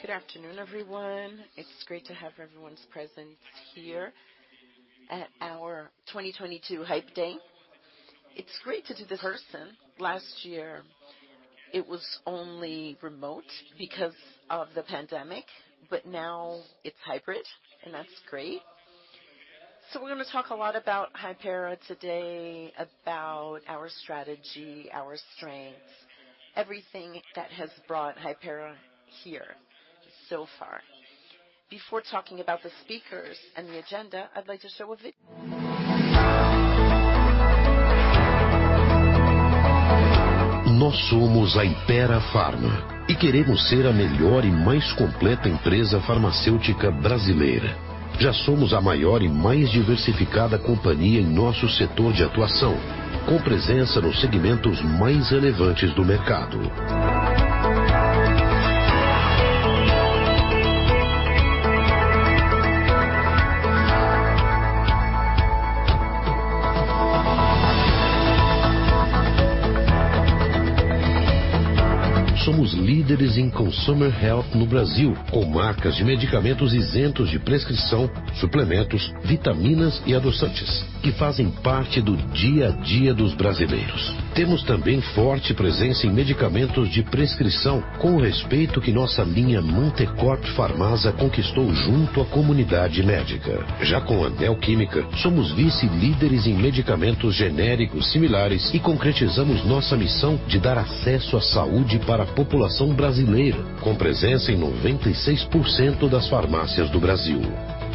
Good afternoon, everyone. It's great to have everyone's presence here at our 2022 Hype Day. It's great to do this in person. Last year it was only remote because of the pandemic. Now it's hybrid and that's great. We're gonna talk a lot about Hypera today, about our strategy, our strengths, everything that has brought Hypera here so far. Before talking about the speakers and the agenda, I'd like to show a video.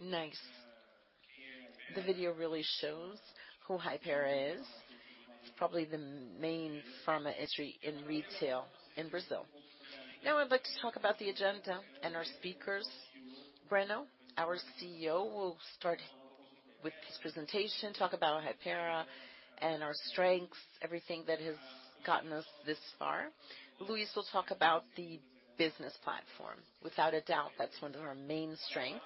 Nice. The video really shows who Hypera is. It's probably the main pharma industry in retail in Brazil. Now I'd like to talk about the agenda and our speakers. Breno, our CEO, will start with his presentation, talk about Hypera and our strengths, everything that has gotten us this far. Luiz will talk about the business platform. Without a doubt, that's one of our main strengths.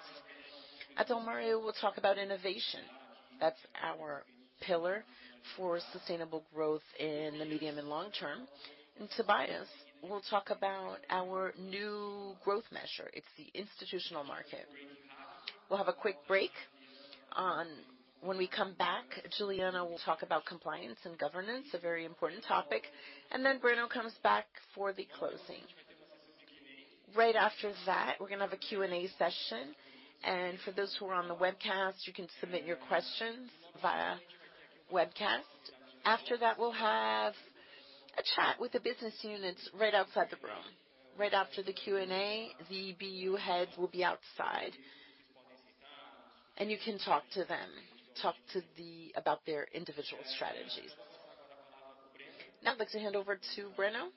Adalmario will talk about innovation. That's our pillar for sustainable growth in the medium and long term. Tobias will talk about our new growth measure. It's the institutional market. We'll have a quick break. When we come back, Juliana will talk about compliance and governance, a very important topic. Then Breno comes back for the closing. Right after that, we're gonna have a Q&A session, and for those who are on the webcast, you can submit your questions via webcast. After that, we'll have a chat with the business units right outside the room. Right after the Q&A, the BU heads will be outside and you can talk to them. Talk to them about their individual strategies. Now I'd like to hand over to Breno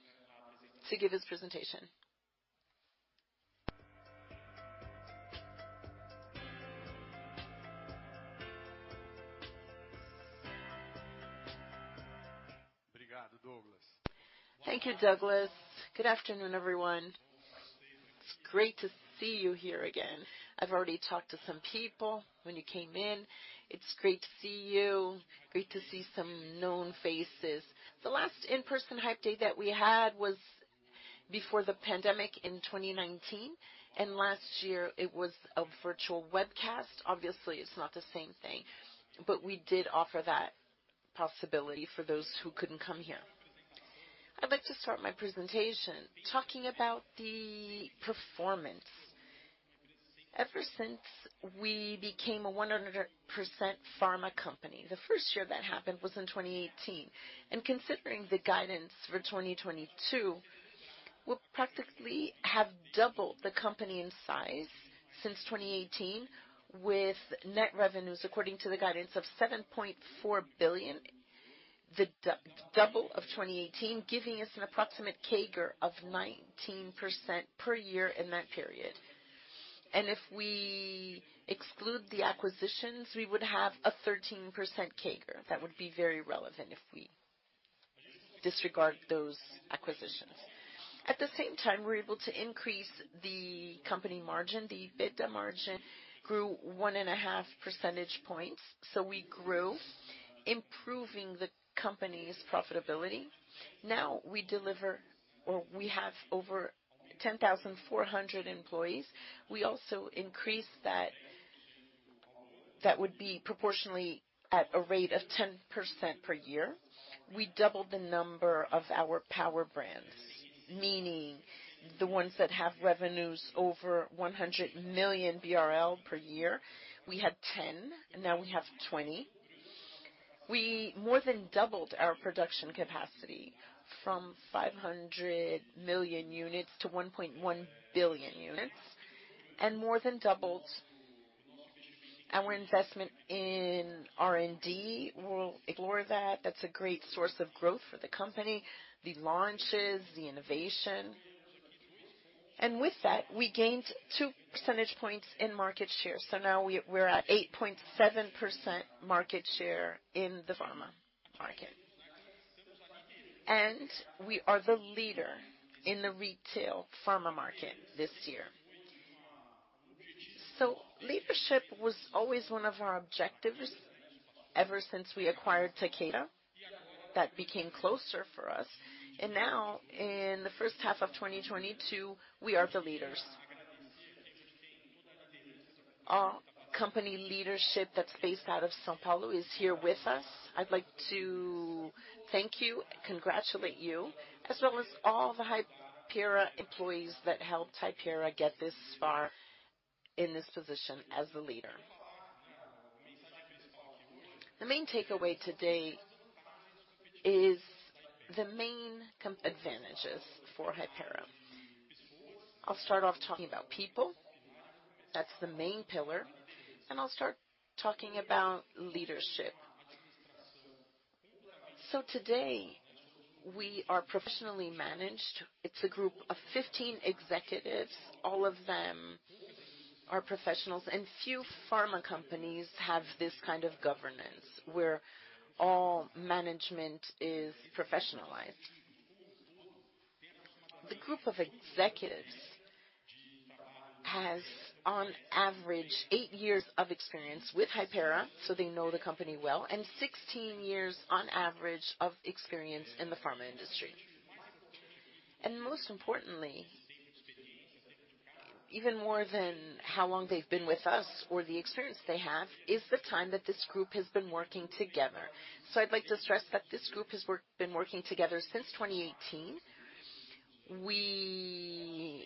to give his presentation. Thank you, Douglas. Good afternoon, everyone. It's great to see you here again. I've already talked to some people when you came in. It's great to see you. Great to see some known faces. The last in-person Hype Day that we had was before the pandemic in 2019, and last year it was a virtual webcast. Obviously, it's not the same thing, but we did offer that possibility for those who couldn't come here. I'd like to start my presentation talking about the performance. Ever since we became a 100% pharma company, the first year that happened was in 2018. Considering the guidance for 2022, we practically have doubled the company in size since 2018, with net revenues, according to the guidance, of 7.4 billion, the double of 2018, giving us an approximate CAGR of 19% per year in that period. If we exclude the acquisitions, we would have a 13% CAGR. That would be very relevant if we disregard those acquisitions. At the same time, we're able to increase the company margin. The EBITDA margin grew 1.5 percentage points. We grew, improving the company's profitability. Now we deliver or we have over 10,400 employees. We also increased that. That would be proportionally at a rate of 10% per year. We doubled the number of our power brands, meaning the ones that have revenues over 100 million BRL per year. We had 10, now we have 20. We more than doubled our production capacity from 500 million units to 1.1 billion units, and more than doubled our investment in R&D. We'll ignore that. That's a great source of growth for the company, the launches, the innovation. With that, we gained 2 percentage points in market share. Now we're at 8.7% market share in the pharma market. We are the leader in the retail pharma market this year. Leadership was always one of our objectives. Ever since we acquired Takeda, that became closer for us. Now in the first half of 2022, we are the leaders. Our company leadership that's based out of São Paulo is here with us. I'd like to thank you, congratulate you, as well as all the Hypera employees that helped Hypera get this far in this position as the leader. The main takeaway today is the main advantages for Hypera. I'll start off talking about people. That's the main pillar, and I'll start talking about leadership. Today we are professionally managed. It's a group of 15 executives. All of them are professionals. Few pharma companies have this kind of governance where all management is professionalized. The group of executives has on average eight years of experience with Hypera, so they know the company well, and 16 years on average of experience in the pharma industry. Most importantly, even more than how long they've been with us or the experience they have, is the time that this group has been working together. I'd like to stress that this group has been working together since 2018. We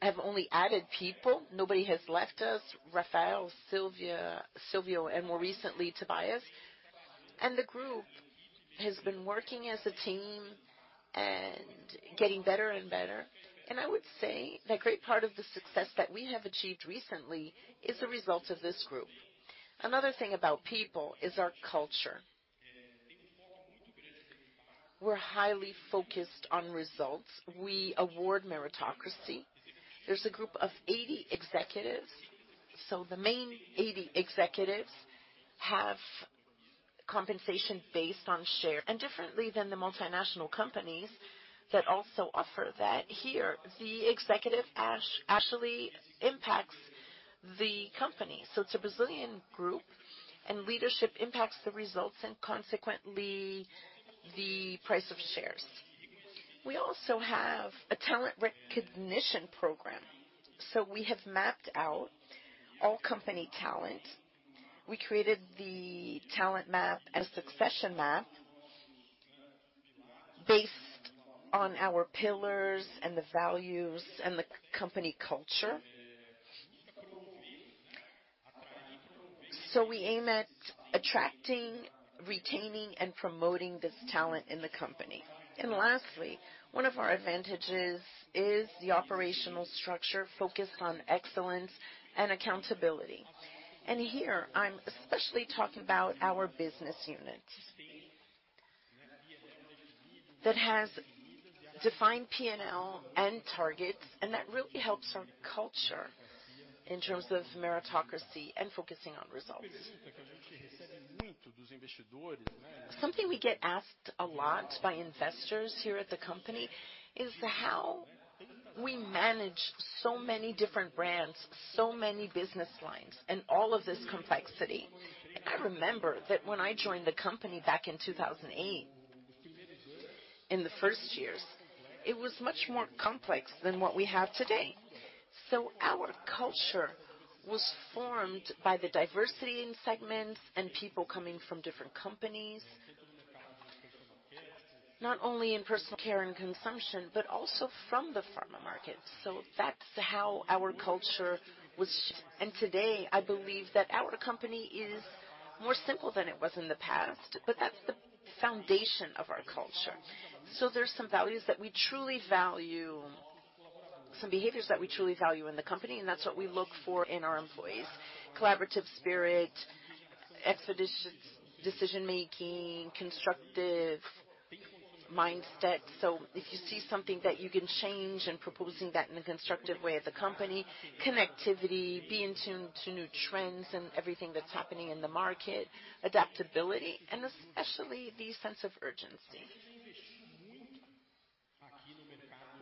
have only added people. Nobody has left us. Rafael, Sylvia, Silvio, and more recently, Tobias. The group has been working as a team and getting better and better. I would say that great part of the success that we have achieved recently is the result of this group. Another thing about people is our culture. We're highly focused on results. We award meritocracy. There's a group of 80 executives. The main 80 executives have compensation based on share. Differently than the multinational companies that also offer that, here, the executive actually impacts the company. It's a Brazilian group, and leadership impacts the results and consequently the price of shares. We also have a talent recognition program. We have mapped out all company talent. We created the talent map and succession map based on our pillars and the values and the company culture. We aim at attracting, retaining, and promoting this talent in the company. Lastly, one of our advantages is the operational structure focused on excellence and accountability. Here I'm especially talking about our business unit that has defined P&L and targets, and that really helps our culture in terms of meritocracy and focusing on results. Something we get asked a lot by investors here at the company is how we manage so many different brands, so many business lines, and all of this complexity. I remember that when I joined the company back in 2008, in the first years, it was much more complex than what we have today. Our culture was formed by the diversity in segments and people coming from different companies, not only in personal care and consumption, but also from the pharma market. That's how our culture was. Today, I believe that our company is more simple than it was in the past, but that's the foundation of our culture. There's some values that we truly value, some behaviors that we truly value in the company, and that's what we look for in our employees. Collaborative spirit, expeditious decision-making, constructive mindset. If you see something that you can change and proposing that in a constructive way at the company, connectivity, be in tune to new trends and everything that's happening in the market, adaptability, and especially the sense of urgency.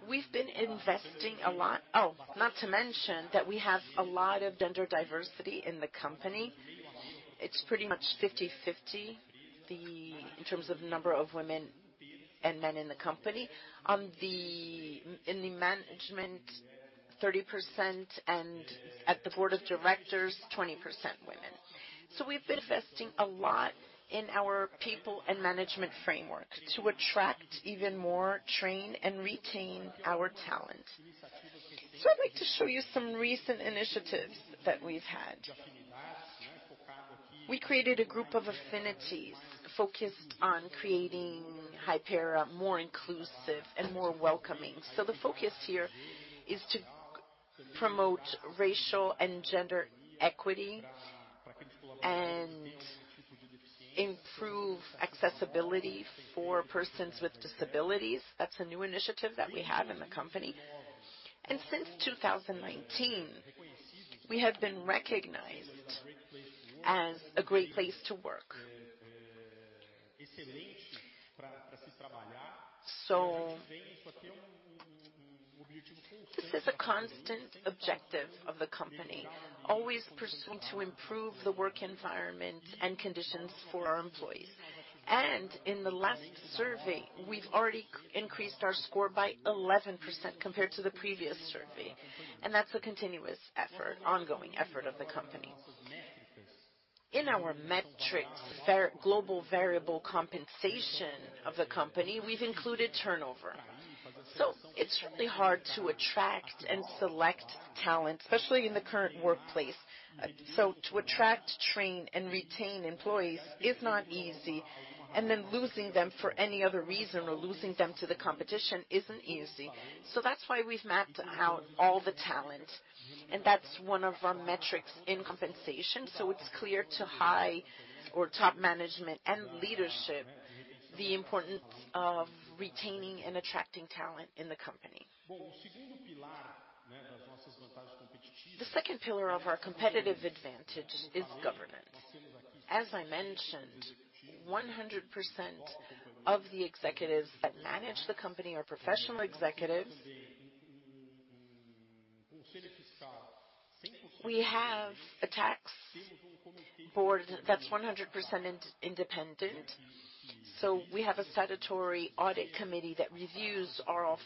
We've been investing a lot. Oh, not to mention that we have a lot of gender diversity in the company. It's pretty much 50-50, In terms of number of women and men in the company. In the management, 30%, and at the board of directors, 20% women. We've been investing a lot in our people and management framework to attract even more, train, and retain our talent. I'd like to show you some recent initiatives that we've had. We created a group of affinities focused on creating Hypera more inclusive and more welcoming. The focus here is to promote racial and gender equity and improve accessibility for persons with disabilities. That's a new initiative that we have in the company. Since 2019, we have been recognized as a great place to work. This is a constant objective of the company, always pursuing to improve the work environment and conditions for our employees. In the last survey, we've already increased our score by 11% compared to the previous survey, and that's a continuous effort, ongoing effort of the company. In our metrics for global variable compensation of the company, we've included turnover. It's really hard to attract and select talent, especially in the current workplace. To attract, train, and retain employees is not easy, and then losing them for any other reason or losing them to the competition isn't easy. That's why we've mapped out all the talent, and that's one of our metrics in compensation. It's clear to high or top management and leadership the importance of retaining and attracting talent in the company. The second pillar of our competitive advantage is governance. As I mentioned, 100% of the executives that manage the company are professional executives. We have a fiscal board that's 100% independent. We have a statutory audit committee that reviews all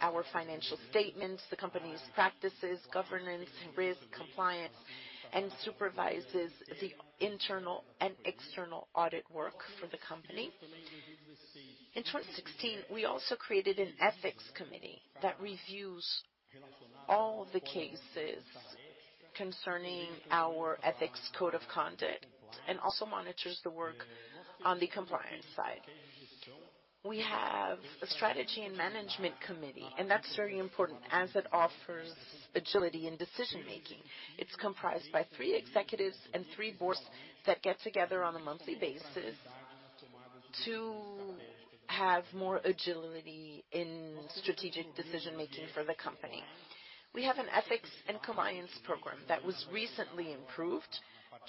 our financial statements, the company's practices, governance, risk, compliance, and supervises the internal and external audit work for the company. In 2016, we also created an ethics committee that reviews all the cases concerning our ethics code of conduct and also monitors the work on the compliance side. We have a strategy and management committee, and that's very important as it offers agility in decision-making. It's comprised by three executives and three boards that get together on a monthly basis to have more agility in strategic decision-making for the company. We have an ethics and compliance program that was recently improved.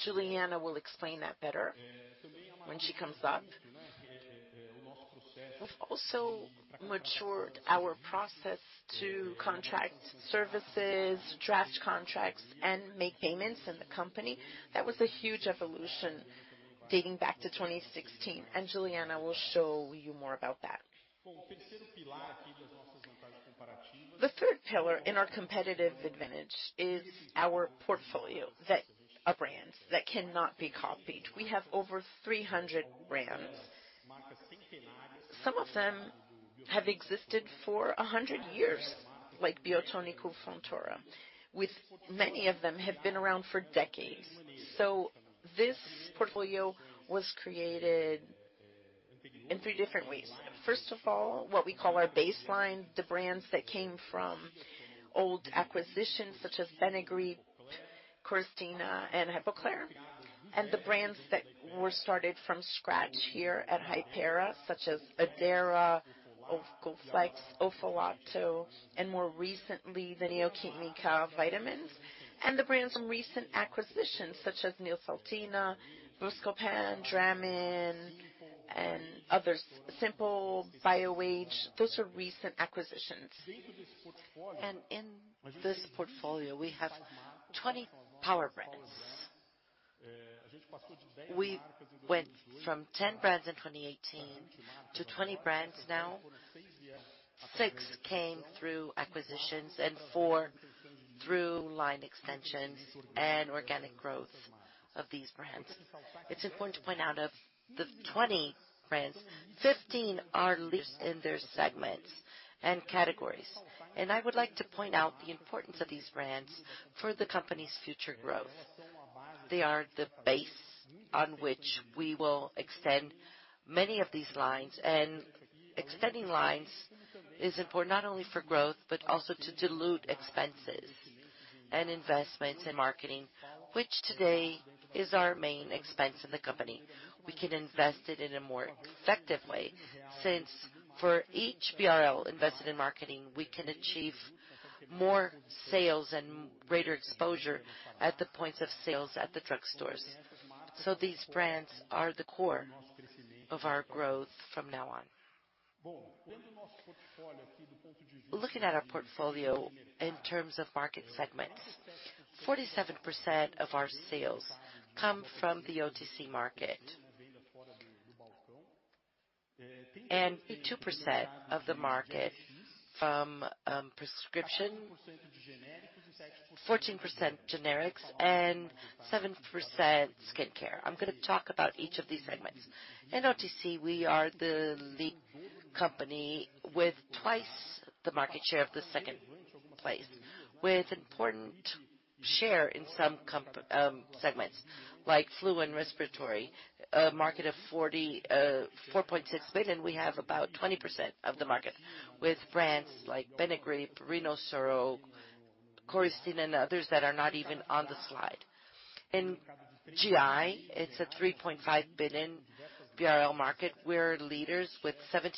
Juliana will explain that better when she comes up. We've also matured our process to contract services, draft contracts, and make payments in the company. That was a huge evolution dating back to 2016, and Juliana will show you more about that. The third pillar in our competitive advantage is our portfolio that of brands that cannot be copied. We have over 300 brands. Some of them have existed for 100 years, like Biotônico Fontoura, with many of them have been around for decades. This portfolio was created in three different ways. First of all, what we call our baseline, the brands that came from old acquisitions such as Benegrip, Coristina, and Epocler, and the brands that were started from scratch here at Hypera, such as Addera, Ofolato, Colflex, and more recently, the Neo Química vitamins, and the brands from recent acquisitions, such as Neosaldina, Buscopan, Dramin, and others. Simple Organic, Bioage, those are recent acquisitions. In this portfolio, we have 20 power brands. We went from 10 brands in 2018 to 20 brands now. Six came through acquisitions and four through line extensions and organic growth of these brands. It's important to point out of the 20 brands, 15 are leaders in their segments and categories. I would like to point out the importance of these brands for the company's future growth. They are the base on which we will extend many of these lines. Extending lines is important not only for growth, but also to dilute expenses and investments in marketing, which today is our main expense in the company. We can invest it in a more effective way since for each BRL invested in marketing, we can achieve more sales and greater exposure at the points of sales at the drugstores. These brands are the core of our growth from now on. Looking at our portfolio in terms of market segments, 47% of our sales come from the OTC market. Two percent from prescription. 14% generics and 7% skincare. I'm gonna talk about each of these segments. In OTC, we are the lead company with twice the market share of the second place, with important share in some segments like flu and respiratory, a market of 4.6 billion, we have about 20% of the market. With brands like Benegrip, Rinosoro, Coristina, and others that are not even on the slide. In GI, it's a 3.5 billion BRL market. We're leaders with 70%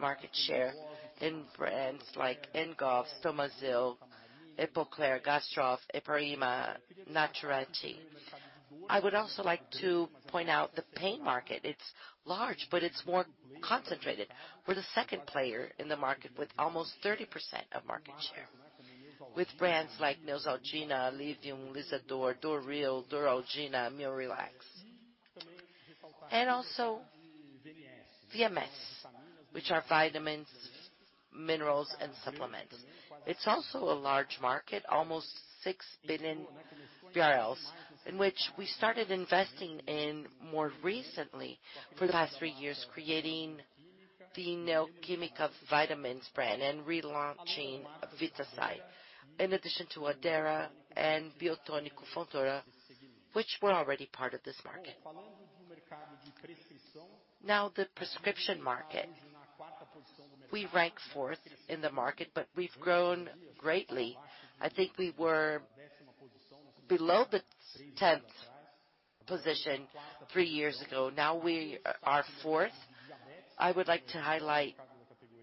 market share in brands like Engov, Estomazil, Epocler, Gastrof, Eparema, Naturetti. I would also like to point out the pain market. It's large, but it's more concentrated. We're the second player in the market with almost 30% of market share, with brands like Neosaldina, Livium, Lisador, Doril, Doralgina, Mioflex. Also VMS, which are vitamins, minerals, and supplements. It's also a large market, almost 6 billion BRL, in which we started investing in more recently for the last three years, creating the Neo Química vitamins brand and relaunching Vitasay, in addition to Addera and Biotônico Fontoura, which were already part of this market. Now, the prescription market. We rank fourth in the market, but we've grown greatly. I think we were below the tenth position three years ago. Now we are fourth. I would like to highlight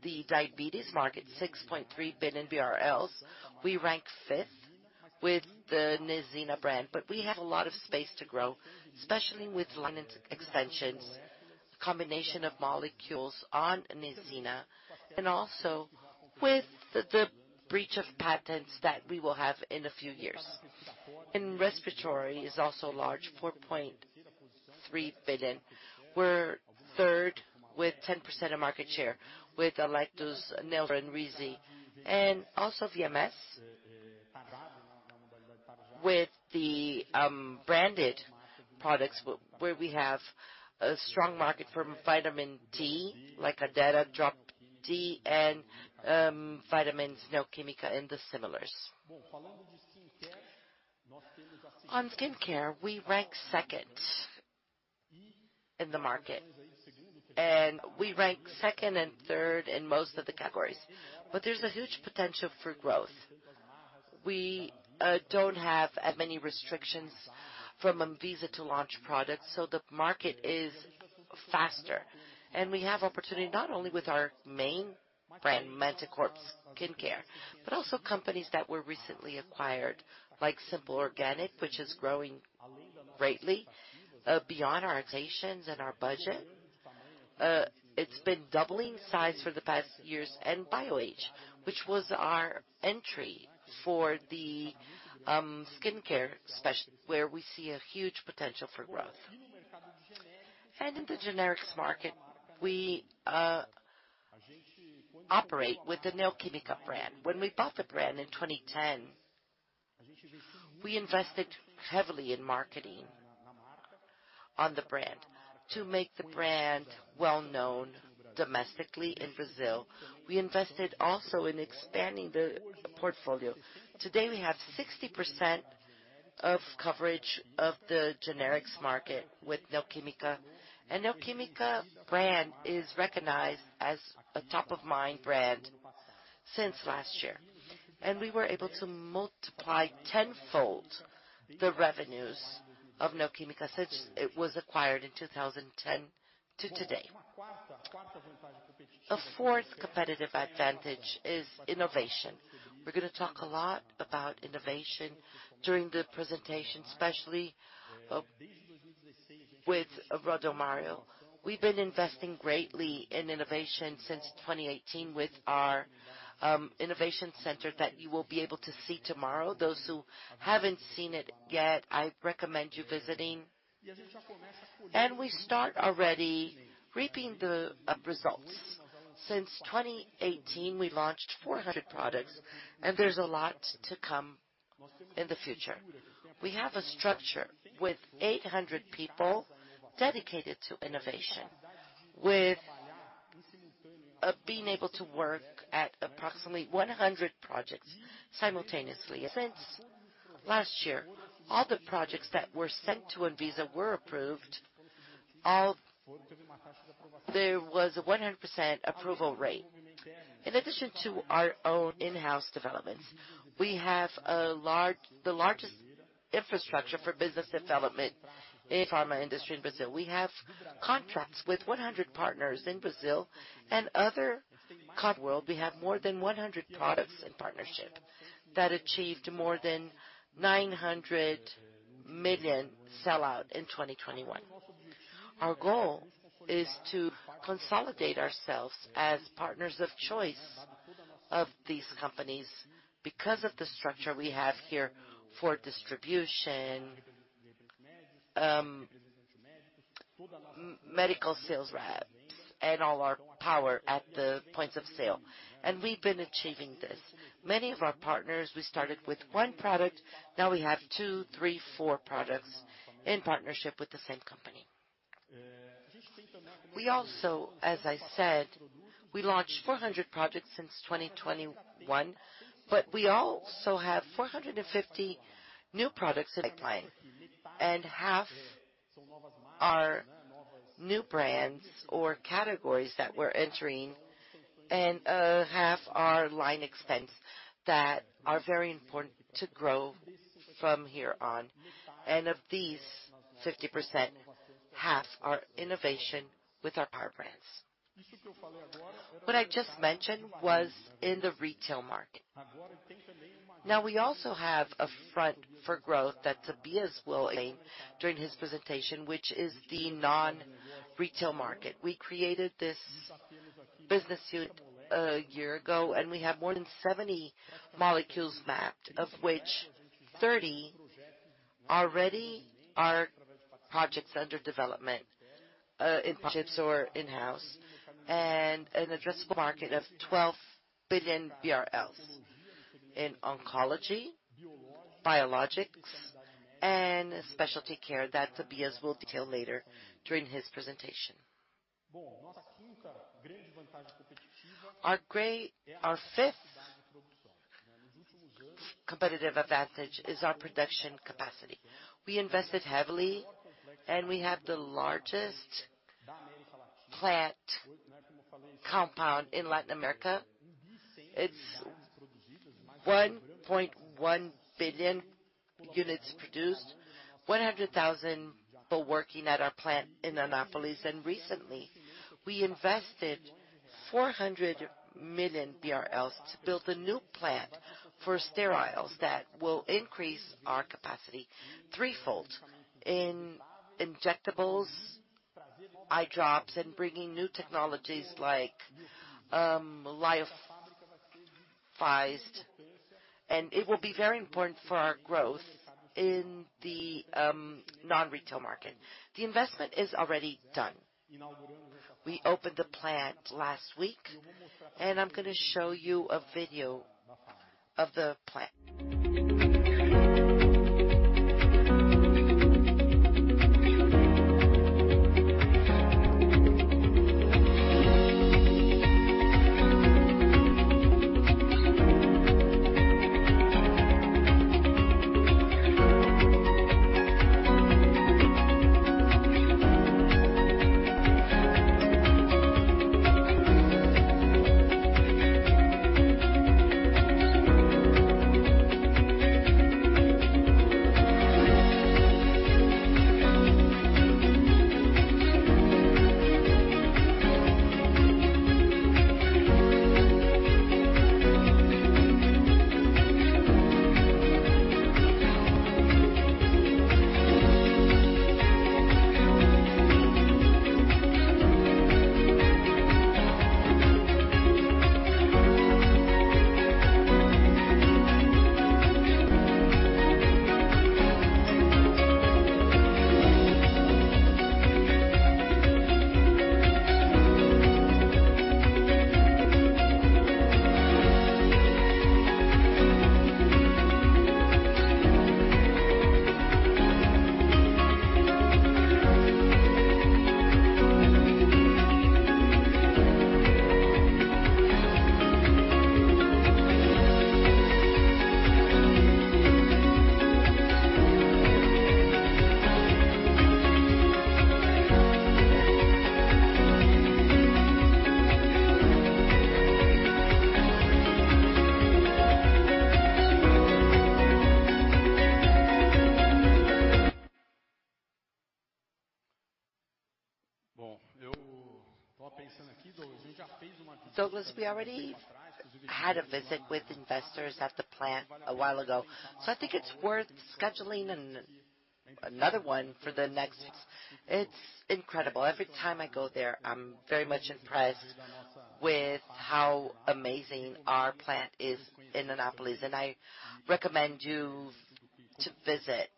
the diabetes market, 6.3 billion BRL. We rank fifth with the Nesina brand, but we have a lot of space to grow, especially with line extensions, combination of molecules on Nesina, and also with the breach of patents that we will have in a few years. Respiratory is also large, 4.3 billion. We're third with 10% of market share with Alektos, Nelor, and Reezy. Also VMS with the branded products where we have a strong market for vitamin D, like Addera D3 and vitamins Neo Química and the similars. On skincare, we rank second in the market. We rank second and third in most of the categories, but there's a huge potential for growth. We don't have as many restrictions from Anvisa to launch products, so the market is faster. We have opportunity not only with our main brand, Mantecorp Skincare, but also companies that were recently acquired, like Simple Organic, which is growing greatly, beyond our expectations and our budget. It's been doubling size for the past years. Bioage, which was our entry for the skincare space, where we see a huge potential for growth. In the generics market, we operate with the Neo Química brand. When we bought the brand in 2010, we invested heavily in marketing on the brand to make the brand well-known domestically in Brazil. We invested also in expanding the portfolio. Today, we have 60% of coverage of the generics market with Neo Química. Neo Química brand is recognized as a top-of-mind brand since last year. We were able to multiply tenfold the revenues of Neo Química since it was acquired in 2010 to today. The fourth competitive advantage is innovation. We're gonna talk a lot about innovation during the presentation, especially, with Adalmario. We've been investing greatly in innovation since 2018 with our innovation center that you will be able to see tomorrow. Those who haven't seen it yet, I recommend you visiting. We start already reaping the results. Since 2018, we launched 400 products, and there's a lot to come in the future. We have a structure with 800 people dedicated to innovation, with being able to work at approximately 100 projects simultaneously. Since last year, all the projects that were sent to Anvisa were approved. There was a 100% approval rate. In addition to our own in-house developments, we have the largest infrastructure for business development in pharma industry in Brazil. We have contracts with 100 partners in Brazil and other countries around the world. We have more than 100 products in partnership that achieved more than 900 million sell-out in 2021. Our goal is to consolidate ourselves as partners of choice of these companies because of the structure we have here for distribution, medical sales reps and all our power at the points of sale, and we've been achieving this. Many of our partners, we started with one product, now we have two, three, four products in partnership with the same company. We also, as I said, we launched 400 products since 2021, but we also have 450 new products in the pipeline. Half are new brands or categories that we're entering, and half are line expense that are very important to grow from here on. Of these 50%, half are innovation with our power brands. What I just mentioned was in the retail market. Now, we also have a front for growth that Tobias will explain during his presentation, which is the non-retail market. We created this business unit a year ago, and we have more than 70 molecules mapped, of which 30 already are projects under development, in partnerships or in-house. An addressable market of 12 billion BRL in oncology, biologics, and specialty care that Tobias will detail later during his presentation. Our fifth competitive advantage is our production capacity. We invested heavily, and we have the largest plant compound in Latin America. It's 1.1 billion units produced, 100,000 people working at our plant in Anápolis. Recently, we invested 400 million BRL to build a new plant for steriles that will increase our capacity threefold in injectables, eye drops, and bringing new technologies like lyophilized. It will be very important for our growth in the non-retail market. The investment is already done. We opened the plant last week, and I'm gonna show you a video of the plant. As we already had a visit with investors at the plant a while ago, I think it's worth scheduling another one for the next. It's incredible. Every time I go there, I'm very much impressed with how amazing our plant is in Anápolis. I recommend you to visit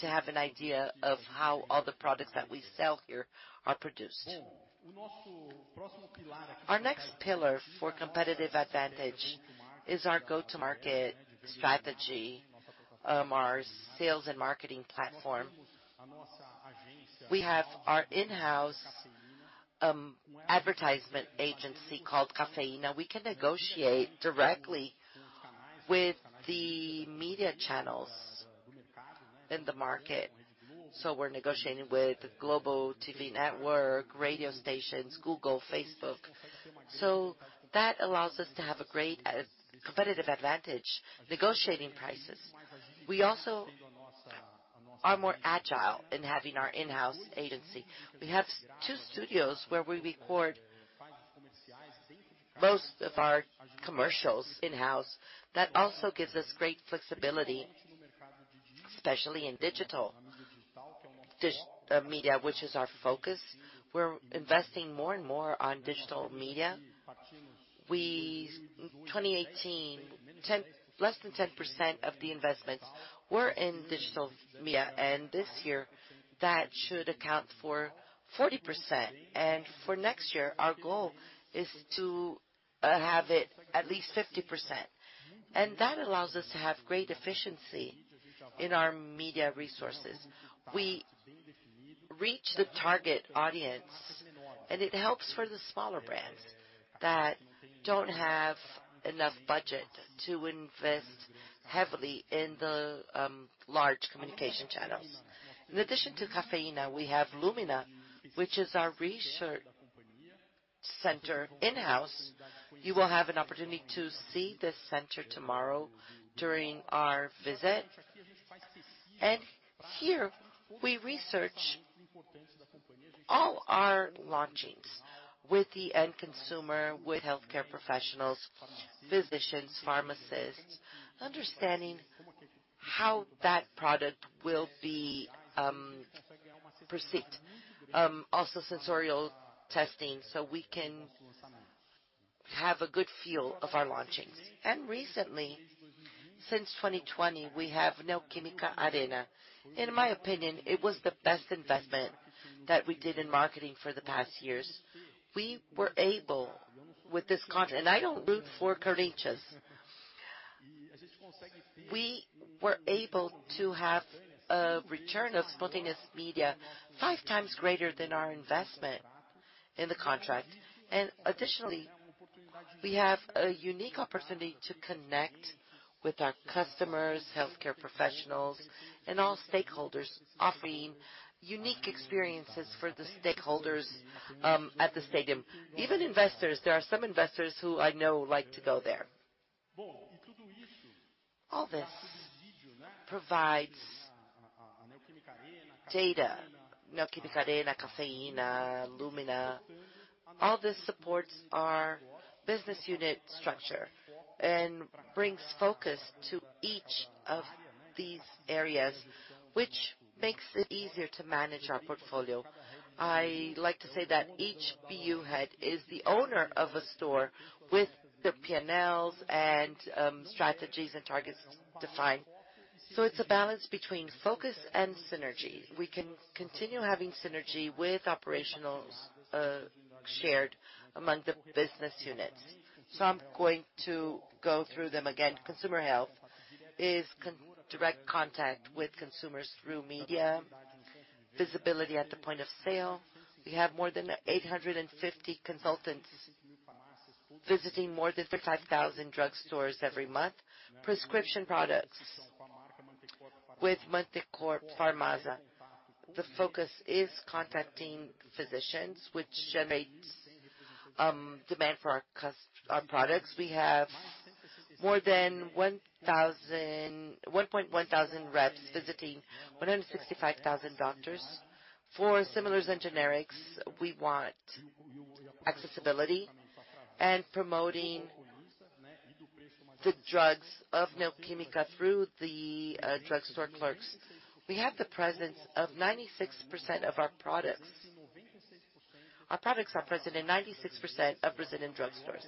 to have an idea of how all the products that we sell here are produced. Our next pillar for competitive advantage is our go-to market strategy, our sales and marketing platform. We have our in-house advertisement agency called Cafehyna. We can negotiate directly with the media channels in the market, so we're negotiating with Globo TV network, radio stations, Google, Facebook. That allows us to have a great competitive advantage negotiating prices. We also are more agile in having our in-house agency. We have two studios where we record most of our commercials in-house, that also gives us great flexibility, especially in digital media, which is our focus. We're investing more and more on digital media. 2018, less than 10% of the investments were in digital media, and this year, that should account for 40%. For next year, our goal is to have it at least 50%. That allows us to have great efficiency in our media resources. We reach the target audience, and it helps for the smaller brands that don't have enough budget to invest heavily in the large communication channels. In addition to Cafehyna, we have Lumina, which is our research center in-house. You will have an opportunity to see this center tomorrow during our visit. Here, we research all our launches with the end consumer, with healthcare professionals, physicians, pharmacists, understanding how that product will be perceived. Also sensorial testing, so we can have a good feel of our launches. Recently, since 2020, we have Neo Química Arena. In my opinion, it was the best investment that we did in marketing for the past years. We were able, with this. I don't root for Corinthians. We were able to have a return of spontaneous media 5 times greater than our investment in the contract. Additionally, we have a unique opportunity to connect with our customers, healthcare professionals, and all stakeholders, offering unique experiences for the stakeholders at the stadium. Even investors, there are some investors who I know like to go there. All this provides data. Neo Química Arena, Cafehyna, Lumina, all this supports our business unit structure and brings focus to each of these areas, which makes it easier to manage our portfolio. I like to say that each BU head is the owner of a store with the P&Ls and strategies and targets defined. It's a balance between focus and synergy. We can continue having synergy with operations shared among the business units. I'm going to go through them again. Consumer health is direct contact with consumers through media, visibility at the point of sale. We have more than 850 consultants visiting more than 35,000 drugstores every month. Prescription products with Mantecorp Farmasa. The focus is contacting physicians, which generates demand for our products. We have more than 1,100 reps visiting 165,000 doctors. For similars and generics, we want accessibility and promoting the drugs of Neo Química through the drugstore clerks. We have the presence of 96% of our products. Our products are present in 96% of Brazilian drugstores.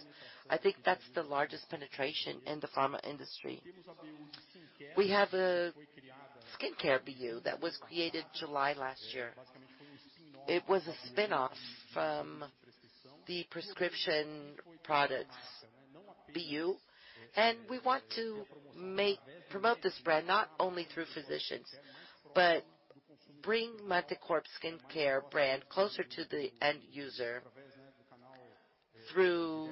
I think that's the largest penetration in the pharma industry. We have a skincare BU that was created July last year. It was a spinoff from the prescription products BU. We want to promote this brand not only through physicians, but bring Mantecorp Skincare brand closer to the end user through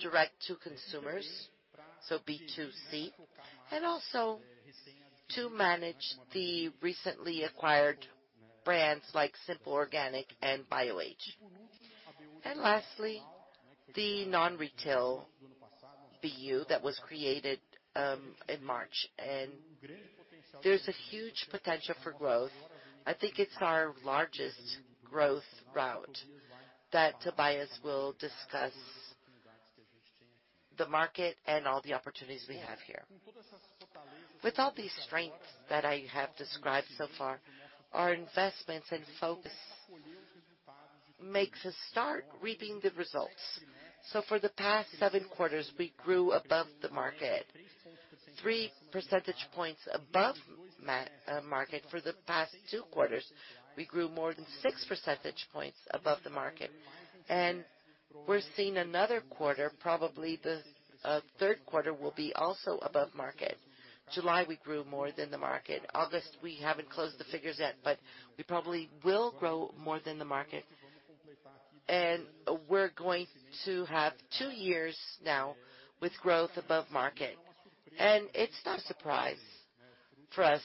direct to consumers, so B2C, and also to manage the recently acquired brands like Simple Organic and Bioage. Lastly, the non-retail BU that was created in March, and there's a huge potential for growth. I think it's our largest growth route that Tobias will discuss the market and all the opportunities we have here. With all these strengths that I have described so far, our investments and focus makes us start reaping the results. For the past seven quarters, we grew above the market, three percentage points above market. For the past two quarters, we grew more than six percentage points above the market. We're seeing another quarter, probably the third quarter will be also above market. July, we grew more than the market. August, we haven't closed the figures yet, but we probably will grow more than the market. We're going to have two years now with growth above market. It's no surprise for us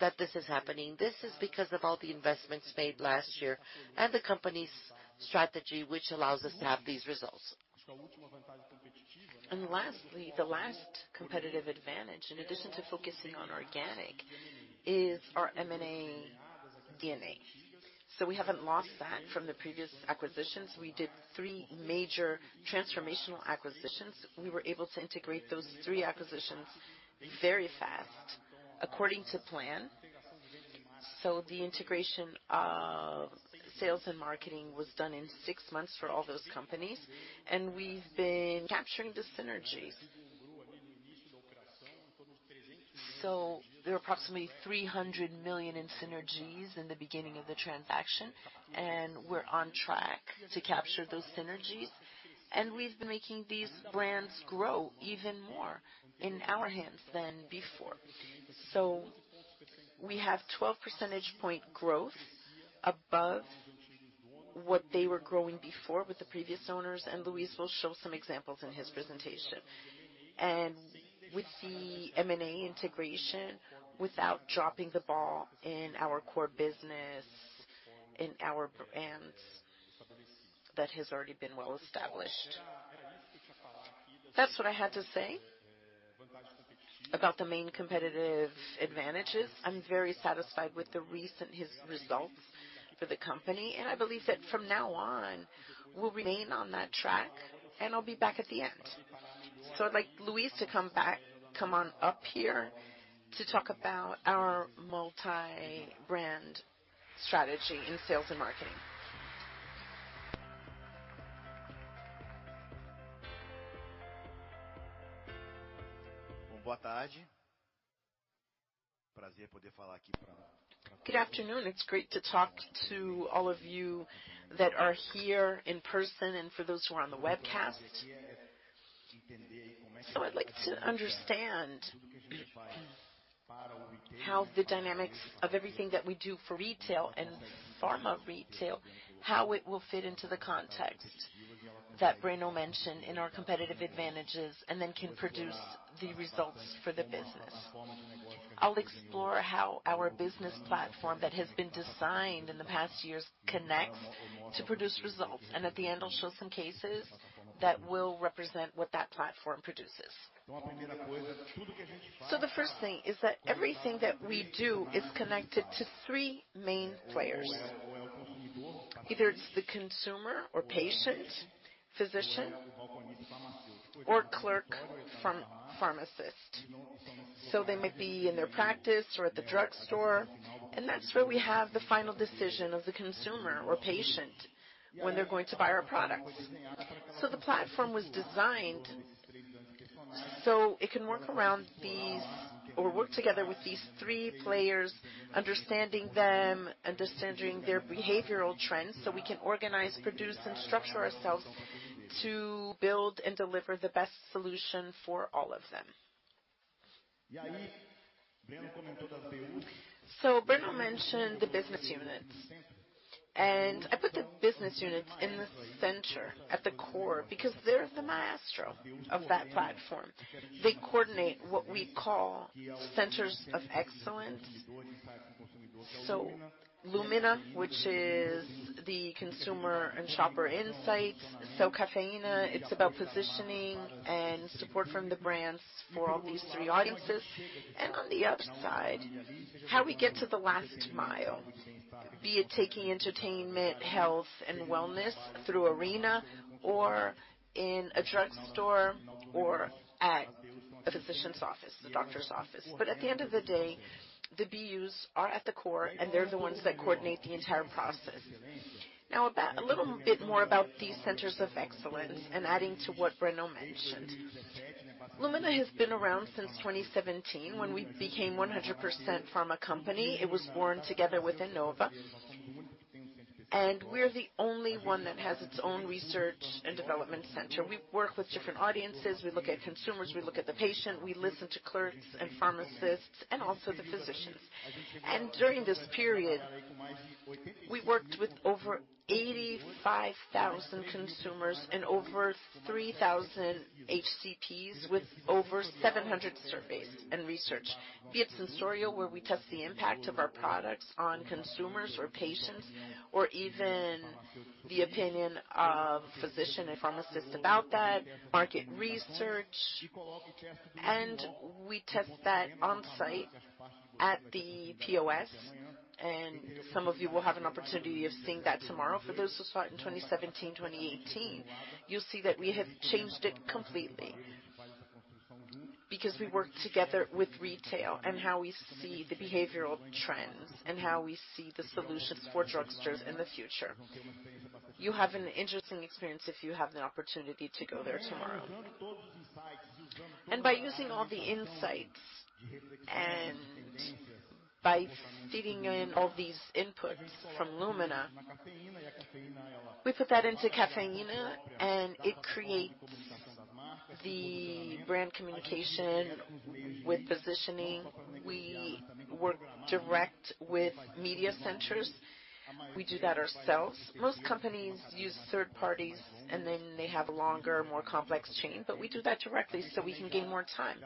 that this is happening. This is because of all the investments made last year and the company's strategy, which allows us to have these results. Lastly, the last competitive advantage, in addition to focusing on organic, is our M&A DNA. We haven't lost that from the previous acquisitions. We did three major transformational acquisitions. We were able to integrate those three acquisitions very fast according to plan. The integration of sales and marketing was done in six months for all those companies, and we've been capturing the synergies. There are approximately 300 million in synergies in the beginning of the transaction, and we're on track to capture those synergies. We've been making these brands grow even more in our hands than before. We have 12 percentage point growth above what they were growing before with the previous owners, and Luiz will show some examples in his presentation. With the M&A integration, without dropping the ball in our core business, in our brands, that has already been well established. That's what I had to say about the main competitive advantages. I'm very satisfied with the recent results for the company. I believe that from now on, we'll remain on that track, and I'll be back at the end. I'd like Luis to come on up here to talk about our multi-brand strategy in sales and marketing. Good afternoon. It's great to talk to all of you that are here in person and for those who are on the webcast. I'd like to understand how the dynamics of everything that we do for retail and pharma retail, how it will fit into the context that Breno mentioned in our competitive advantages, and then can produce the results for the business. I'll explore how our business platform that has been designed in the past years connects to produce results, and at the end, I'll show some cases that will represent what that platform produces. The first thing is that everything that we do is connected to three main players. Either it's the consumer or patient, physician, or pharmacist. They may be in their practice or at the drugstore, and that's where we have the final decision of the consumer or patient when they're going to buy our products. The platform was designed so it can work around these or work together with these three players, understanding them, understanding their behavioral trends, so we can organize, produce, and structure ourselves to build and deliver the best solution for all of them. Breno mentioned the business units. I put the business units in the center at the core because they're the maestro of that platform. They coordinate what we call centers of excellence. Lumina, which is the consumer and shopper insights. Cafehyna, it's about positioning and support from the brands for all these three audiences. On the outside, how we get to the last mile, be it taking entertainment, health, and wellness through Arena or in a drugstore or at a physician's office, the doctor's office. At the end of the day, the BUs are at the core, and they're the ones that coordinate the entire process. Now about a little bit more about these centers of excellence and adding to what Breno mentioned. Lumina has been around since 2017 when we became 100% pharma company. It was born together with Innova. We're the only one that has its own research and development center. We work with different audiences. We look at consumers, we look at the patient, we listen to clerks and pharmacists, and also the physicians. During this period, we worked with over 85,000 consumers and over 3,000 HCPs with over 700 surveys and research. Be it sensorial, where we test the impact of our products on consumers or patients, or even the opinion of physician and pharmacist about that, market research. We test that on-site at the POS, and some of you will have an opportunity of seeing that tomorrow. For those who saw it in 2017, 2018, you'll see that we have changed it completely. Because we work together with retail and how we see the behavioral trends and how we see the solutions for drugstores in the future. You have an interesting experience if you have the opportunity to go there tomorrow. By using all the insights and by feeding in all these inputs from Lumina, we put that into Cafehyna, and it creates the brand communication with positioning. We work direct with media centers. We do that ourselves. Most companies use third parties, and then they have a longer, more complex chain, but we do that directly, so we can gain more time.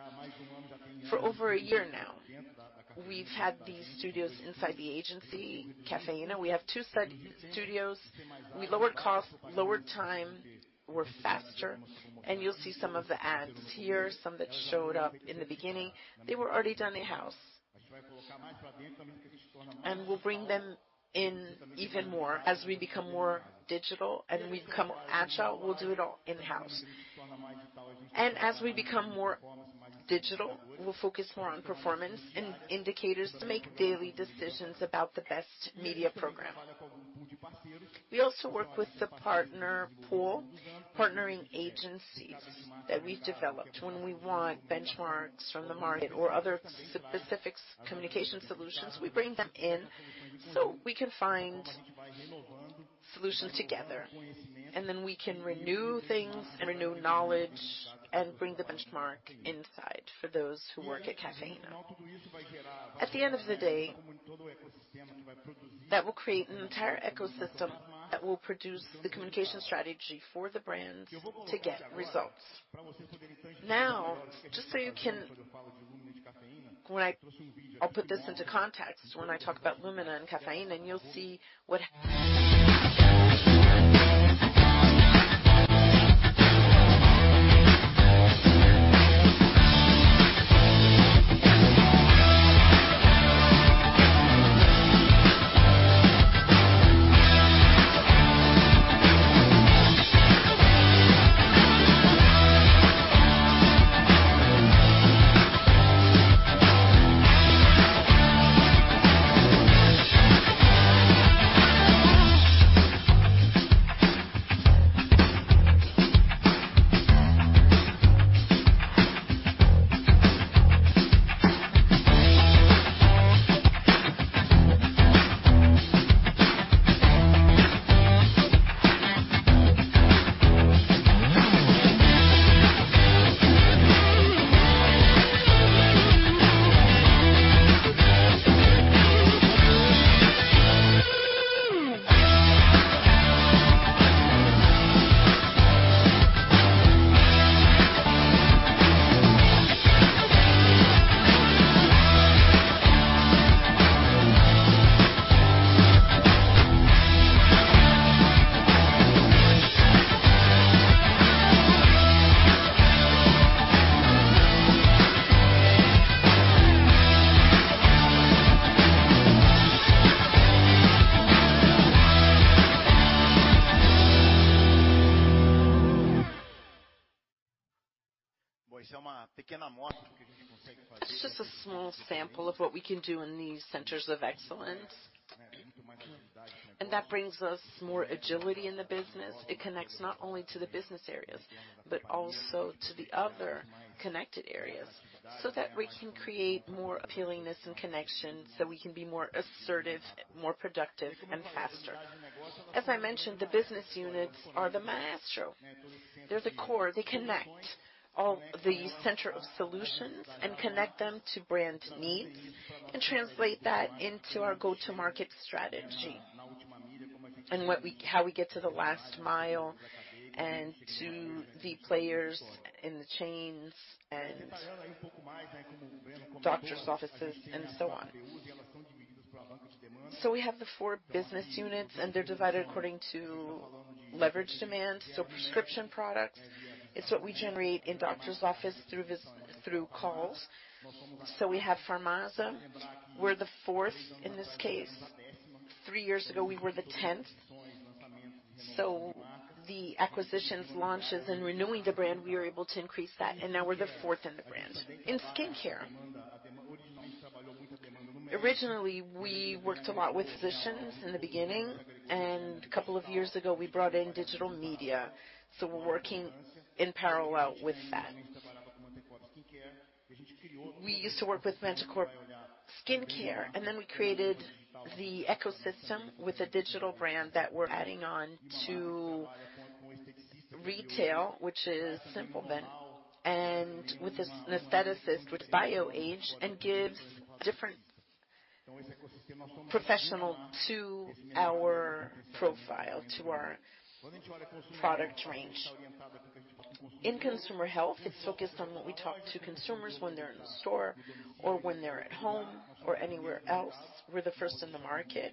For over a year now. We've had these studios inside the agency Cafehyna. We have two set studios. We lowered cost, lowered time, we're faster, and you'll see some of the ads here, some that showed up in the beginning. They were already done in-house. We'll bring them in even more as we become more digital and we become agile, we'll do it all in-house. As we become more digital, we'll focus more on performance indicators to make daily decisions about the best media program. We also work with the partner pool, partnering agencies that we've developed. When we want benchmarks from the market or other specific communication solutions, we bring them in, so we can find solutions together, and then we can renew things and renew knowledge and bring the benchmark inside for those who work at Caféhyna. At the end of the day, that will create an entire ecosystem that will produce the communication strategy for the brands to get results. Now, I'll put this into context when I talk about Lumina and Caféhyna, and you'll see it's just a small sample of what we can do in these centers of excellence. That brings us more agility in the business. It connects not only to the business areas, but also to the other connected areas, so that we can create more appealingness and connection, so we can be more assertive, more productive, and faster. As I mentioned, the business units are the maestro. They're the core. They connect all the center of solutions and connect them to brand's needs and translate that into our go-to-market strategy. How we get to the last mile and to the players in the chains and doctor's offices and so on. We have the four business units, and they're divided according to leverage demand. Prescription products, it's what we generate in doctor's office through calls. We have Farmasa. We're the fourth in this case. Three years ago, we were the tenth. The acquisitions, launches, and renewing the brand, we were able to increase that, and now we're the fourth in the brand. In skincare. Originally, we worked a lot with physicians in the beginning, and a couple of years ago, we brought in digital media, so we're working in parallel with that. We used to work with Mantecorp Skincare, and then we created the ecosystem with a digital brand that we're adding on to retail, which is Simple Organic, and with this an aestheticist with Bioage, and gives different professional to our profile, to our product range. In consumer health, it's focused on what we talk to consumers when they're in the store or when they're at home or anywhere else. We're the first in the market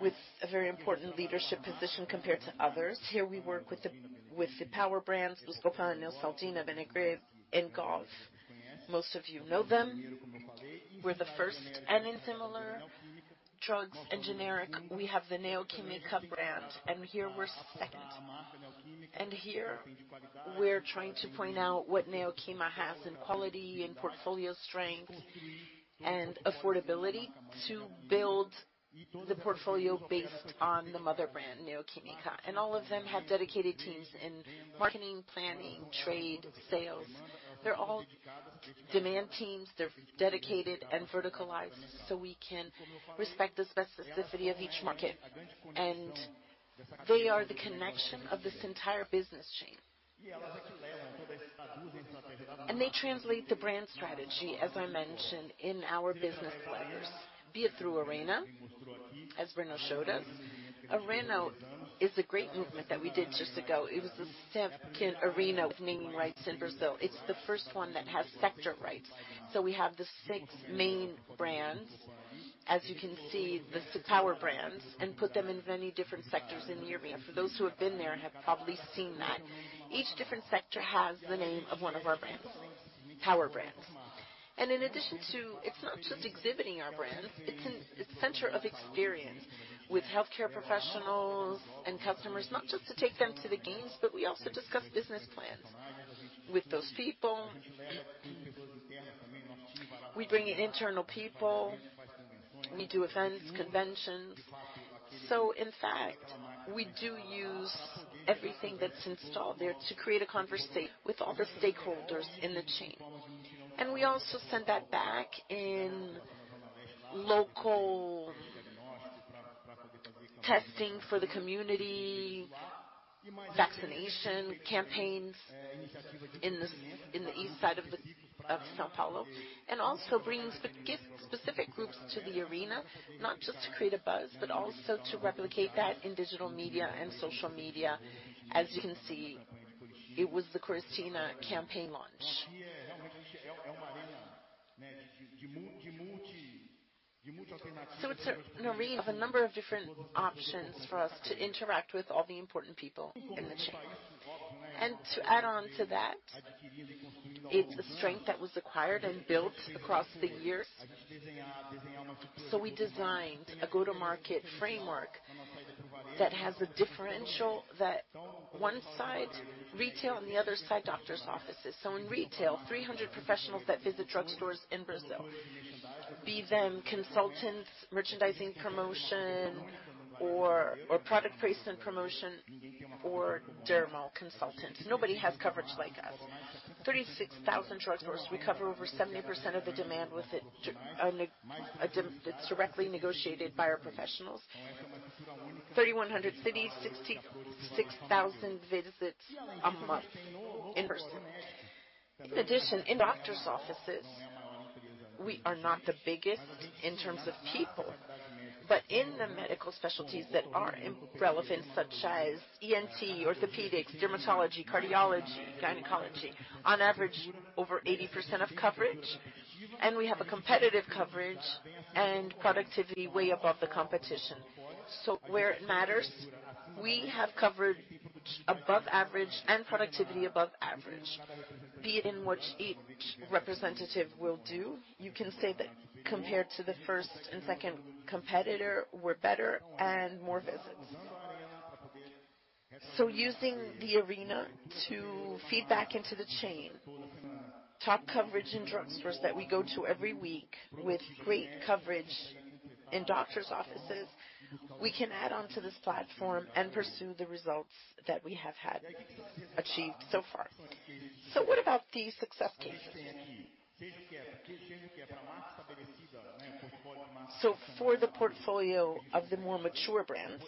with a very important leadership position compared to others. Here we work with the power brands, Buscopan, Neosaldina, Benegrip, and Doril. Most of you know them. We're the first. In similares and generics, we have the Neo Química brand, and here we're trying to point out what Neo Química has in quality, in portfolio strength and affordability to build the portfolio based on the mother brand, Neo Química. All of them have dedicated teams in marketing, planning, trade, sales. They're all demand teams. They're dedicated and verticalized, so we can respect the specificity of each market. They are the connection of this entire business chain. They translate the brand strategy, as I mentioned, in our business plans. Be it through Arena, as Breno showed us. Arena is a great movement that we did just ago. It was the seventh arena naming rights in Brazil. It's the first one that has naming rights. We have the six main brands. As you can see, the six power brands, and put them in many different sectors in the arena. For those who have been there have probably seen that. Each different sector has the name of one of our brands, power brands. It's not just exhibiting our brands, it's a center of experience with healthcare professionals and customers, not just to take them to the games, but we also discuss business plans with those people. We bring in internal people, we do events, conventions. In fact, we do use everything that's installed there to create a conversation with all the stakeholders in the chain. We also send that back in local testing for the community, vaccination campaigns in the east side of São Paulo, and also bringing specific groups to the arena. Not just to create a buzz, but also to replicate that in digital media and social media. As you can see, it was the Coristina campaign launch. It's an array of a number of different options for us to interact with all the important people in the chain. To add on to that, it's a strength that was acquired and built across the years. We designed a go-to-market framework that has a differential that one side retail and the other side doctor's offices. In retail, 300 professionals that visit drugstores in Brazil, be them consultants, merchandising promotion or product placement promotion or dermal consultants. Nobody has coverage like us. 36,000 drugstores. We cover over 70% of the demand with it, that's directly negotiated by our professionals. 3,100 cities. 66,000 visits a month in person. In addition, in doctor's offices, we are not the biggest in terms of people, but in the medical specialties that are important, such as ENT, orthopedics, dermatology, cardiology, gynecology. On average, over 80% coverage, and we have a competitive coverage and productivity way above the competition. Where it matters, we have covered above average and productivity above average. Be it in which each representative will do, you can say that compared to the first and second competitor, we're better and more visits. Using the arena to feed back into the chain. Top coverage in drugstores that we go to every week with great coverage in doctor's offices, we can add on to this platform and pursue the results that we have had achieved so far. What about the success cases? For the portfolio of the more mature brands,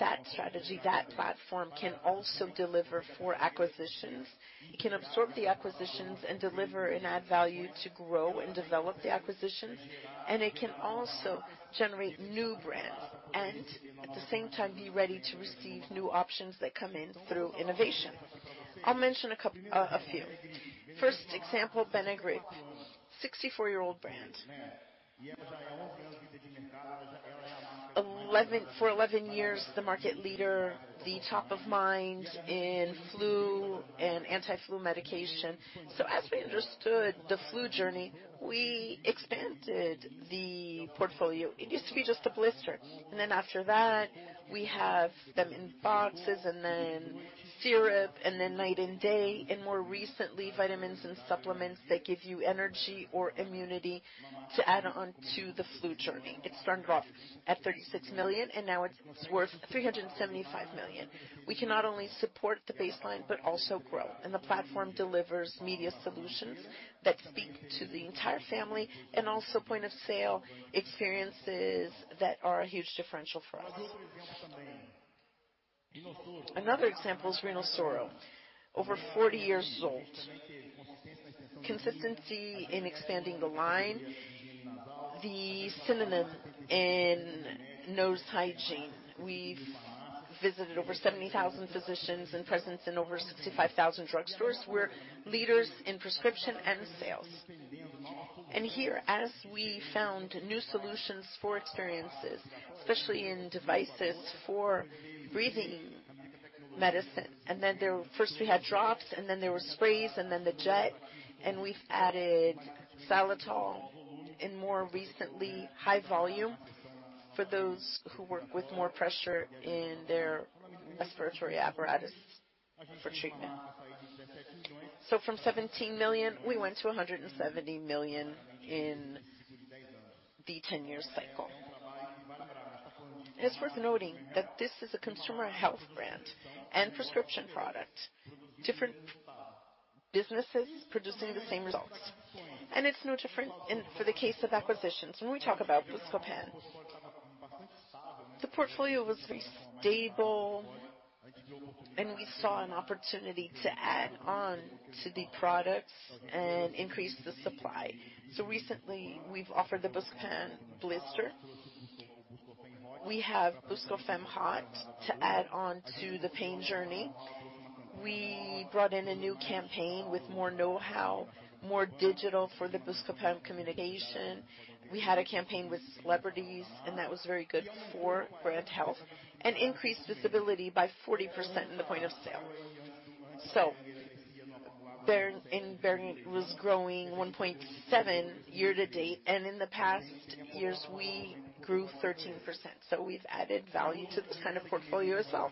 that strategy, that platform can also deliver for acquisitions. It can absorb the acquisitions and deliver and add value to grow and develop the acquisitions. It can also generate new brands and at the same time, be ready to receive new options that come in through innovation. I'll mention a few. First example, Benegrip. 64-year-old brand. For 11 years, the market leader, the top of mind in flu and anti-flu medication. As we understood the flu journey, we expanded the portfolio. It used to be just the blisters, and then after that we have them in boxes and then syrup, and then night and day. More recently, vitamins and supplements that give you energy or immunity to add on to the flu journey. It started off at 36 million and now it's worth 375 million. We can not only support the baseline, but also grow. The platform delivers media solutions that speak to the entire family and also point of sale experiences that are a huge differential for us. Another example is Rinosoro. Over 40 years old. Consistency in expanding the line. The synonym in nose hygiene. We've visited over 70,000 physicians and presence in over 65,000 drugstores. We're leaders in prescription and sales. Here, as we found new solutions for experiences, especially in devices for breathing medicine. First we had drops, and then there were sprays, and then the jet, and we've added Xylitol, and more recently, high volume for those who work with more pressure in their respiratory apparatus for treatment. From 17 million, we went to 170 million in the ten-year cycle. It's worth noting that this is a consumer health brand and prescription product. Different businesses producing the same results. It's no different for the case of acquisitions. When we talk about Buscopan. The portfolio was very stable and we saw an opportunity to add on to the products and increase the supply. Recently we've offered the Buscopan Blister. We have Buscofem Hot to add on to the pain journey. We brought in a new campaign with more know-how, more digital for the Buscopan communication. We had a campaign with celebrities, and that was very good for brand health and increased visibility by 40% in the point of sale. The brand was growing 1.7% year to date, and in the past years, we grew 13%. We've added value to this kind of portfolio itself.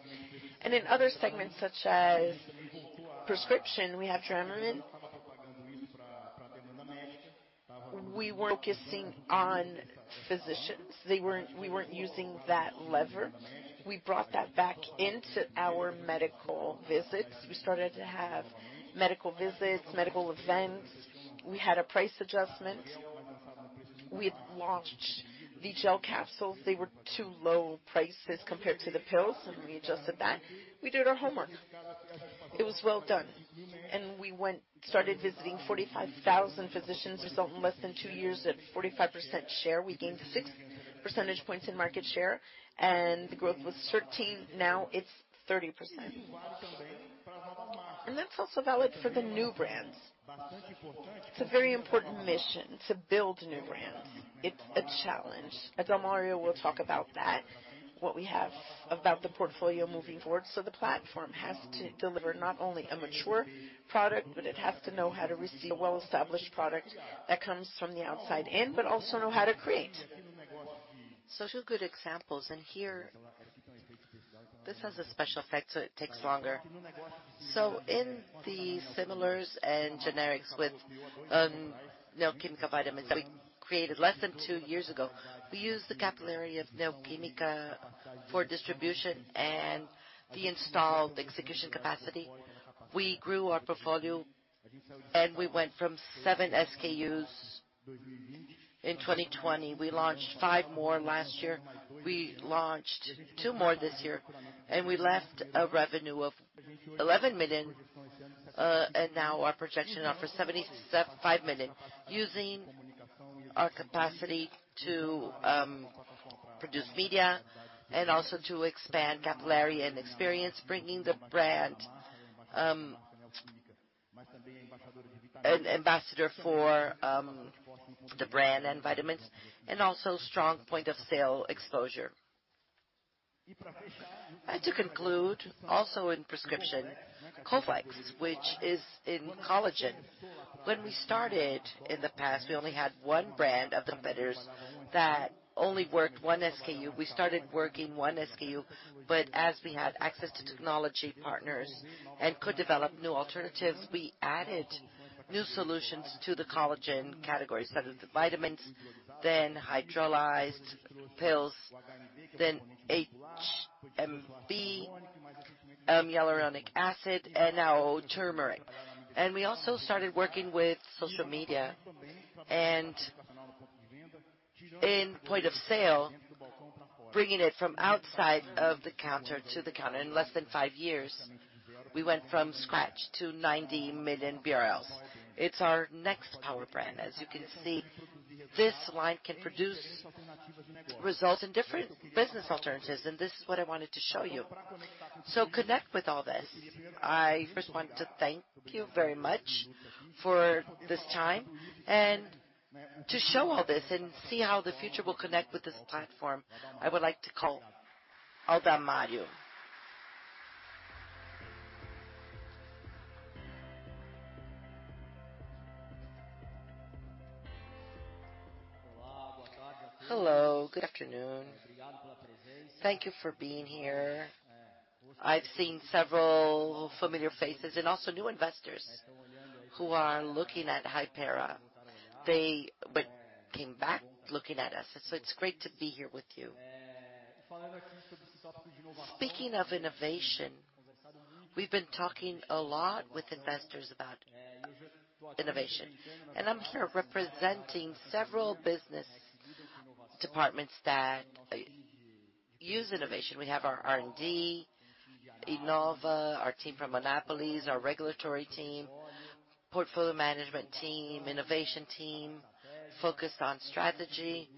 In other segments such as prescription, we have Tramadol. We were focusing on physicians. We weren't using that lever. We brought that back into our medical visits. We started to have medical visits, medical events. We had a price adjustment. We had launched the gel capsules. They were too low prices compared to the pills, and we adjusted that. We did our homework. It was well done. We started visiting 45,000 physicians, resulting in less than 2 years at 45% share. We gained 6 percentage points in market share and the growth was 13%, now it's 30%. That's also valid for the new brands. It's a very important mission to build new brands. It's a challenge. Adalmario will talk about that, what we have about the portfolio moving forward. The platform has to deliver not only a mature product, but it has to know how to receive a well-established product that comes from the outside in, but also know how to create. Two good examples. Here, this has a special effect, so it takes longer. In the similars and generics with Neo Química Vitaminas that we created less than two years ago, we used the capillary of Neo Química for distribution and the installed execution capacity. We grew our portfolio and we went from 7 SKUs in 2020. We launched 5 more last year. We launched 2 more this year, and we had revenue of 11 million. Now our projection is for 75 million using our capacity to produce media and also to expand capillary and expertise, bringing the brand an ambassador for the brand and vitamins, and also strong point of sale exposure. To conclude, also in prescription, Colflex, which is in collagen. When we started in the past, we only had one brand of the competitors that only worked one SKU. We started working one SKU, but as we had access to technology partners and could develop new alternatives, we added new solutions to the collagen category, started the vitamins, then hydrolyzed pills, then HMB, hyaluronic acid, and now turmeric. We also started working with social media and in point of sale, bringing it from outside of the counter to the counter. In less than five years, we went from scratch to 90 million BRL. It's our next power brand. As you can see, this line can produce results in different business alternatives, and this is what I wanted to show you. Connect with all this. I first want to thank you very much for this time and to show all this and see how the future will connect with this platform. I would like to call Adalmario. Hello, good afternoon. Thank you for being here. I've seen several familiar faces and also new investors who are looking at Hypera. They came back looking at us. It's great to be here with you. Speaking of innovation, we've been talking a lot with investors about innovation, and I'm here representing several business departments that use innovation. We have our R&D, Innova, our team from Anápolis, our regulatory team, portfolio management team, innovation team, focused on strategy,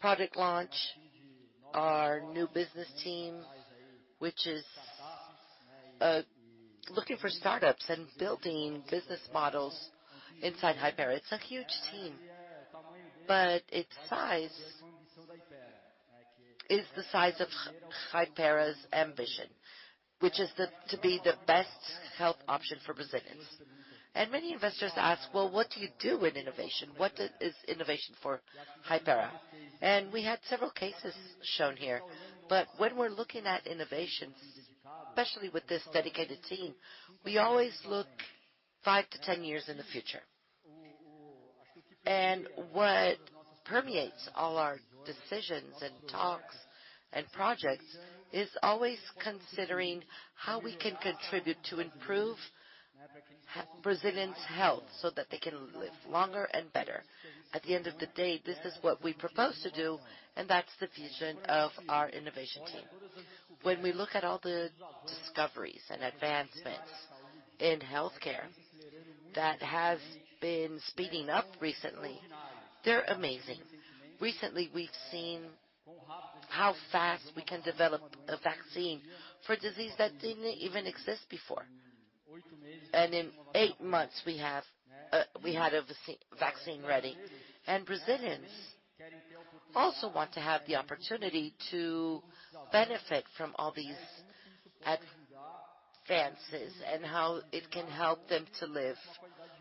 product launch, our new business team, which is looking for startups and building business models inside Hypera. It's a huge team, but its size is the size of Hypera's ambition, which is to be the best health option for Brazilians. Many investors ask, "Well, what do you do in innovation? What is innovation for Hypera?" We had several cases shown here, but when we're looking at innovations, especially with this dedicated team, we always look 5-10 years in the future. What permeates all our decisions and talks and projects is always considering how we can contribute to improve Brazilians' health so that they can live longer and better. At the end of the day, this is what we propose to do, and that's the vision of our innovation team. When we look at all the discoveries and advancements in healthcare that has been speeding up recently, they're amazing. Recently we've seen how fast we can develop a vaccine for disease that didn't even exist before. In eight months we had a vaccine ready. Brazilians also want to have the opportunity to benefit from all these advances, and how it can help them to live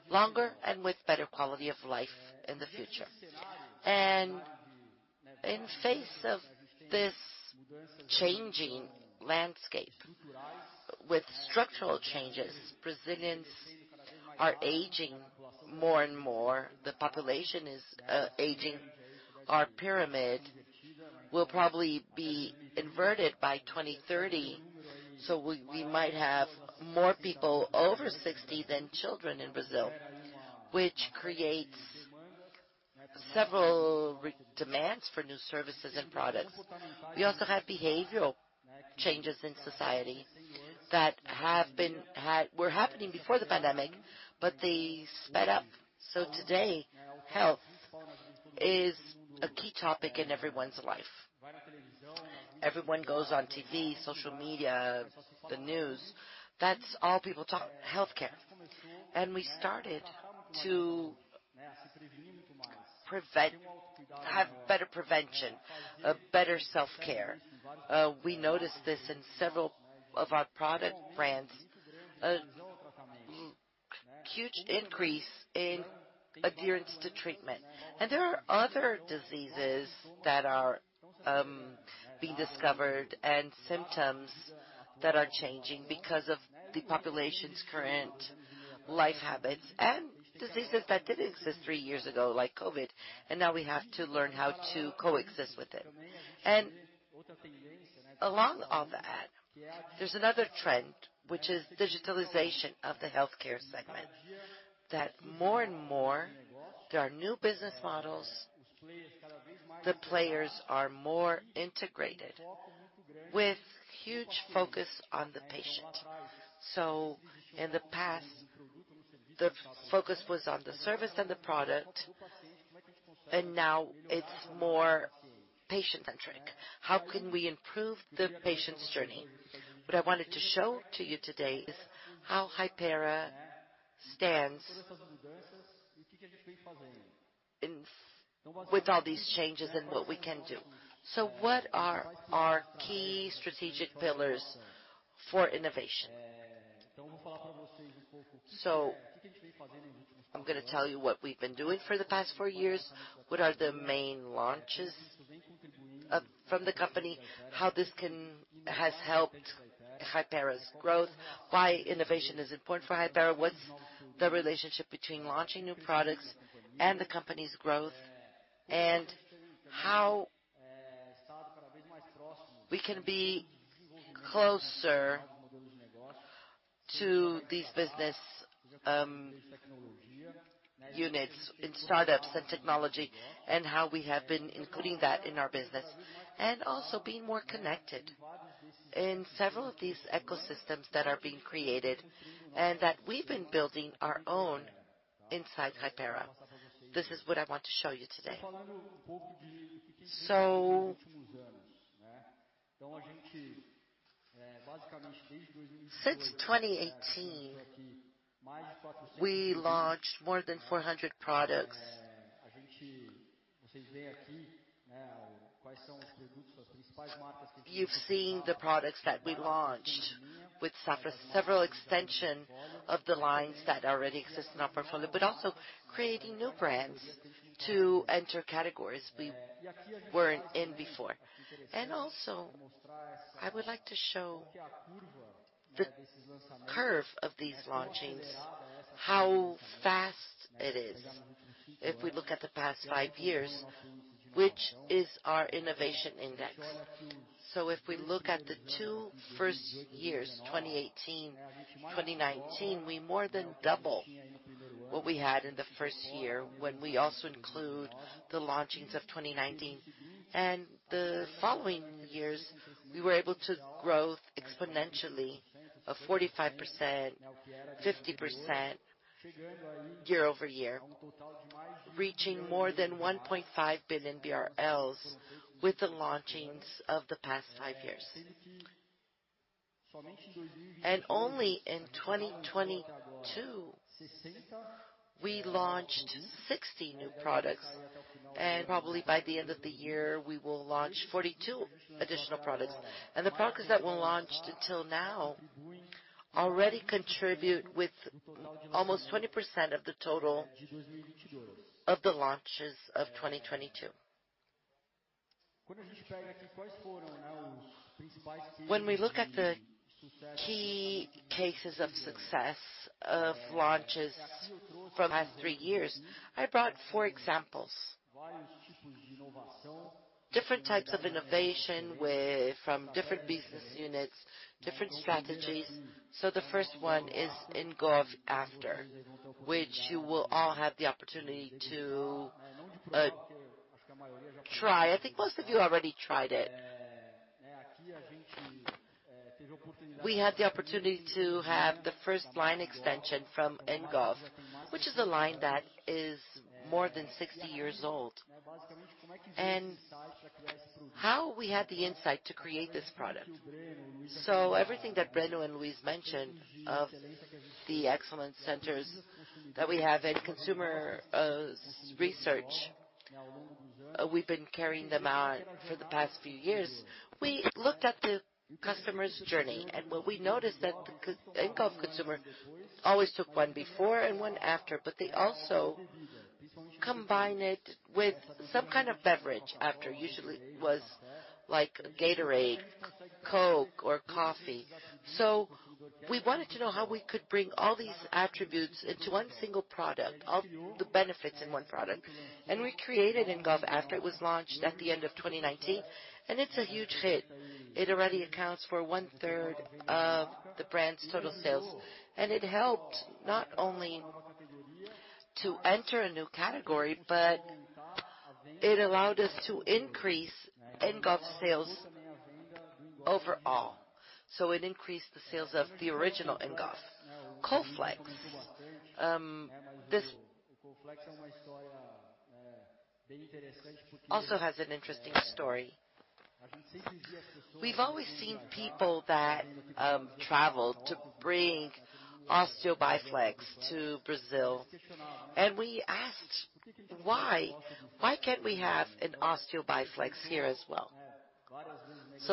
longer and with better quality of life in the future. In the face of this changing landscape with structural changes, Brazilians are aging more and more, the population is aging. Our pyramid will probably be inverted by 2030, so we might have more people over 60 than children in Brazil, which creates several demands for new services and products. We also have behavioral changes in society that were happening before the pandemic, but they sped up. Today, health is a key topic in everyone's life. Everyone goes on TV, social media, the news. That's all people talk, healthcare. We started to have better prevention, better self-care. We noticed this in several of our product brands, a huge increase in adherence to treatment. There are other diseases that are being discovered and symptoms that are changing because of the population's current life habits. Diseases that didn't exist three years ago, like COVID, and now we have to learn how to coexist with it. Along all that, there's another trend, which is digitalization of the healthcare segment, that more and more there are new business models. The players are more integrated with huge focus on the patient. In the past, the focus was on the service than the product, and now it's more patient-centric. How can we improve the patient's journey? What I wanted to show to you today is how Hypera stands in with all these changes and what we can do. What are our key strategic pillars for innovation? I'm gonna tell you what we've been doing for the past four years. What are the main launches from the company, how this has helped Hypera's growth, why innovation is important for Hypera, what's the relationship between launching new products and the company's growth. How we can be closer to these business units in startups and technology, and how we have been including that in our business. Also being more connected in several of these ecosystems that are being created, and that we've been building our own inside Hypera. This is what I want to show you today. Since 2018, we launched more than 400 products. You've seen the products that we launched, with several extensions of the lines that already exist in our portfolio, but also creating new brands to enter categories we weren't in before. Also, I would like to show the curve of these launchings, how fast it is, if we look at the past five years, which is our innovation index. If we look at the two first years, 2018, 2019, we more than double what we had in the first year when we also include the launchings of 2019. The following years, we were able to grow exponentially of 45%, 50% year-over-year, reaching more than 1.5 billion BRL with the launchings of the past five years. Only in 2022, we launched 60 new products, and probably by the end of the year we will launch 42 additional products. The products that were launched until now already contribute with almost 20% of the total of the launches of 2022. When we look at the key cases of success of launches for the past three years, I brought four examples. Different types of innovation from different business units, different strategies. The first one is Engov After, which you will all have the opportunity to try. I think most of you already tried it. We had the opportunity to have the first line extension from Engov, which is a line that is more than 60 years old. How we had the insight to create this product. Everything that Breno and Luiz mentioned of the excellent centers that we have in consumer research, we've been carrying them out for the past few years. We looked at the customer's journey, and what we noticed that the Engov consumer always took 1 before and 1 after, but they also combine it with some kind of beverage after. Usually it was like Gatorade, Coke or coffee. We wanted to know how we could bring all these attributes into one single product, all the benefits in one product. We created Engov After. It was launched at the end of 2019, and it's a huge hit. It already accounts for 1/3 of the brand's total sales. It helped not only to enter a new category, but it allowed us to increase Engov sales overall. It increased the sales of the original Engov. Colflex, this also has an interesting story. We've always seen people that travel to bring Osteo Bi-Flex to Brazil, and we asked, "Why? Why can't we have an Osteo Bi-Flex here as well?"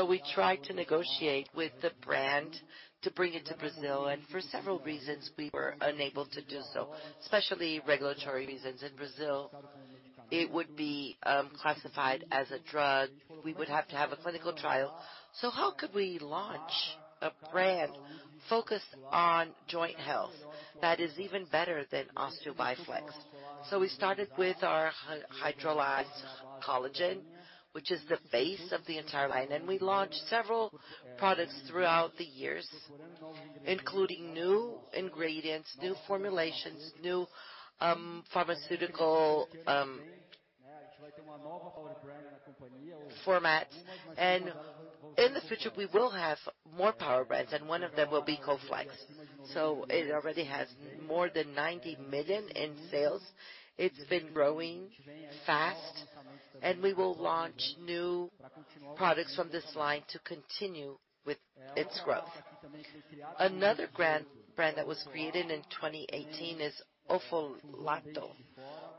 We tried to negotiate with the brand to bring it to Brazil, and for several reasons we were unable to do so, especially regulatory reasons. In Brazil, it would be classified as a drug. We would have to have a clinical trial. How could we launch a brand focused on joint health that is even better than Osteo Bi-Flex? We started with our hydrolyzed collagen, which is the base of the entire line, and we launched several products throughout the years, including new ingredients, new formulations, new pharmaceutical format. In the future, we will have more power brands, and one of them will be Colflex. It already has more than 90 million in sales. It's been growing fast, and we will launch new products from this line to continue with its growth. Another brand that was created in 2018 is Ofolato.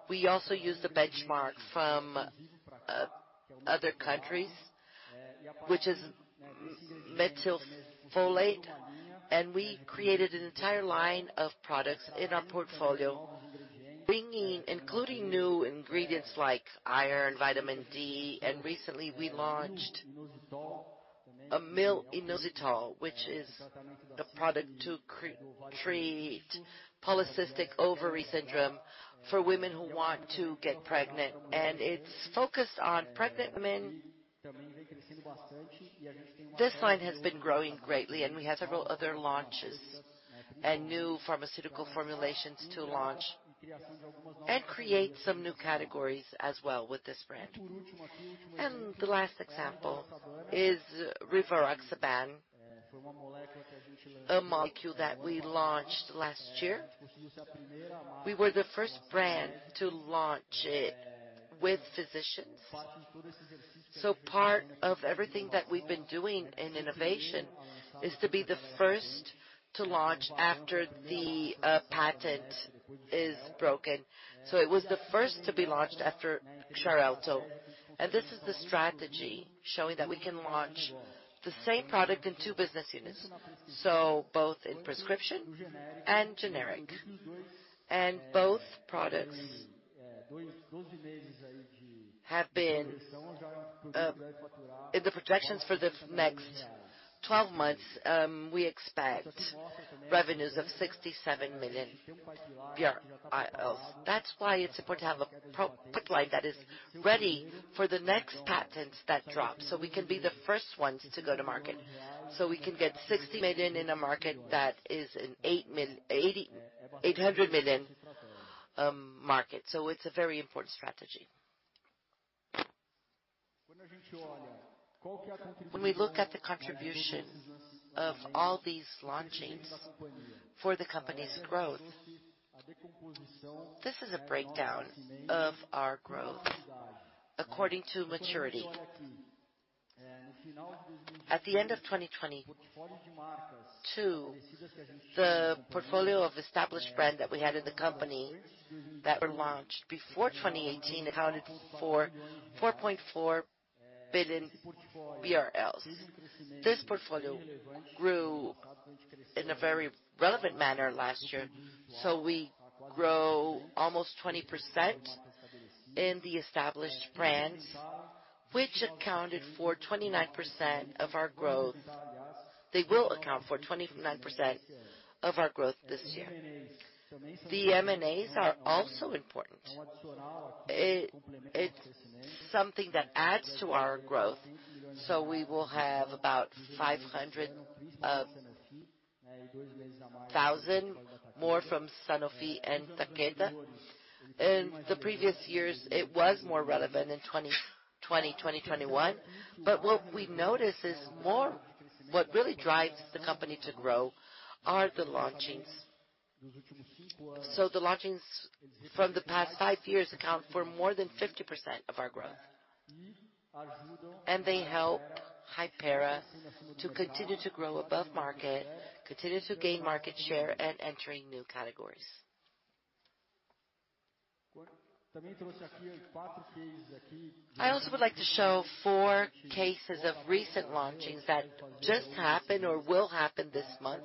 We also used the benchmark from other countries, which is methylfolate, and we created an entire line of products in our portfolio including new ingredients like iron, vitamin D, and recently we launched a myo-inositol, which is the product to treat polycystic ovary syndrome for women who want to get pregnant, and it's focused on pregnant women. This line has been growing greatly, and we have several other launches and new pharmaceutical formulations to launch and create some new categories as well with this brand. The last example is rivaroxaban, a molecule that we launched last year. We were the first brand to launch it with physicians. Part of everything that we've been doing in innovation is to be the first to launch after the patent is broken. It was the first to be launched after Xarelto. This is the strategy showing that we can launch the same product in two business units, so both in prescription and generic. Both products have been in the projections for the next 12 months, we expect revenues of 67 million. That's why it's important to have a robust pipeline that is ready for the next patents that drop, so we can be the first ones to go to market. We can get 60 million in a market that is an 800 million market. It's a very important strategy. When we look at the contribution of all these launchings for the company's growth, this is a breakdown of our growth according to maturity. At the end of 2020, the portfolio of established brands that we had in the company that were launched before 2018 accounted for BRL 4.4 billion. This portfolio grew in a very relevant manner last year. We grow almost 20% in the established brands, which accounted for 29% of our growth. They will account for 29% of our growth this year. The M&As are also important. It, it's something that adds to our growth. We will have about 500 thousand more from Sanofi and Takeda. In the previous years it was more relevant in 2020, 2021, but what we notice is what really drives the company to grow are the launchings. The launchings from the past five years account for more than 50% of our growth. They help Hypera to continue to grow above market, continue to gain market share and entering new categories. I also would like to show four cases of recent launchings that just happened or will happen this month.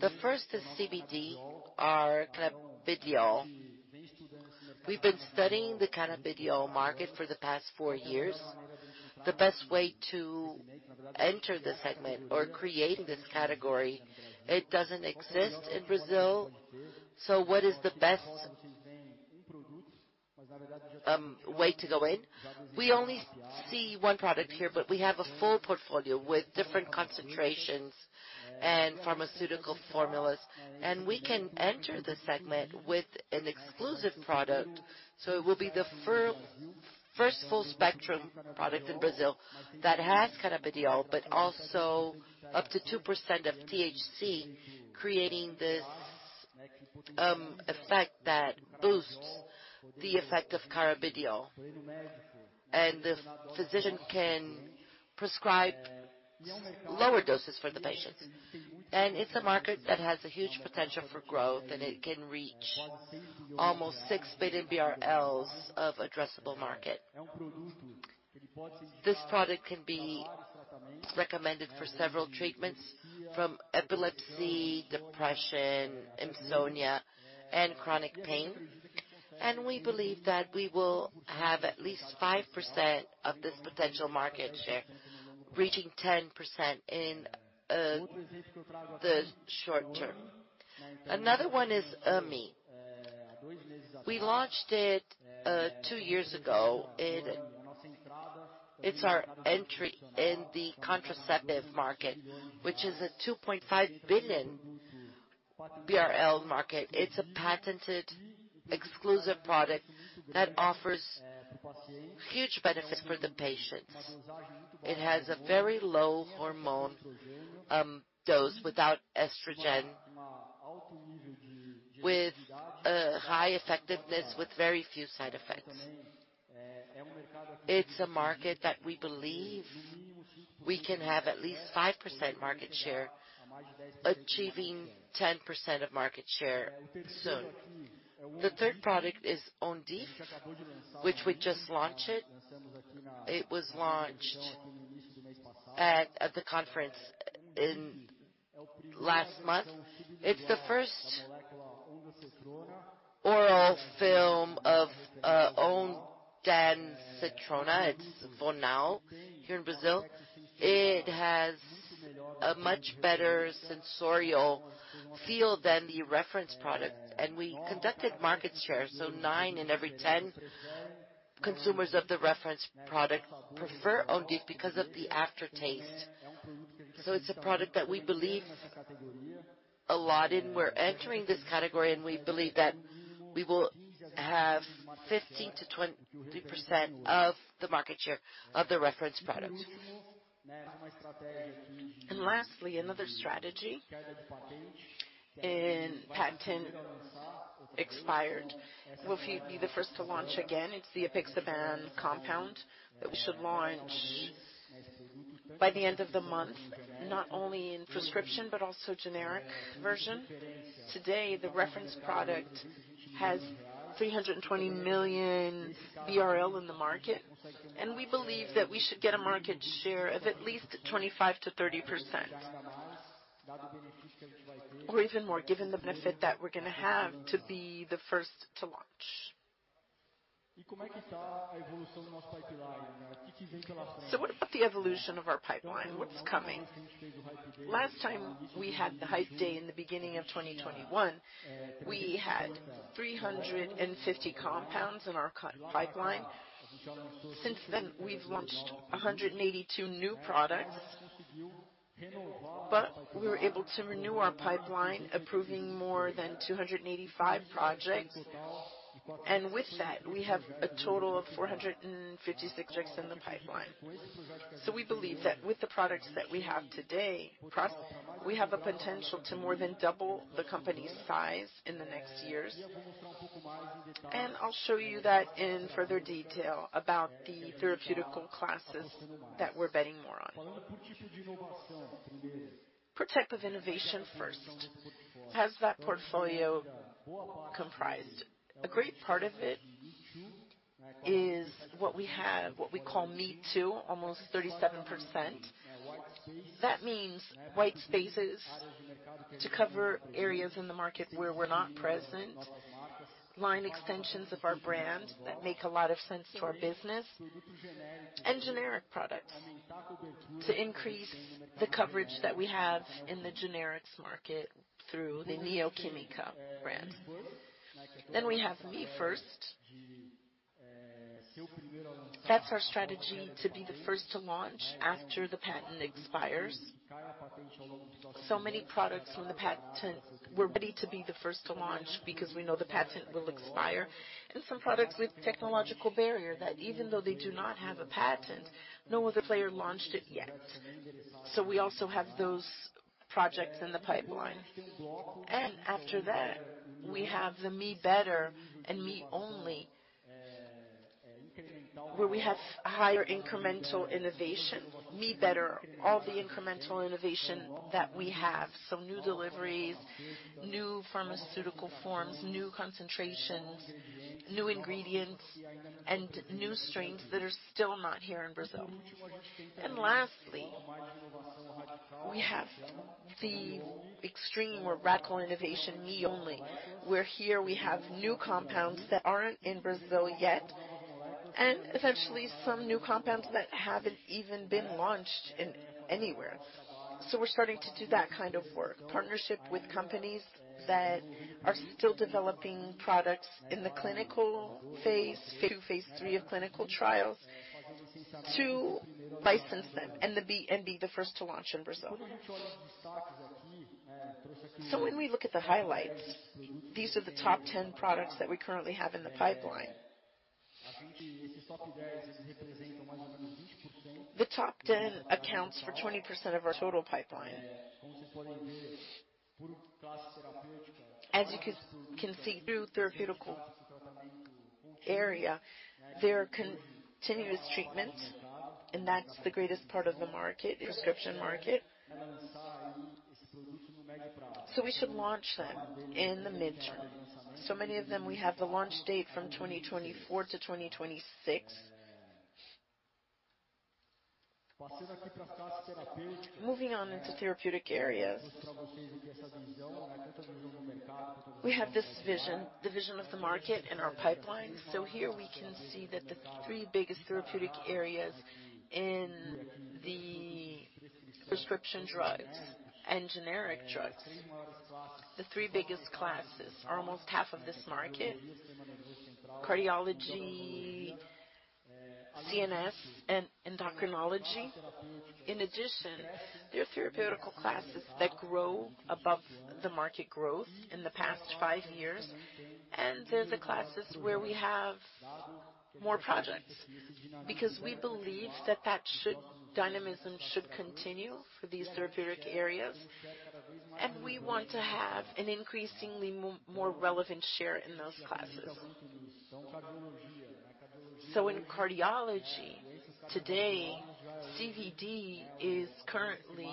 The first is CBD, our Cannabidiol. We've been studying the Cannabidiol market for the past four years. The best way to enter the segment or create this category, it doesn't exist in Brazil. What is the best way to go in? We only see one product here, but we have a full portfolio with different concentrations and pharmaceutical formulas, and we can enter the segment with an exclusive product. It will be the first full-spectrum product in Brazil that has cannabidiol, but also up to 2% of THC, creating this effect that boosts the effect of cannabidiol. The physician can prescribe lower doses for the patients. It's a market that has a huge potential for growth, and it can reach almost 6 billion BRL of addressable market. This product can be recommended for several treatments from epilepsy, depression, insomnia, and chronic pain. We believe that we will have at least 5% of this potential market share, reaching 10% in the short term. Another one is Umi. We launched it rwo years ago. It's our entry in the contraceptive market, which is a 2.5 billion BRL market. It's a patented exclusive product that offers huge benefits for the patients. It has a very low hormone dose without estrogen, with a high effectiveness, with very few side effects. It's a market that we believe we can have at least 5% market share, achieving 10% of market share soon. The third product is Ondith, which we just launched it. It was launched at the conference last month. It's the first oral film of ondansetron. It's Vonau here in Brazil. It has a much better sensorial feel than the reference product. We conducted market research. Nine in every ten consumers of the reference product prefer Ondith because of the aftertaste. It's a product that we believe a lot in. We're entering this category, and we believe that we will have 15%-23% of the market share of the reference product. Lastly, another strategy in patent expired. We'll be the first to launch again. It's the apixaban compound that we should launch by the end of the month, not only in prescription, but also generic version. Today, the reference product has 320 million BRL in the market, and we believe that we should get a market share of at least 25%-30%. Even more, given the benefit that we're gonna have to be the first to launch. What about the evolution of our pipeline? What's coming? Last time we had the Hype Day in the beginning of 2021, we had 350 compounds in our pipeline. Since then, we've launched 182 new products, but we were able to renew our pipeline, approving more than 285 projects. With that, we have a total of 456 in the pipeline. We believe that with the products that we have today we have a potential to more than double the company's size in the next years. I'll show you that in further detail about the therapeutic classes that we're betting more on. What type of innovation first has that portfolio comprised? A great part of it is what we have. What we call Me Too, almost 37%. That means white spaces to cover areas in the market where we're not present. Line extensions of our brand that make a lot of sense to our business, and generic products to increase the coverage that we have in the generics market through the Neo Química brand. We have Me First. That's our strategy to be the first to launch after the patent expires. Many products from the patent, we're ready to be the first to launch because we know the patent will expire, and some products with technological barrier that even though they do not have a patent, no other player launched it yet. We also have those projects in the pipeline. After that, we have the Me Better and Me Only, where we have higher incremental innovation. Me Better, all the incremental innovation that we have. New deliveries, new pharmaceutical forms, new concentrations, new ingredients, and new strains that are still not here in Brazil. Lastly, we have the extreme or radical innovation, Me Only. Here we have new compounds that aren't in Brazil yet, and essentially some new compounds that haven't even been launched anywhere. We're starting to do that kind of work, partnership with companies that are still developing products in the clinical phase II, phase III of clinical trials to license them and be the first to launch in Brazil. When we look at the highlights, these are the top 10 products that we currently have in the pipeline. The top 10 accounts for 20% of our total pipeline. As you can see through therapeutic area, there are continuous treatments, and that's the greatest part of the market, the prescription market. We should launch them in the midterm. Many of them, we have the launch date from 2024 to 2026. Moving on into therapeutic areas. We have this vision, the vision of the market and our pipeline. Here we can see that the three biggest therapeutic areas in the prescription drugs and generic drugs. The three biggest classes are almost half of this market. Cardiology, CNS, and endocrinology. In addition, there are therapeutic classes that grow above the market growth in the past five years. They're the classes where we have more projects. Because we believe that dynamism should continue for these therapeutic areas, and we want to have an increasingly more relevant share in those classes. In cardiology, today, CVD is currently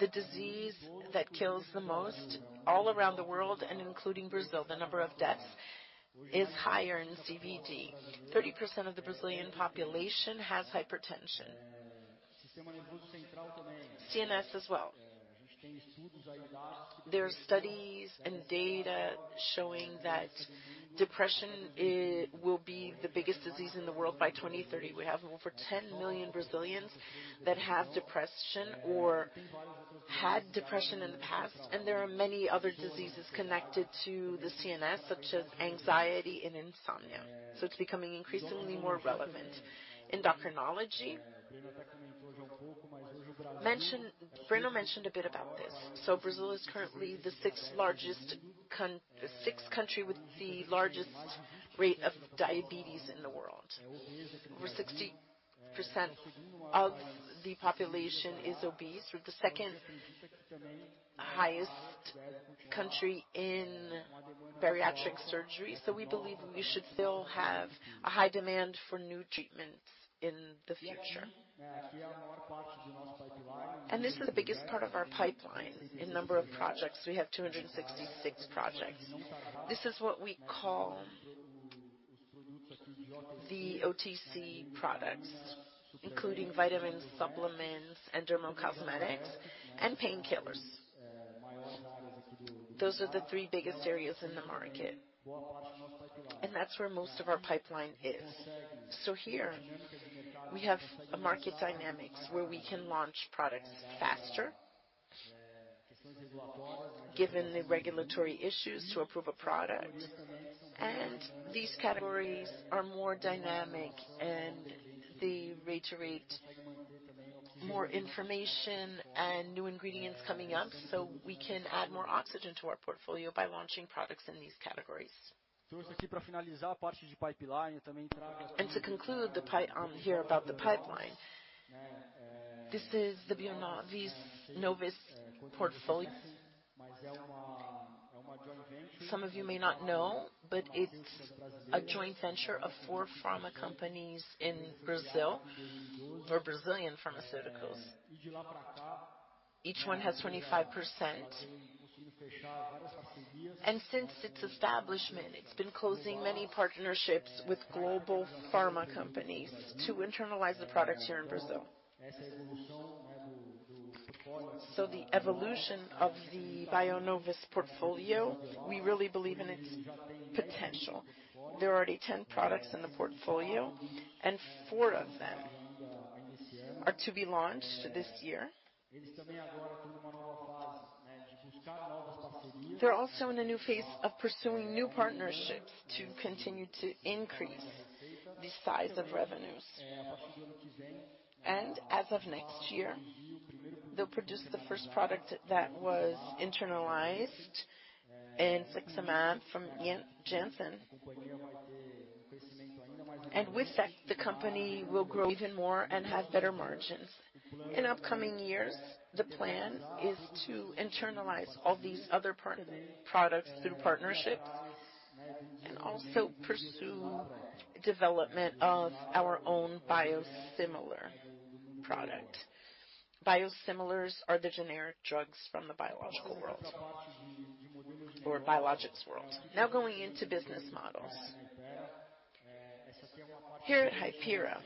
the disease that kills the most all around the world and including Brazil. The number of deaths is higher in CVD. 30% of the Brazilian population has hypertension. CNS as well. There are studies and data showing that depression will be the biggest disease in the world by 2030. We have over 10 million Brazilians that have depression or had depression in the past, and there are many other diseases connected to the CNS, such as anxiety and insomnia. It's becoming increasingly more relevant. Endocrinology. Breno mentioned a bit about this. Brazil is currently the sixth largest country with the largest rate of diabetes in the world. Over 60% of the population is obese. We're the second highest country in bariatric surgery. We believe we should still have a high demand for new treatments in the future. This is the biggest part of our pipeline. In number of projects, we have 266 projects. This is what we call the OTC products, including vitamins, supplements, and dermocosmetics and painkillers. Those are the three biggest areas in the market, and that's where most of our pipeline is. Here we have a market dynamics where we can launch products faster, given the regulatory issues to approve a product. These categories are more dynamic, and they iterate more information and new ingredients coming up, so we can add more oxygen to our portfolio by launching products in these categories. To conclude here about the pipeline. This is the Bionovis portfolio. Some of you may not know, but it's a joint venture of four pharma companies in Brazil or Brazilian pharmaceuticals. Each one has 25%. Since its establishment, it's been closing many partnerships with global pharma companies to internalize the products here in Brazil. The evolution of the Bionovis portfolio, we really believe in its potential. There are already 10 products in the portfolio, and four of them are to be launched this year. They're also in a new phase of pursuing new partnerships to continue to increase the size of revenues. As of next year, they'll produce the first product that was internalized, Enoxaparin from Janssen. With that, the company will grow even more and have better margins. In upcoming years, the plan is to internalize all these other products through partnerships and also pursue development of our own biosimilar product. Biosimilars are the generic drugs from the biological world or biologics world. Now going into business models. Here at Hypera,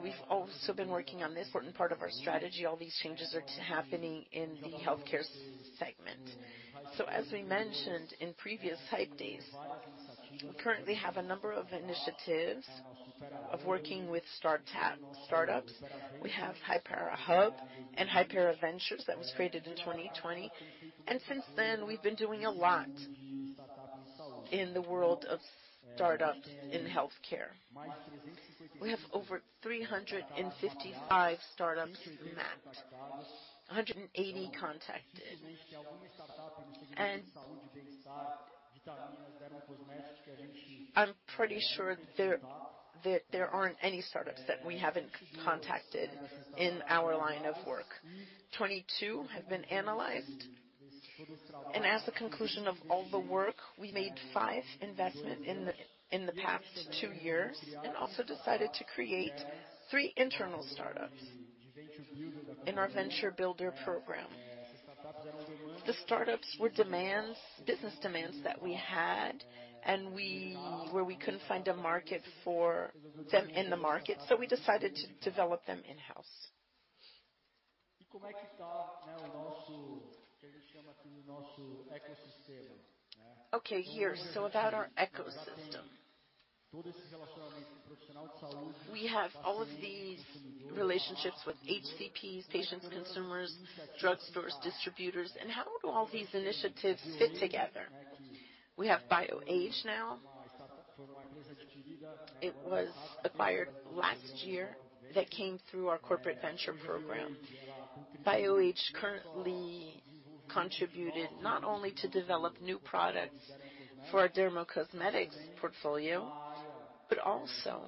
we've also been working on this important part of our strategy. All these changes are happening in the healthcare segment. As we mentioned in previous Hype Days, we currently have a number of initiatives of working with startups. We have HyperaHub and Hypera Ventures that was created in 2020. Since then, we've been doing a lot in the world of startups in healthcare. We have over 355 startups mapped, 180 contacted. I'm pretty sure there aren't any startups that we haven't contacted in our line of work. 22 have been analyzed. As the conclusion of all the work, we made five investment in the past two years and also decided to create three internal startups in our Venture Builder program. The startups were demands, business demands that we had, where we couldn't find a market for them in the market, so we decided to develop them in-house. Okay, here. about our ecosystem. We have all of these relationships with HCPs, patients, consumers, drugstores, distributors, and how do all these initiatives fit together? We have Bioage now. It was acquired last year that came through our corporate venture program. Bioage currently contributed not only to develop new products for our dermocosmetics portfolio, but also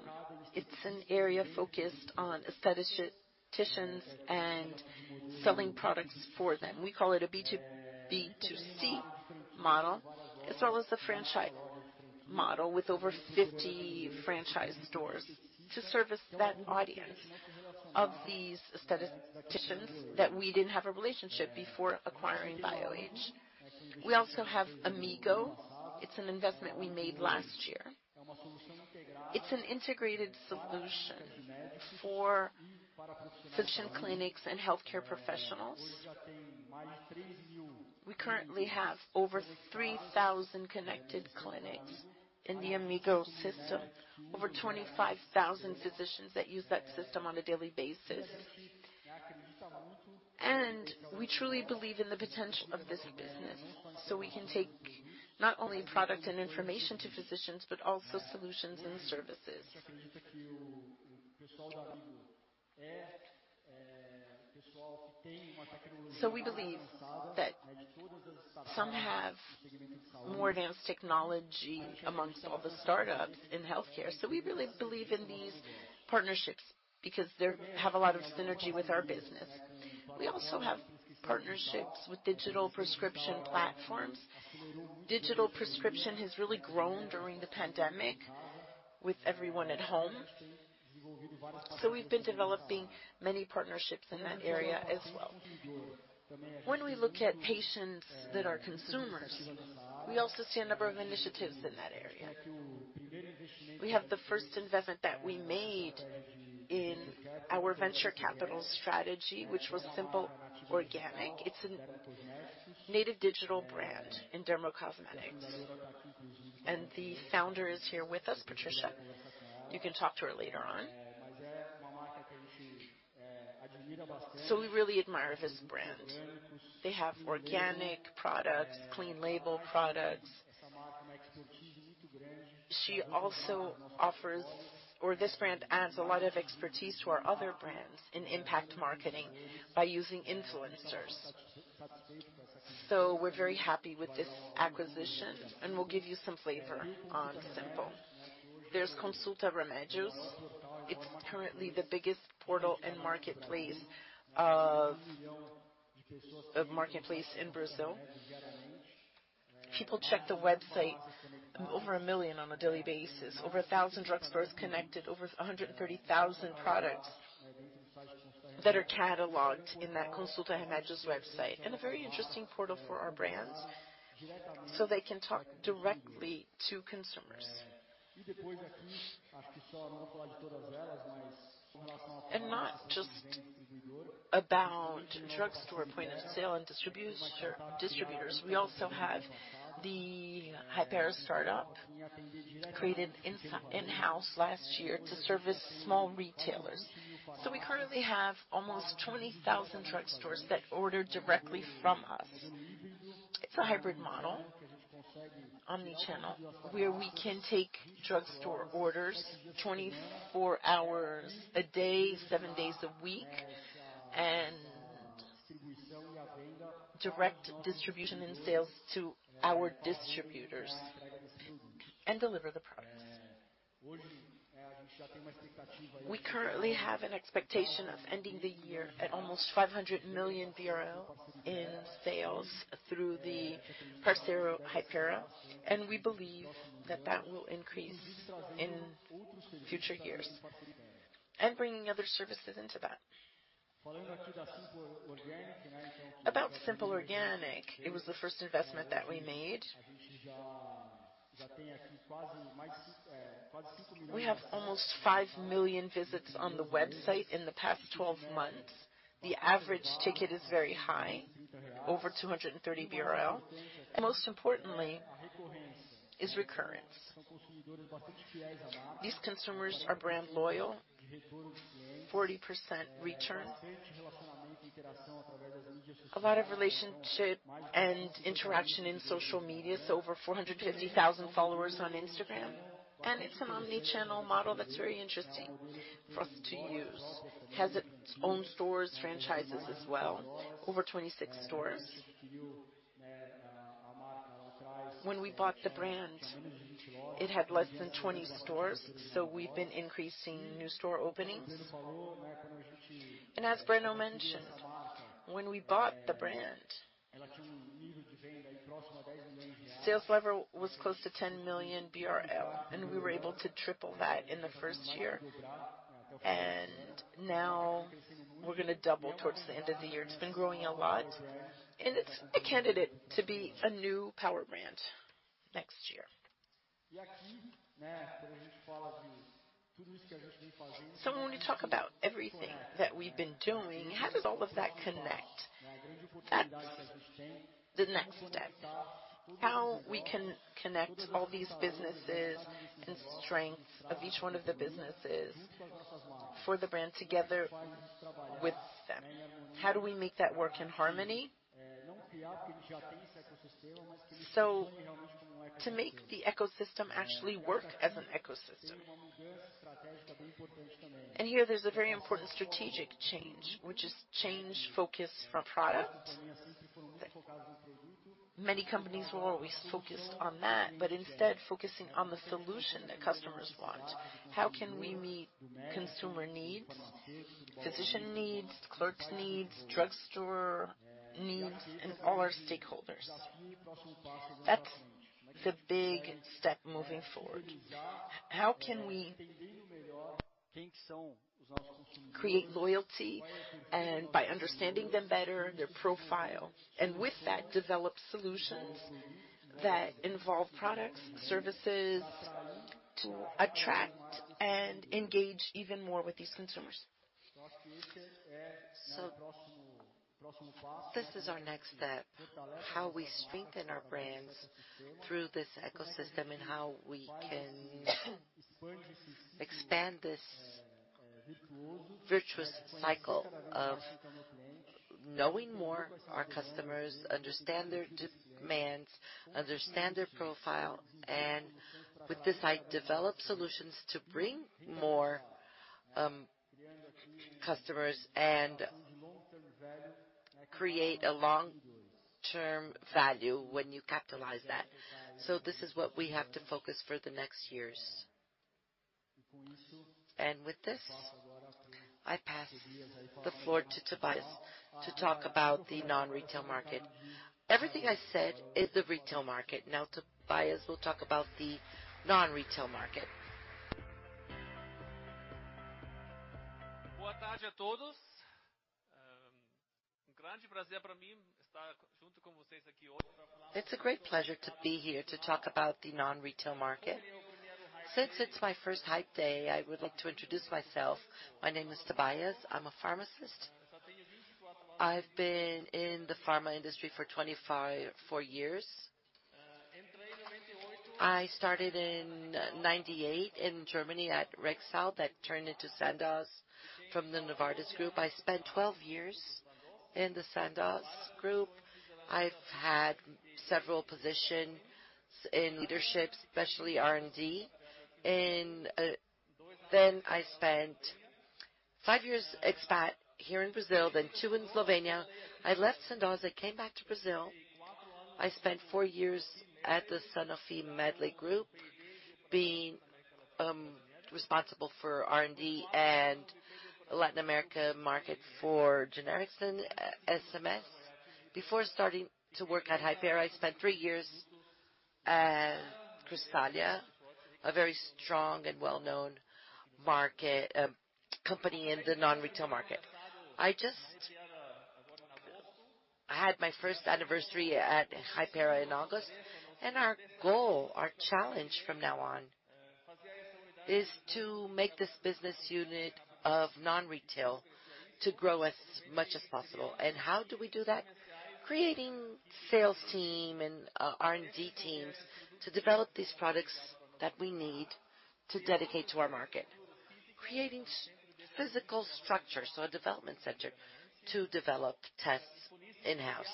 it's an area focused on aestheticians and selling products for them. We call it a B2B2C model, as well as the franchise model with over 50 franchise stores to service that audience of these aestheticians that we didn't have a relationship before acquiring Bioage. We also have Amigo. It's an investment we made last year. It's an integrated solution for physician clinics and healthcare professionals. We currently have over 3,000 connected clinics in the Amigo system, over 25,000 physicians that use that system on a daily basis. We truly believe in the potential of this business, so we can take not only product and information to physicians, but also solutions and services. We believe that some have more advanced technology among all the startups in healthcare. We really believe in these partnerships because they have a lot of synergy with our business. We also have partnerships with digital prescription platforms. Digital prescription has really grown during the pandemic with everyone at home. We've been developing many partnerships in that area as well. When we look at patients that are consumers, we also see a number of initiatives in that area. We have the first investment that we made in our venture capital strategy, which was Simple Organic. It's a native digital brand in dermocosmetics. The founder is here with us, Patricia. You can talk to her later on. We really admire this brand. They have organic products, clean label products. This brand adds a lot of expertise to our other brands in impact marketing by using influencers. We're very happy with this acquisition, and we'll give you some flavor on Simple. There's Consulta Remédios. It's currently the biggest portal and marketplace in Brazil. People check the website over 1 million on a daily basis. Over 1,000 drugstores connected, over 130,000 products that are cataloged in that Consulta Remédios website, and a very interesting portal for our brands, so they can talk directly to consumers. Not just about drugstore point of sale and distributors. We also have the Hypera startup created in-house last year to service small retailers. We currently have almost 20,000 drugstores that order directly from us. It's a hybrid model, omni-channel, where we can take drugstore orders 24 hours a day, 7 days a week, and direct distribution and sales to our distributors and deliver the products. We currently have an expectation of ending the year at almost 500 million in sales through the Parceiro Hypera, and we believe that will increase in future years and bringing other services into that. About Simple Organic, it was the first investment that we made. We have almost 5 million visits on the website in the past 12 months. The average ticket is very high, over 230 BRL, and most importantly is recurrence. These consumers are brand loyal, 40% return. A lot of relationship and interaction in social media. Over 450,000 followers on Instagram, and it's an omni-channel model that's very interesting for us to use. Has its own stores, franchises as well, over 26 stores. When we bought the brand, it had less than 20 stores, so we've been increasing new store openings. As Breno mentioned, when we bought the brand, sales level was close to 10 million BRL, and we were able to triple that in the first year. Now we're gonna double towards the end of the year. It's been growing a lot, and it's a candidate to be a new power brand next year. When we talk about everything that we've been doing, how does all of that connect? That's the next step. How we can connect all these businesses and strengths of each one of the businesses for the brand together with them. How do we make that work in harmony? To make the ecosystem actually work as an ecosystem. Here there's a very important strategic change, which is change focus from product. Many companies were always focused on that, but instead focusing on the solution that customers want. How can we meet consumer needs, physician needs, clerks' needs, drugstore needs, and all our stakeholders? That's the big step moving forward. How can we create loyalty and by understanding them better, their profile, and with that, develop solutions that involve products, services to attract and engage even more with these consumers. This is our next step, how we strengthen our brands through this ecosystem and how we can expand this virtuous cycle of knowing more our customers, understand their demands, understand their profile, and with this, I develop solutions to bring more, customers and create a long-term value when you capitalize that. This is what we have to focus for the next years. With this, I pass the floor to Tobias to talk about the non-retail market. Everything I said is the retail market. Now, Tobias will talk about the non-retail market. It's a great pleasure to be here to talk about the non-retail market. Since it's my first Hype Day, I would like to introduce myself. My name is Tobias. I'm a pharmacist. I've been in the pharma industry for 24 years. I started in 1998 in Germany at Hexal that turned into Sandoz from the Novartis Group. I spent 12 years in the Sandoz Group. I've had several positions in leadership, especially R&D. Then I spent five years expat here in Brazil, then two in Slovenia. I left Sandoz. I came back to Brazil. I spent four years at the Sanofi Medley Group. Being responsible for R&D and Latin America market for generics and similares. Before starting to work at Hypera, I spent three years at Cristália, a very strong and well-known market company in the non-retail market. I just had my first anniversary at Hypera in August, and our goal, our challenge from now on is to make this business unit of non-retail to grow as much as possible. How do we do that? Creating sales team and R&D teams to develop these products that we need to dedicate to our market. Creating physical structures or a development center to develop tests in-house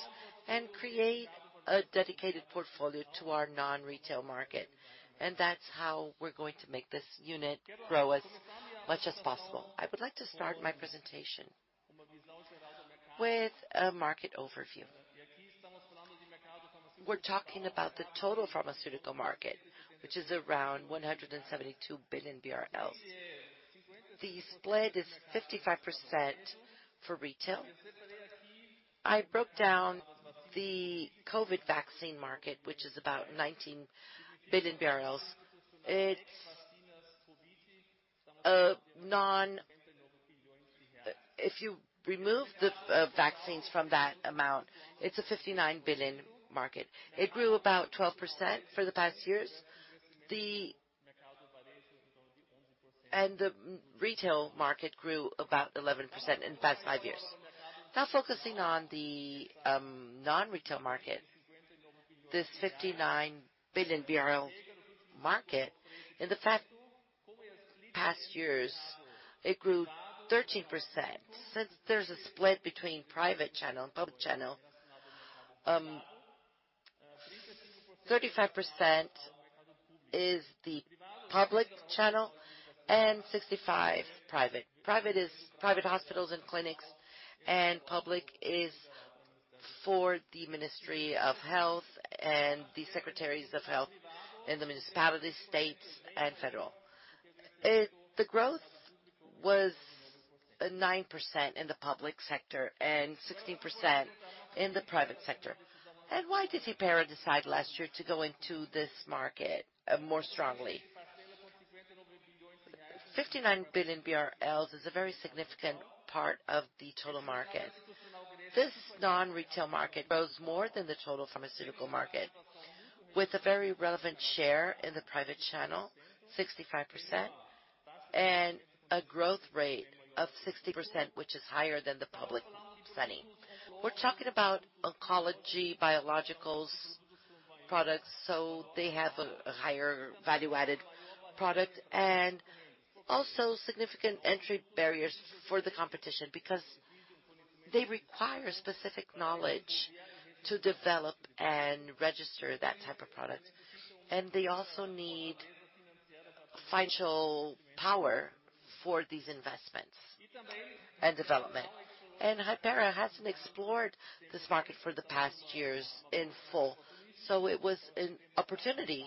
and create a dedicated portfolio to our non-retail market. That's how we're going to make this unit grow as much as possible. I would like to start my presentation with a market overview. We're talking about the total pharmaceutical market, which is around 172 billion BRL. The split is 55% for retail. I broke down the COVID vaccine market, which is about 19 billion. It's a non... If you remove the vaccines from that amount, it's a 59 billion market. It grew about 12% for the past years. The retail market grew about 11% in the past five years. Now focusing on the non-retail market. This 59 billion BRL market. In the past years, it grew 13%. Since there's a split between private channel and public channel, 35% is the public channel and 65% private. Private is private hospitals and clinics, and public is for the Ministry of Health and the Secretaries of Health in the municipalities, states, and federal. The growth was 9% in the public sector and 16% in the private sector. Why did Hypera decide last year to go into this market more strongly? 59 billion BRL is a very significant part of the total market. This non-retail market grows more than the total pharmaceutical market with a very relevant share in the private channel, 65%, and a growth rate of 60%, which is higher than the public setting. We're talking about oncology biologicals products, so they have a higher value-added product. Also significant entry barriers for the competition because they require specific knowledge to develop and register that type of product. They also need financial power for these investments and development. Hypera hasn't explored this market for the past years in full, so it was an opportunity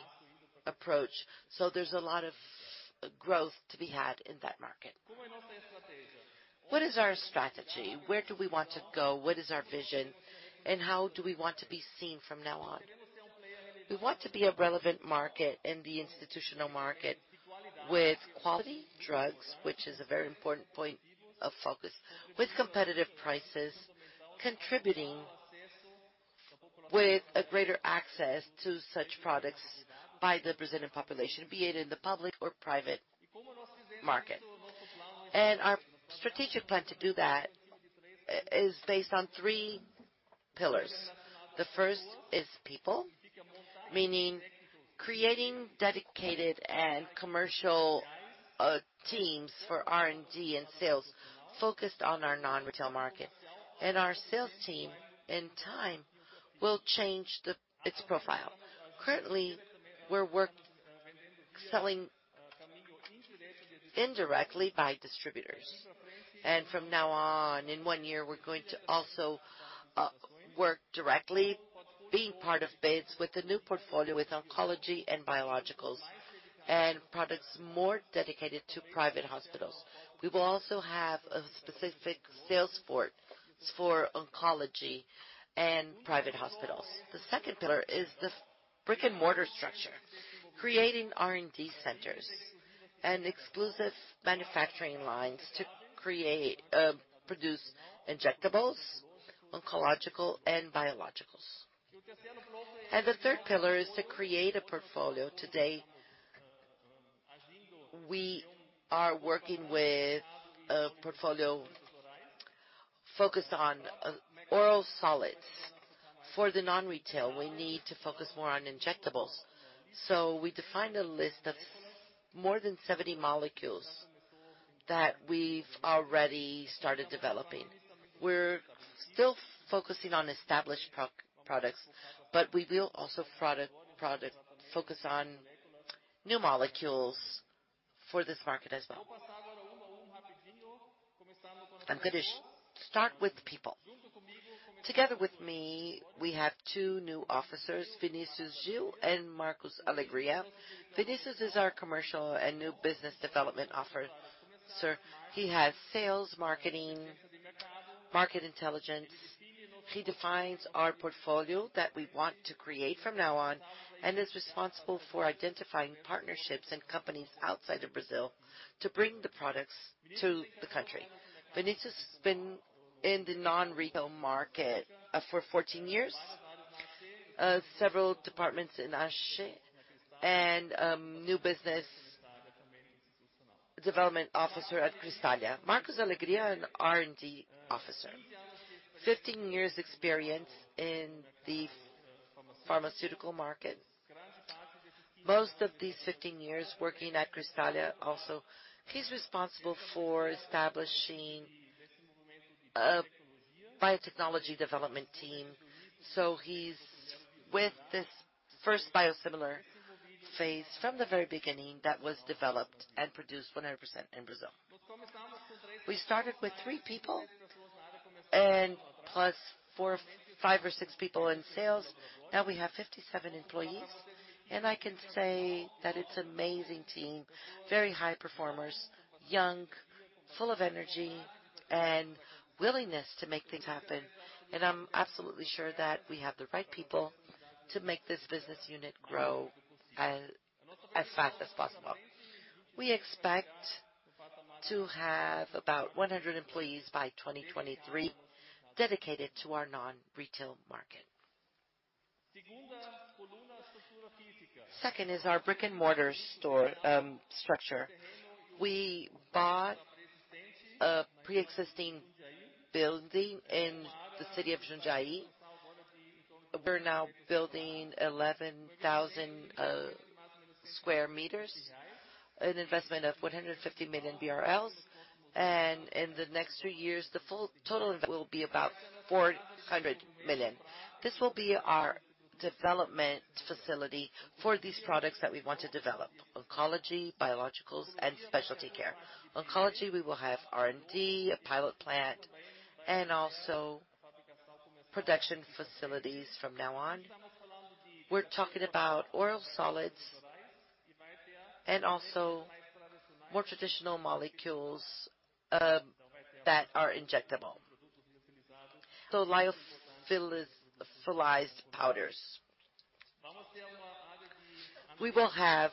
approach, so there's a lot of growth to be had in that market. What is our strategy? Where do we want to go? What is our vision, and how do we want to be seen from now on? We want to be a relevant market in the institutional market with quality drugs, which is a very important point of focus, with competitive prices, contributing with a greater access to such products by the Brazilian population, be it in the public or private market. Our strategic plan to do that is based on three pillars. The first is people, meaning creating dedicated and commercial teams for R&D and sales focused on our non-retail market. Our sales team, in time, will change its profile. Currently, we're selling indirectly by distributors. From now on, in one year, we're going to also work directly, being part of bids with the new portfolio with oncology and biologicals, and products more dedicated to private hospitals. We will also have a specific sales force for oncology and private hospitals. The second pillar is the brick-and-mortar structure, creating R&D centers and exclusive manufacturing lines to create, produce injectables, oncological and biologicals. The third pillar is to create a portfolio. Today, we are working with a portfolio focused on oral solids. For the non-retail, we need to focus more on injectables. We defined a list of more than 70 molecules that we've already started developing. We're still focusing on established pro-products, but we will also focus on new molecules for this market as well. I'm going to start with people. Together with me, we have two new officers, Vinicius Gil and Marcos Alegria. Vinicius is our commercial and new business development officer. He has sales, marketing, market intelligence. He defines our portfolio that we want to create from now on, and is responsible for identifying partnerships and companies outside of Brazil to bring the products to the country. Vinicius has been in the non-retail market for 14 years, several departments in Aché and new business development officer at Cristália. Marcos Alegria, an R&D officer. 15 years experience in the pharmaceutical market. Most of these 15 years working at Cristália also. He's responsible for establishing a biotechnology development team. He's with this first biosimilar phase from the very beginning that was developed and produced 100% in Brazil. We started with three people and five or six people in sales. Now we have 57 employees, and I can say that it's amazing team, very high performers, young, full of energy and willingness to make things happen. I'm absolutely sure that we have the right people to make this business unit grow as fast as possible. We expect to have about 100 employees by 2023 dedicated to our non-retail market. Second is our brick-and-mortar store structure. We bought a pre-existing building in the city of Jundiaí. We're now building 11,000 square meters, an investment of 150 million BRL. In the next three years, the full total will be about 400 million. This will be our development facility for these products that we want to develop, oncology, biologicals and specialty care. Oncology, we will have R&D, a pilot plant, and also production facilities from now on. We're talking about oral solids and also more traditional molecules that are injectable. Lyophilized powders. We will have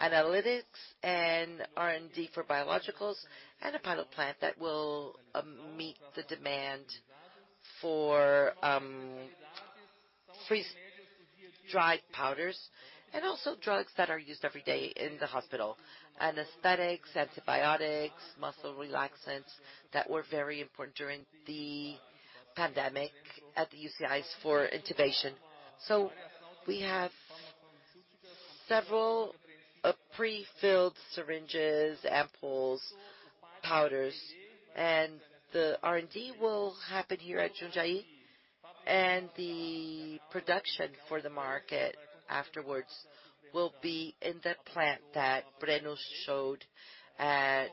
analytics and R&D for biologicals and a pilot plant that will meet the demand for freeze-dried powders and also drugs that are used every day in the hospital. Anesthetics, antibiotics, muscle relaxants that were very important during the pandemic at the ICUs for intubation. We have several pre-filled syringes, ampoules, powders, and the R&D will happen here at Jundiaí. The production for the market afterwards will be in that plant that Breno showed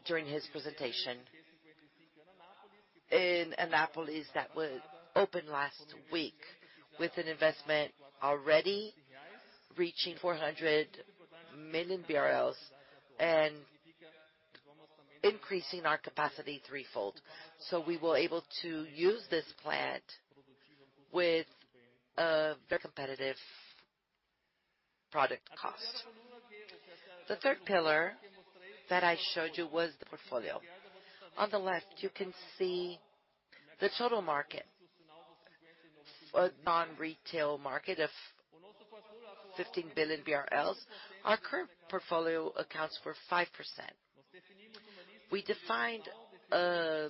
during his presentation in Anápolis that was opened last week with an investment already reaching BRL 400 million and increasing our capacity threefold. We were able to use this plant with a very competitive product cost. The third pillar that I showed you was the portfolio. On the left, you can see the total market, a non-retail market of 15 billion BRL. Our current portfolio accounts for 5%. We defined a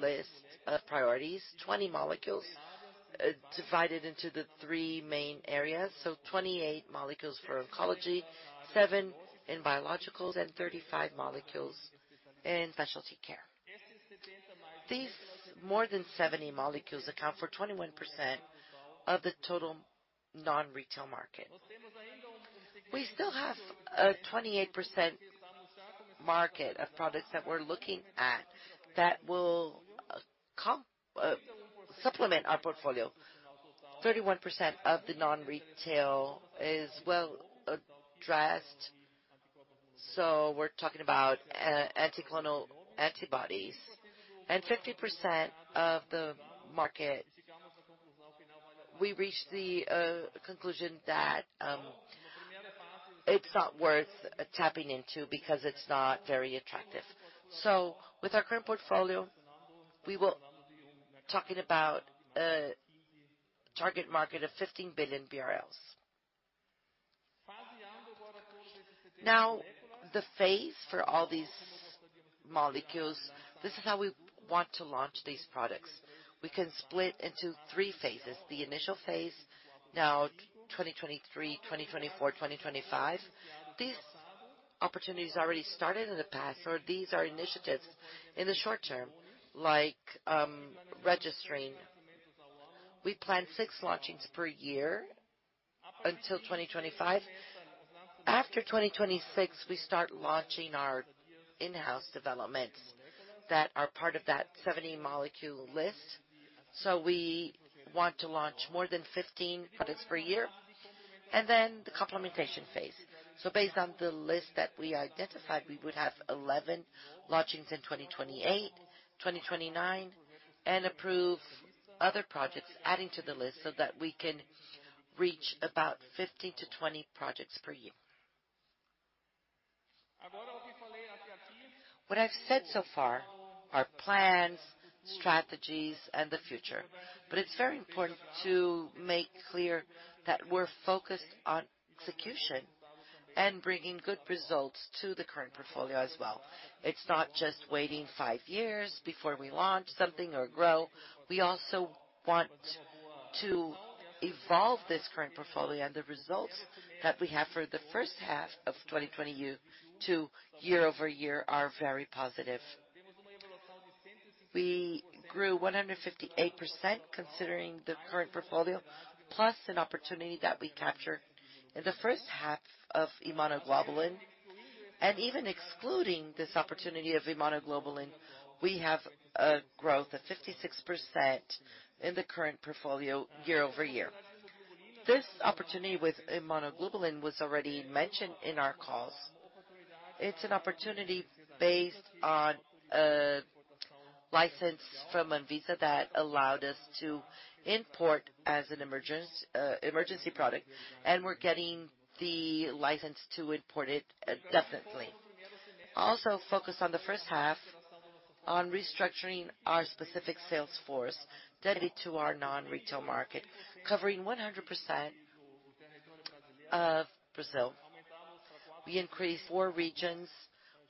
list of priorities, 20 molecules divided into the three main areas. 28 molecules for oncology, seven in biologicals, and 35 molecules in specialty care. These more than 70 molecules account for 21% of the total non-retail market. We still have a 28% market of products that we're looking at that will complement our portfolio. 31% of the non-retail is well addressed, so we're talking about monoclonal antibodies.50% of the market, we reached the conclusion that it's not worth tapping into because it's not very attractive. With our current portfolio, we're talking about a target market of 15 billion BRL. Now, the phase for all these molecules, this is how we want to launch these products. We can split into three phases. The initial phase, now 2023, 2024, 2025. These opportunities already started in the past, or these are initiatives in the short term, like registering. We plan six launchings per year until 2025. After 2026, we start launching our in-house developments that are part of that 70 molecule list. We want to launch more than 15 products per year. The complementation phase. Based on the list that we identified, we would have 11 launchings in 2028, 2029, and approve other projects adding to the list so that we can reach about 15 to 20 projects per year. What I've said so far are plans, strategies, and the future, but it's very important to make clear that we're focused on execution and bringing good results to the current portfolio as well. It's not just waiting five years before we launch something or grow. We also want to evolve this current portfolio, and the results that we have for the first half of 2020 year-over-year are very positive. We grew 158% considering the current portfolio, plus an opportunity that we captured in the first half of immunoglobulin. Even excluding this opportunity of immunoglobulin, we have a growth of 56% in the current portfolio year-over-year. This opportunity with immunoglobulin was already mentioned in our calls. It's an opportunity based on a license from Anvisa that allowed us to import as an emergency product, and we're getting the license to import it definitely. Also focus on the first half on restructuring our specific sales force dedicated to our non-retail market, covering 100% of Brazil. We increased four regions.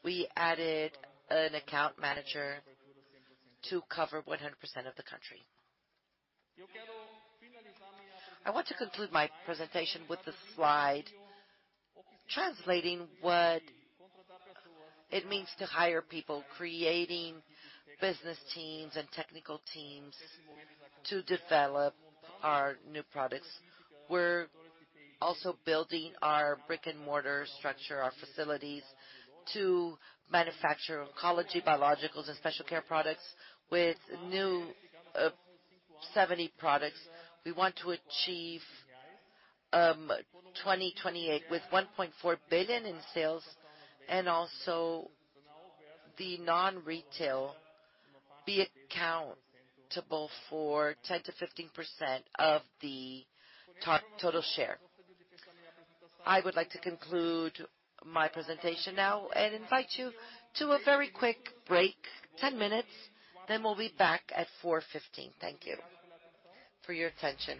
We added an account manager to cover 100% of the country. I want to conclude my presentation with this slide, translating what it means to hire people, creating business teams and technical teams to develop our new products. We're also building our brick-and-mortar structure, our facilities to manufacture oncology, biologicals, and special care products. With new 70 products, we want to achieve 2028 with 1.4 billion in sales and also the non-retail be accountable for 10%-15% of the total share. I would like to conclude my presentation now and invite you to a very quick break, 10 minutes, then we'll be back at 4:15 P.M. Thank you for your attention.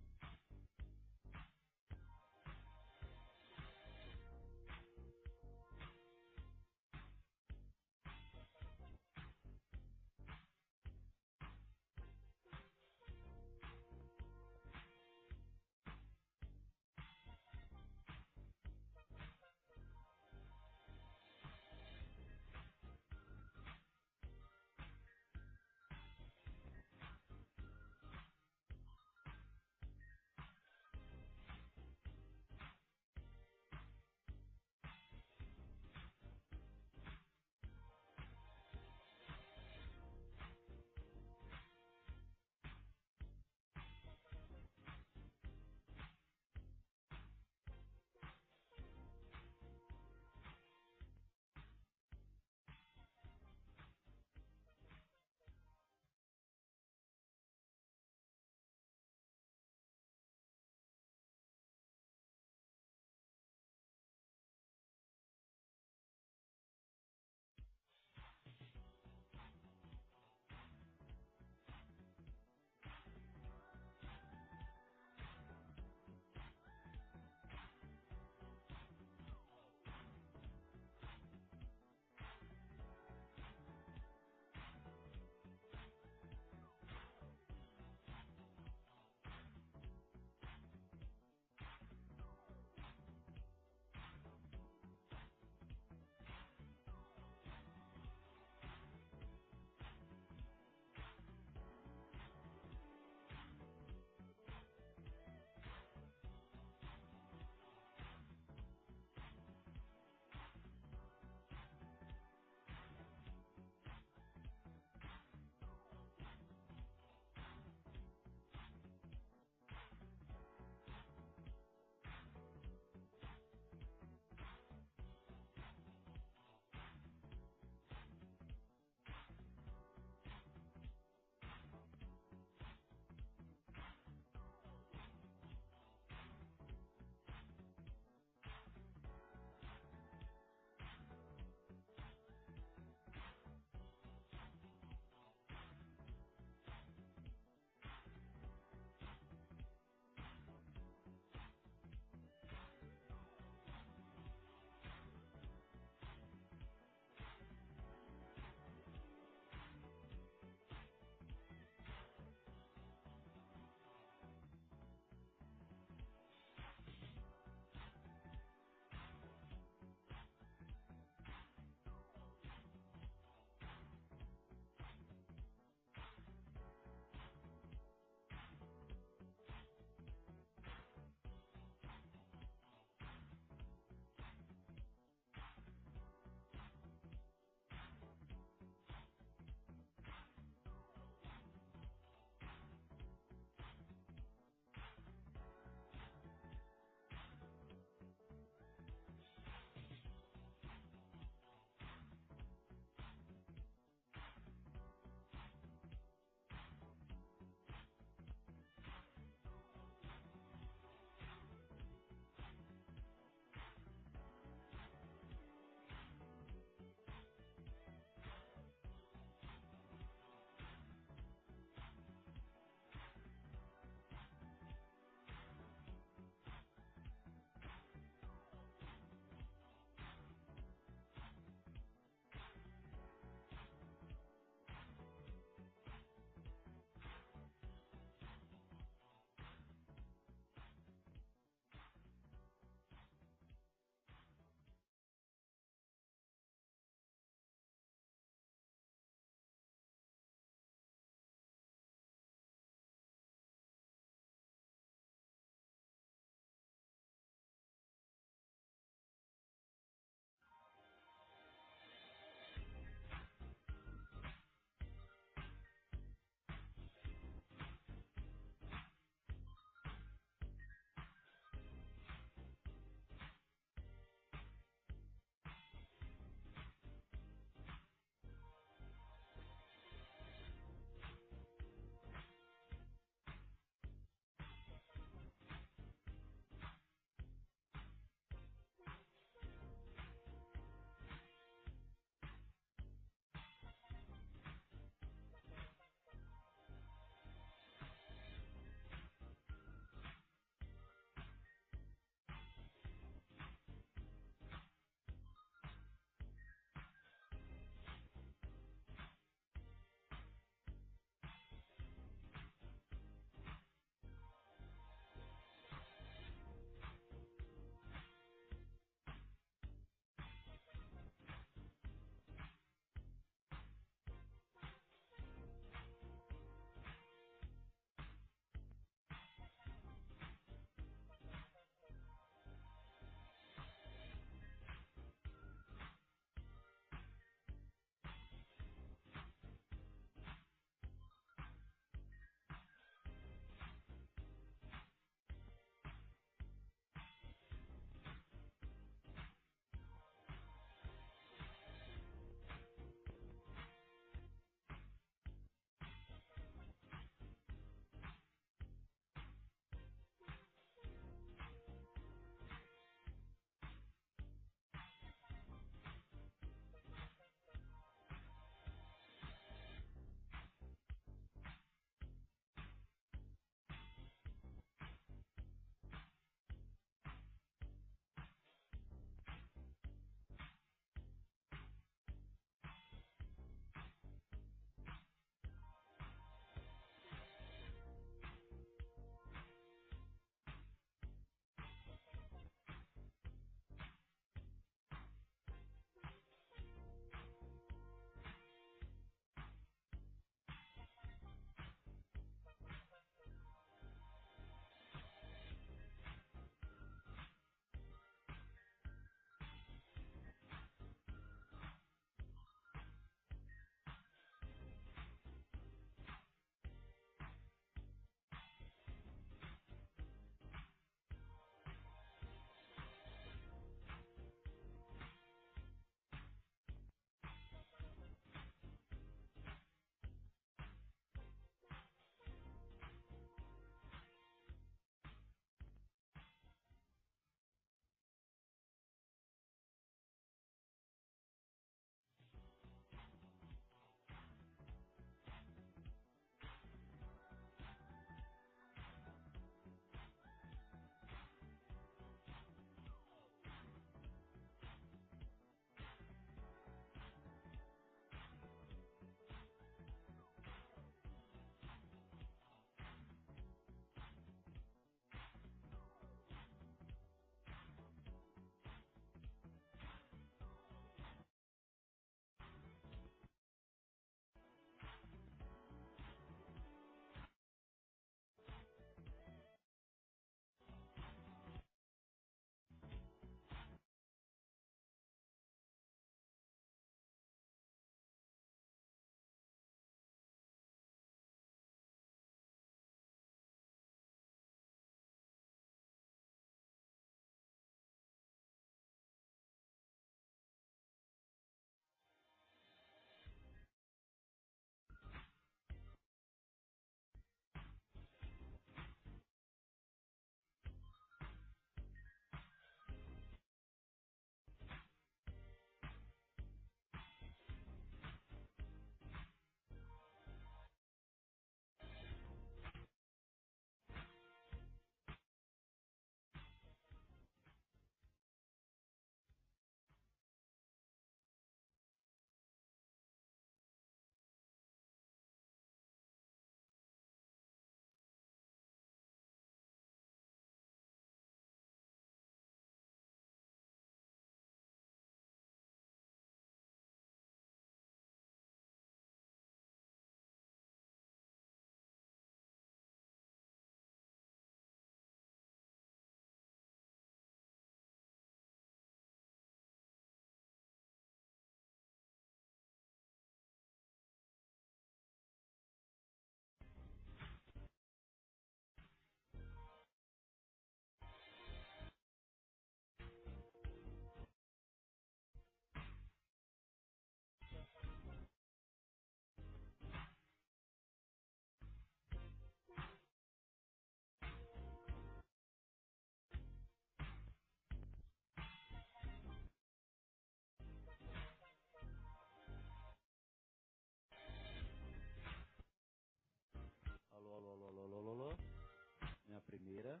Alô. Minha primeira.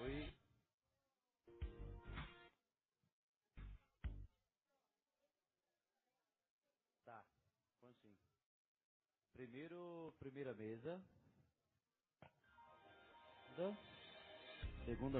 Oi. Tá, prontinho. Primeiro, primeira mesa. Segunda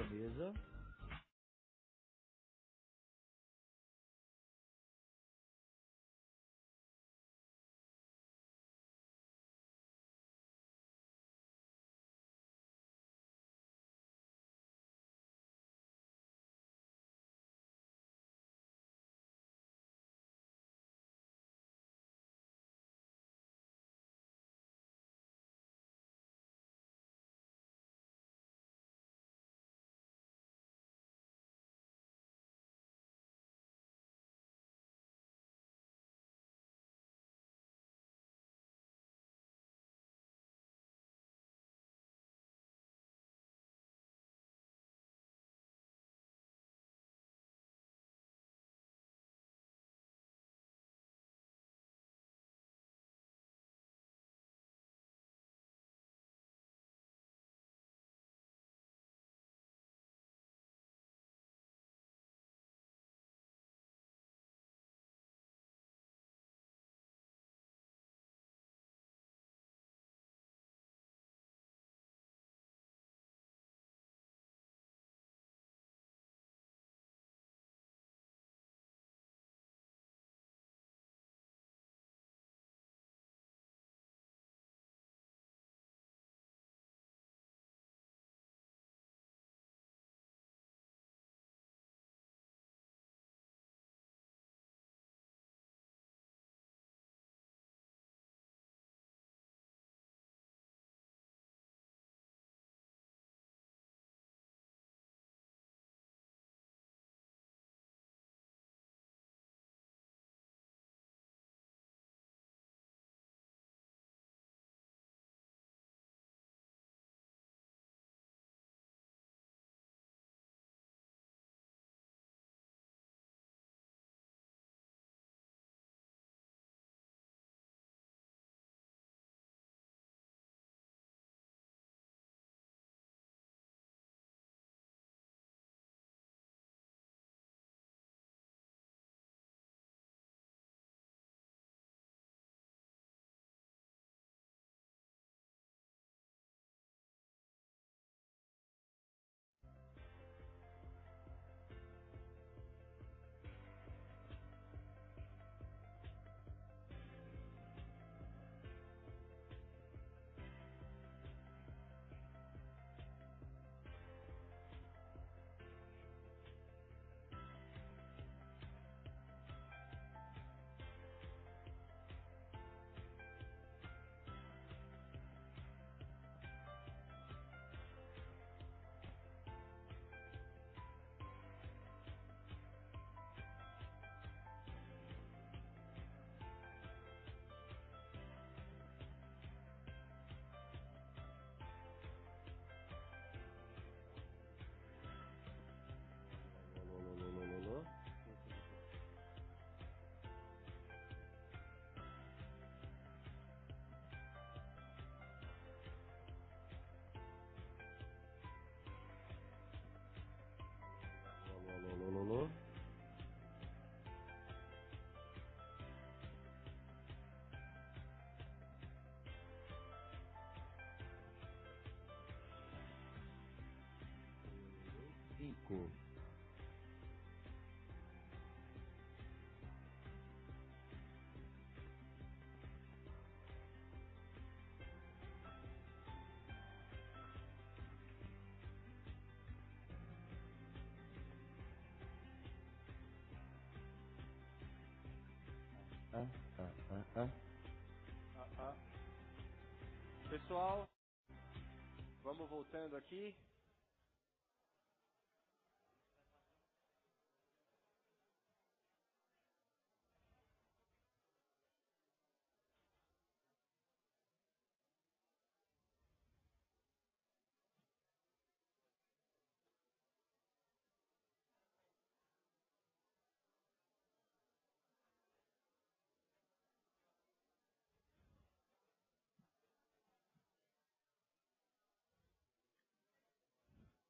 mesa.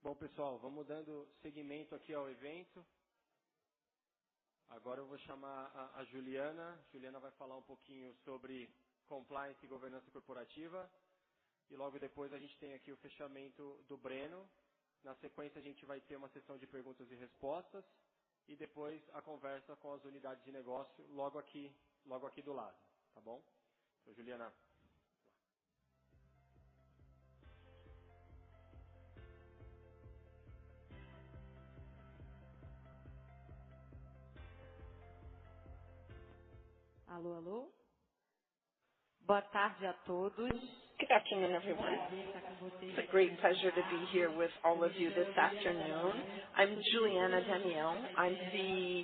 Bom, pessoal, vamos dando seguimento aqui ao evento. Agora eu vou chamar a Juliana. Juliana vai falar um pouquinho sobre compliance e governança corporativa. Logo depois a gente tem aqui o fechamento do Breno. Na sequência, a gente vai ter uma sessão de perguntas e respostas e depois a conversa com as unidades de negócio logo aqui, logo aqui do lado, tá bom? Juliana. Alô, alô. Boa tarde a todos. Good afternoon, everyone. It's a great pleasure to be here with all of you this afternoon. I'm Juliana Damião Salem. I'm the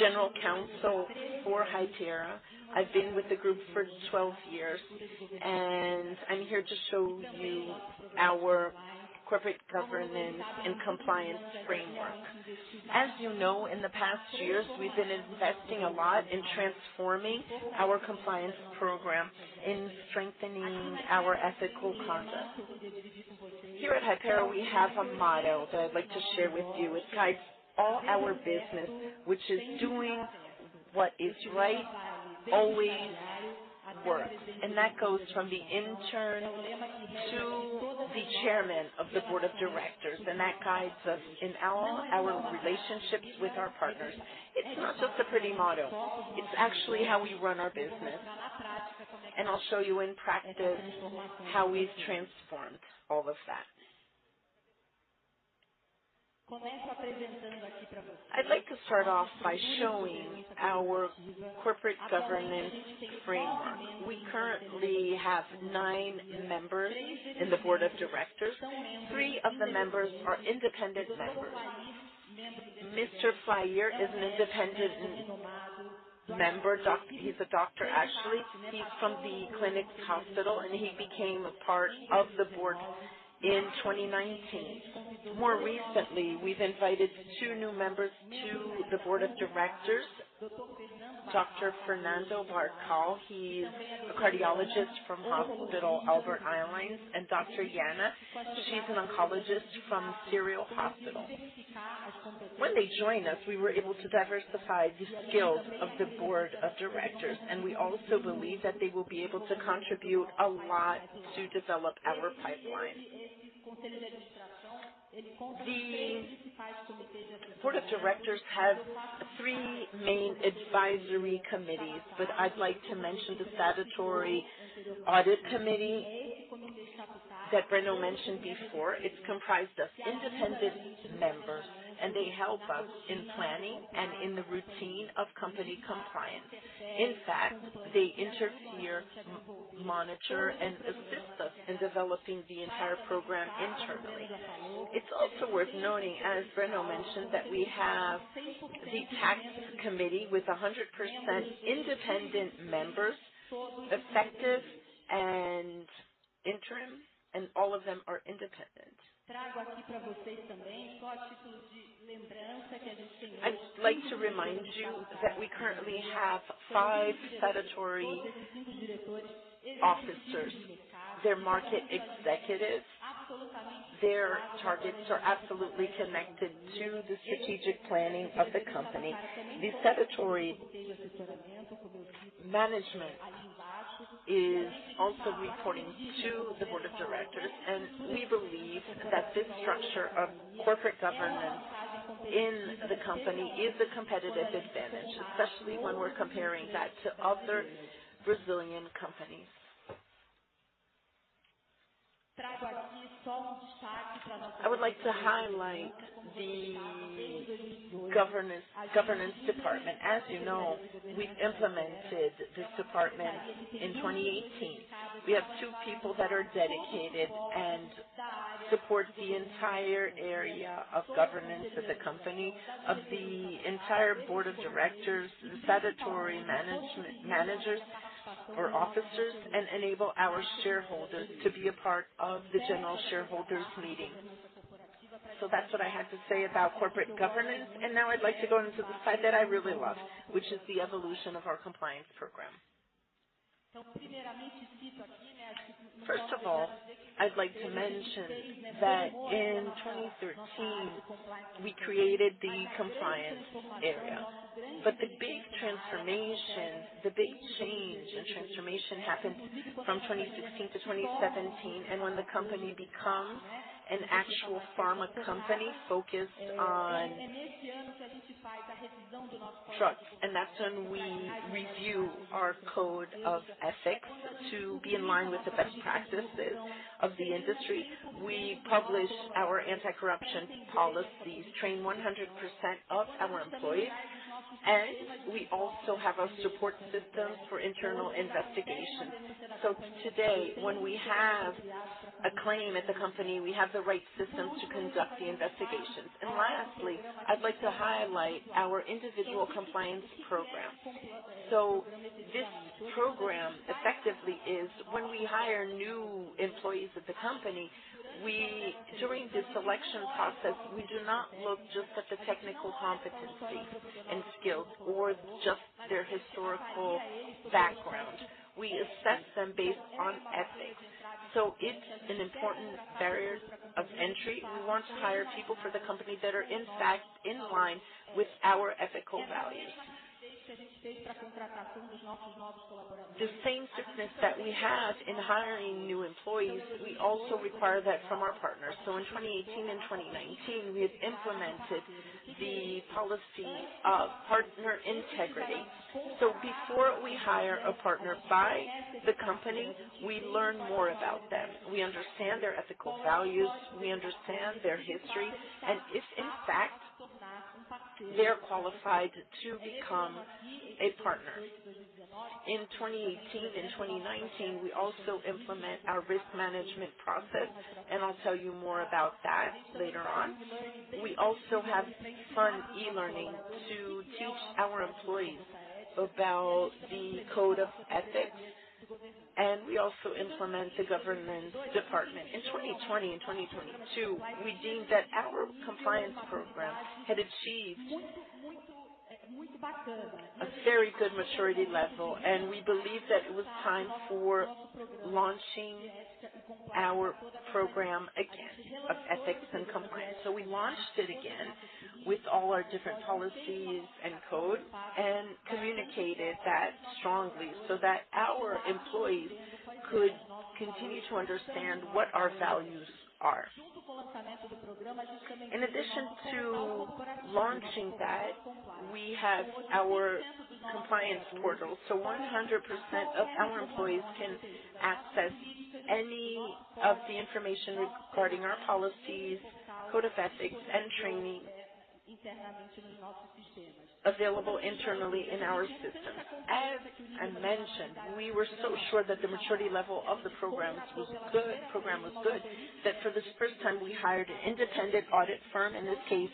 General Counsel for Hypera. I've been with the group for 12 years, and I'm here to show you our corporate governance and compliance framework. As you know, in the past years, we've been investing a lot in transforming our compliance program, in strengthening our ethical conduct. Here at Hypera, we have a motto that I'd like to share with you. It guides all our business, which is, Doing what is right always works. That goes from the intern to the chairman of the board of directors, and that guides us in all our relationships with our partners. It's not just a pretty motto, it's actually how we run our business. I'll show you in practice how we've transformed all of that. I'd like to start off by showing our corporate governance framework. We currently have nine members in the board of directors. Three of the members are independent members. Mr. Flávio is an independent member. He's a doctor, actually. He's from the Hospital das Clínicas, and he became a part of the board in 2019. More recently, we've invited two new members to the board of directors. Dr. Fernando Bacal, he's a cardiologist from Hospital Israelita Albert Einstein, and Dr. Yana, she's an oncologist from Hospital Sírio-Libanês. When they joined us, we were able to diversify the skills of the board of directors, and we also believe that they will be able to contribute a lot to develop our pipeline. The board of directors have three main advisory committees, but I'd like to mention the statutory audit committee that Breno mentioned before. It's comprised of independent members, and they help us in planning and in the routine of company compliance. In fact, they interfere, monitor, and assist us in developing the entire program internally. It's also worth noting, as Breno mentioned, that we have the tax committee with 100% independent members, effective and interim, and all of them are independent. I'd like to remind you that we currently have five statutory officers. They're market executives. Their targets are absolutely connected to the strategic planning of the company. The statutory management is also reporting to the board of directors, and we believe that this structure of corporate governance in the company is a competitive advantage, especially when we're comparing that to other Brazilian companies. I would like to highlight the governance department. As you know, we've implemented this department in 2018. We have two people that are dedicated and support the entire area of governance of the company, of the entire board of directors, the statutory management, managers or officers, and enable our shareholders to be a part of the general shareholders meeting. So that's what I had to say about corporate governance. Now I'd like to go into the side that I really love, which is the evolution of our compliance program. First of all, I'd like to mention that in 2013, we created the compliance area. The big transformation, the big change and transformation happened from 2016 to 2017, and when the company becomes an actual pharma company focused on drugs, and that's when we review our code of ethics to be in line with the best practices of the industry. We publish our anti-corruption policies, train 100% of our employees, and we also have a support system for internal investigations. Today, when we have a claim at the company, we have the right systems to conduct the investigations. Lastly, I'd like to highlight our individual compliance program. This program effectively is when we hire new employees at the company. During the selection process, we do not look just at the technical competency and skills or just their historical background. We assess them based on ethics. It's an important barrier of entry. We want to hire people for the company that are in fact in line with our ethical values. The same strictness that we have in hiring new employees, we also require that from our partners. In 2018 and 2019, we have implemented the policy of partner integrity. Before we hire a partner for the company, we learn more about them. We understand their ethical values, we understand their history, and if in fact they are qualified to become a partner. In 2018 and 2019, we also implement our risk management process, and I'll tell you more about that later on. We also have an e-learning to teach our employees about the code of ethics, and we also implement the governance department. In 2020 and 2022, we deemed that our compliance program had achieved a very good maturity level, and we believed that it was time for launching our program again of ethics and compliance. We launched it again with all our different policies and code and communicated that strongly so that our employees could continue to understand what our values are. In addition to launching that, we have our compliance portal, so 100% of our employees can access any of the information regarding our policies, code of ethics and training available internally in our system. As I mentioned, we were so sure that the maturity level of the program was good that for the first time we hired an independent audit firm, in this case,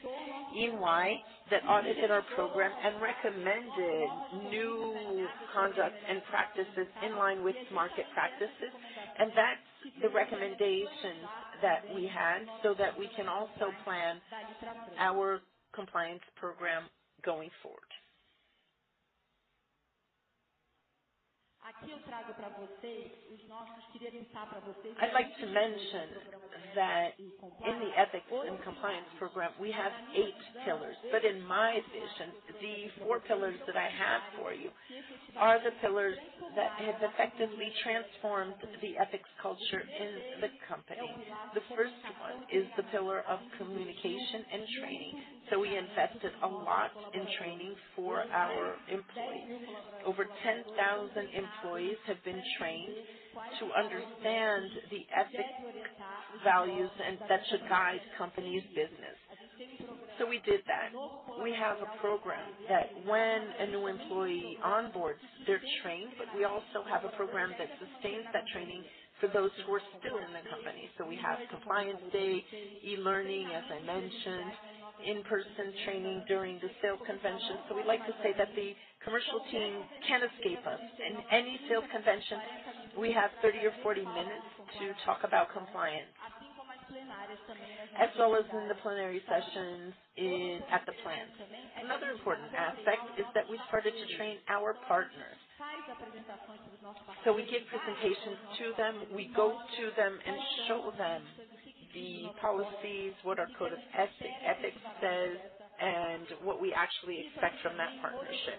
EY, that audited our program and recommended new conduct and practices in line with market practices. That's the recommendations that we had so that we can also plan our compliance program going forward. I'd like to mention that in the ethics and compliance program we have eight pillars. In my vision, the four pillars that I have for you are the pillars that have effectively transformed the ethics culture in the company. The first one is the pillar of communication and training. We invested a lot in training for our employees. Over 10,000 employees have been trained to understand the ethics values and that should guide company's business. We did that. We have a program that when a new employee onboards, they're trained, but we also have a program that sustains that training for those who are still in the company. We have compliance day, e-learning, as I mentioned, in-person training during the sales convention. We like to say that the commercial team can't escape us. In any sales convention, we have 30 or 40 minutes to talk about compliance, as well as in the plenary sessions at the plant. Another important aspect is that we started to train our partners. We give presentations to them. We go to them and show them the policies, what our code of ethics says, and what we actually expect from that partnership.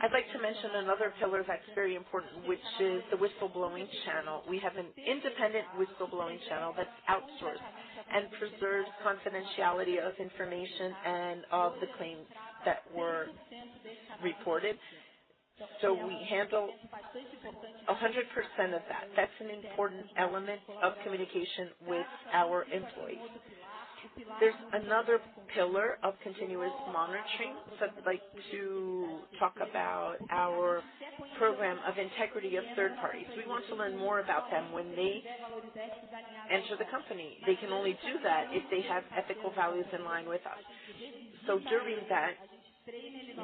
I'd like to mention another pillar that's very important, which is the whistleblowing channel. We have an independent whistleblowing channel that's outsourced and preserves confidentiality of information and of the claims that were reported. We handle 100% of that. That's an important element of communication with our employees. There's another pillar of continuous monitoring. I'd like to talk about our program of integrity of third parties. We want to learn more about them when they enter the company. They can only do that if they have ethical values in line with us. During that,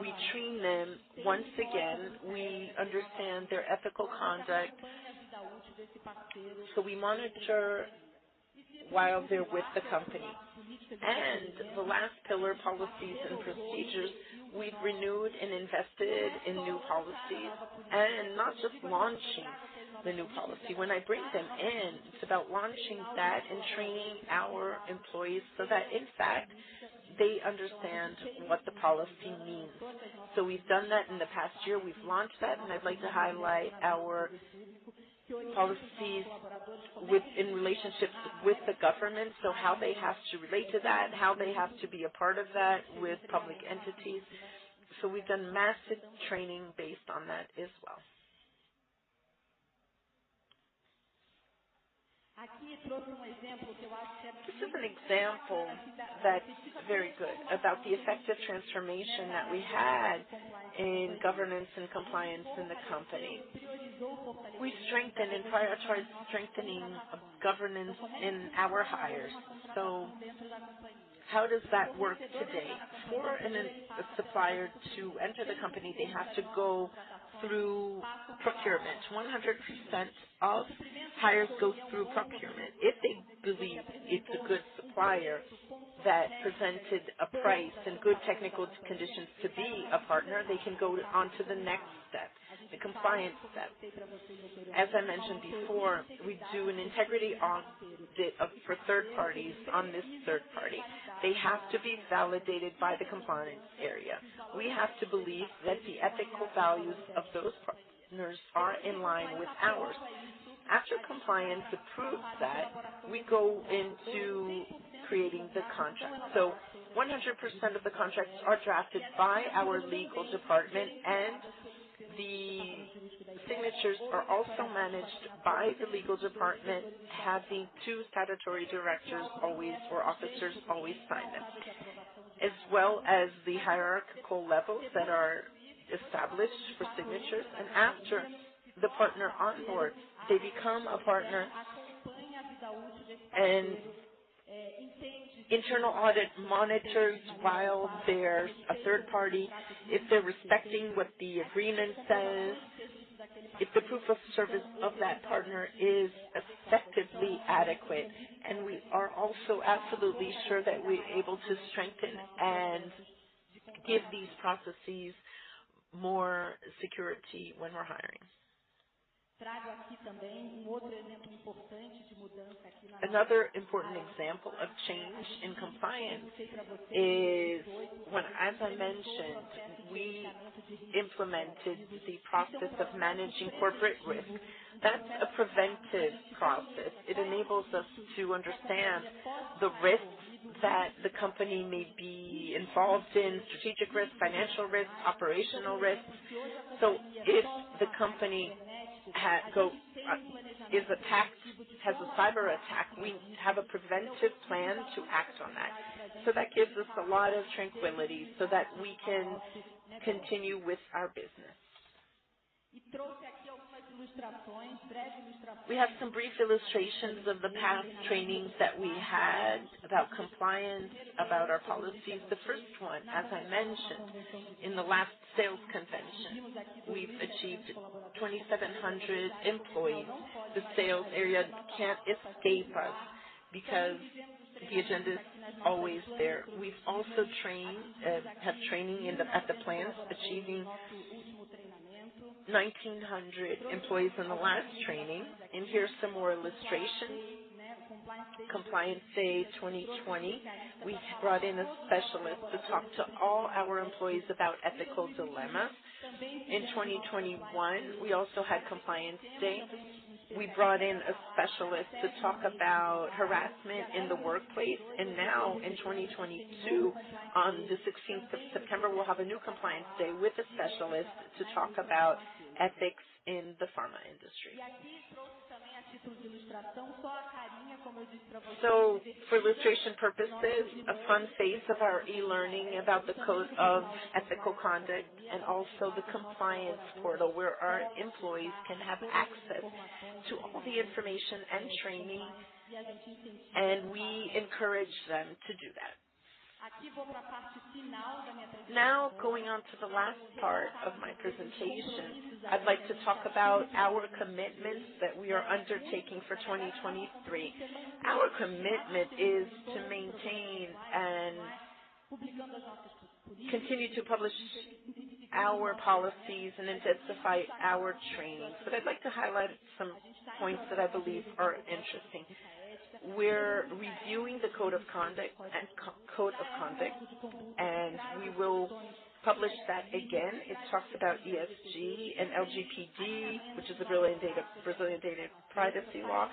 we train them. Once again, we understand their ethical conduct, so we monitor while they're with the company. The last pillar, policies and procedures. We've renewed and invested in new policies and not just launching the new policy. When I bring them in, it's about launching that and training our employees so that in fact they understand what the policy means. We've done that in the past year. We've launched that, and I'd like to highlight our policies with in relationships with the government. How they have to relate to that, how they have to be a part of that with public entities. We've done massive training based on that as well. This is an example that's very good about the effective transformation that we had in governance and compliance in the company. We strengthened and prioritized strengthening of governance in our hires. How does that work today? For a supplier to enter the company, they have to go through procurement. 100% of hires go through procurement. If they believe it's a good supplier that presented a price and good technical conditions to be a partner, they can go on to the next step. The compliance step. As I mentioned before, we do an integrity audit for third parties on this third party. They have to be validated by the compliance area. We have to believe that the ethical values of those partners are in line with ours. After compliance approves that, we go into creating the contract. 100% of the contracts are drafted by our legal department, and the signatures are also managed by the legal department, have the two statutory directors or officers always sign them, as well as the hierarchical levels that are established for signatures. After the partner on board, they become a partner and internal audit monitors while they're a third party, if they're respecting what the agreement says, if the proof of service of that partner is effectively adequate. We are also absolutely sure that we're able to strengthen and give these processes more security when we're hiring. Another important example of change in compliance is when, as I mentioned, we implemented the process of managing corporate risk. That's a preventive process. It enables us to understand the risks that the company may be involved in, strategic risks, financial risks, operational risks. If the company is attacked, has a cyber attack, we have a preventive plan to act on that. That gives us a lot of tranquility so that we can continue with our business. We have some brief illustrations of the past trainings that we had about compliance, about our policies. The first one, as I mentioned, in the last sales convention, we've achieved 2,700 employees. The sales area can't escape us because the agenda is always there. We've also trained at the plants, achieving 1,900 employees in the last training. Here are some more illustrations. Compliance Day 2020, we brought in a specialist to talk to all our employees about ethical dilemma. In 2021, we also had Compliance Day. We brought in a specialist to talk about harassment in the workplace. Now in 2022, on the sixteenth of September, we'll have a new Compliance Day with a specialist to talk about ethics in the pharma industry. For illustration purposes, a fun phase of our e-learning about the code of ethical conduct and also the compliance portal where our employees can have access to all the information and training, and we encourage them to do that. Now, going on to the last part of my presentation, I'd like to talk about our commitments that we are undertaking for 2023. Our commitment is to maintain and continue to publish our policies and intensify our training. I'd like to highlight some points that I believe are interesting. We're reviewing the code of conduct, and we will publish that again. It talks about ESG and LGPD, which is the Brazilian Data Privacy Law.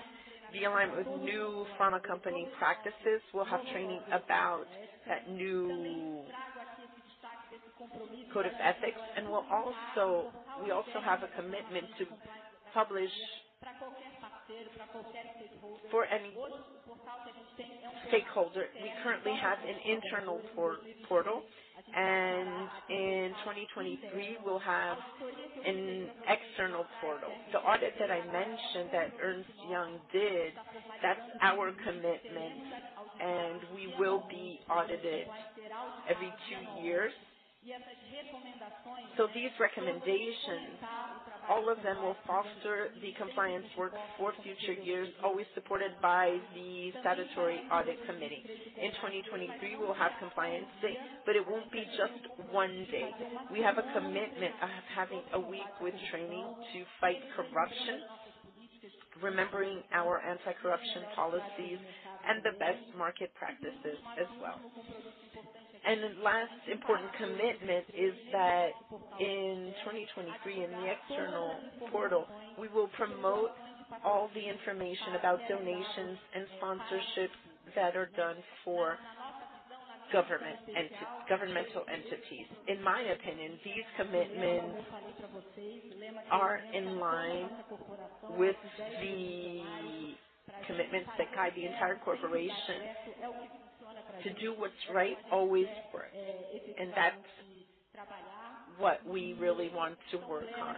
The alignment with new pharma company practices. We'll have training about that new code of ethics, and we'll also have a commitment to publish for any stakeholder. We currently have an internal portal, and in 2023, we'll have an external portal. The audit that I mentioned that Ernst & Young did, that's our commitment, and we will be audited every two years. These recommendations, all of them will foster the compliance work for future years, always supported by the statutory audit committee. In 2023, we'll have Compliance Day, but it won't be just one day. We have a commitment of having a week with training to fight corruption, remembering our anti-corruption policies and the best market practices as well. The last important commitment is that in 2023, in the external portal, we will promote all the information about donations and sponsorships that are done for governmental entities. In my opinion, these commitments are in line with the commitments that guide the entire corporation to do what's right always work. That's what we really want to work on.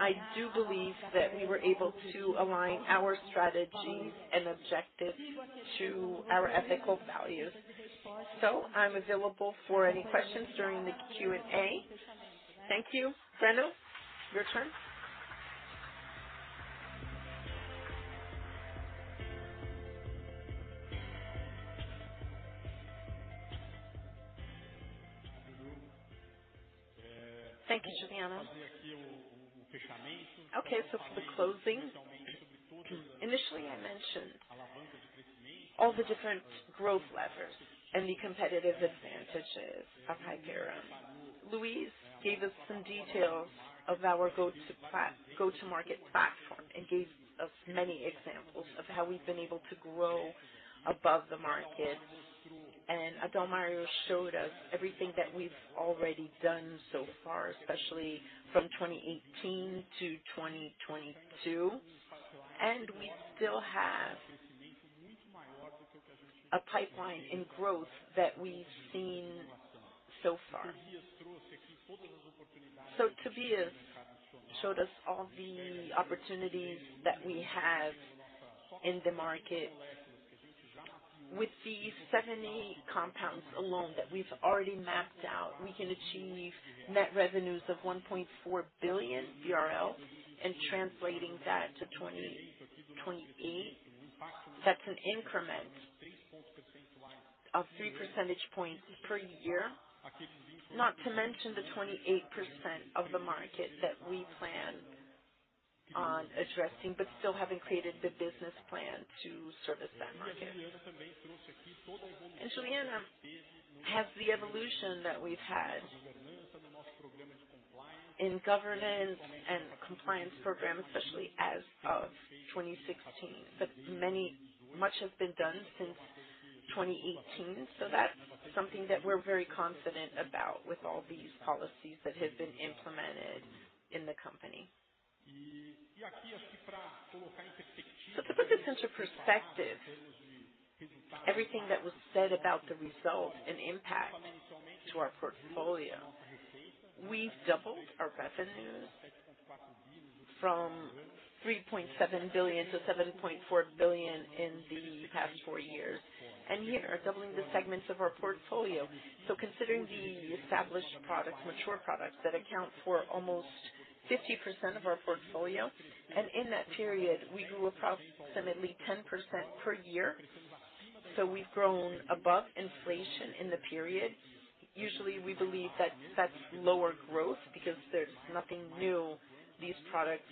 I do believe that we were able to align our strategies and objectives to our ethical values. I'm available for any questions during the Q&A. Thank you. Breno, your turn. Thank you, Juliana. Okay, for the closing. Initially, I mentioned all the different growth levers and the competitive advantages of Hypera. Luiz gave us some details of our go-to-market platform and gave us many examples of how we've been able to grow above the market. Adalmario showed us everything that we've already done so far, especially from 2018 to 2022. We still have a pipeline in growth that we've seen so far. Tobias showed us all the opportunities that we have in the market. With these 70 compounds alone that we've already mapped out, we can achieve net revenues of 1.4 billion BRL. Translating that to 2028, that's an increment of three percentage points per year. Not to mention the 28% of the market that we plan on addressing, but still haven't created the business plan to service that market. Juliana has the evolution that we've had in governance and compliance program, especially as of 2016. Much has been done since 2018, so that's something that we're very confident about with all these policies that have been implemented in the company. To put this into perspective, everything that was said about the results and impact to our portfolio, we've doubled our revenues from 3.7 billion to 7.4 billion in the past four years, and year, doubling the segments of our portfolio. Considering the established products, mature products that account for almost 50% of our portfolio, and in that period, we grew approximately 10% per year. We've grown above inflation in the period. Usually, we believe that that's lower growth because there's nothing new. These products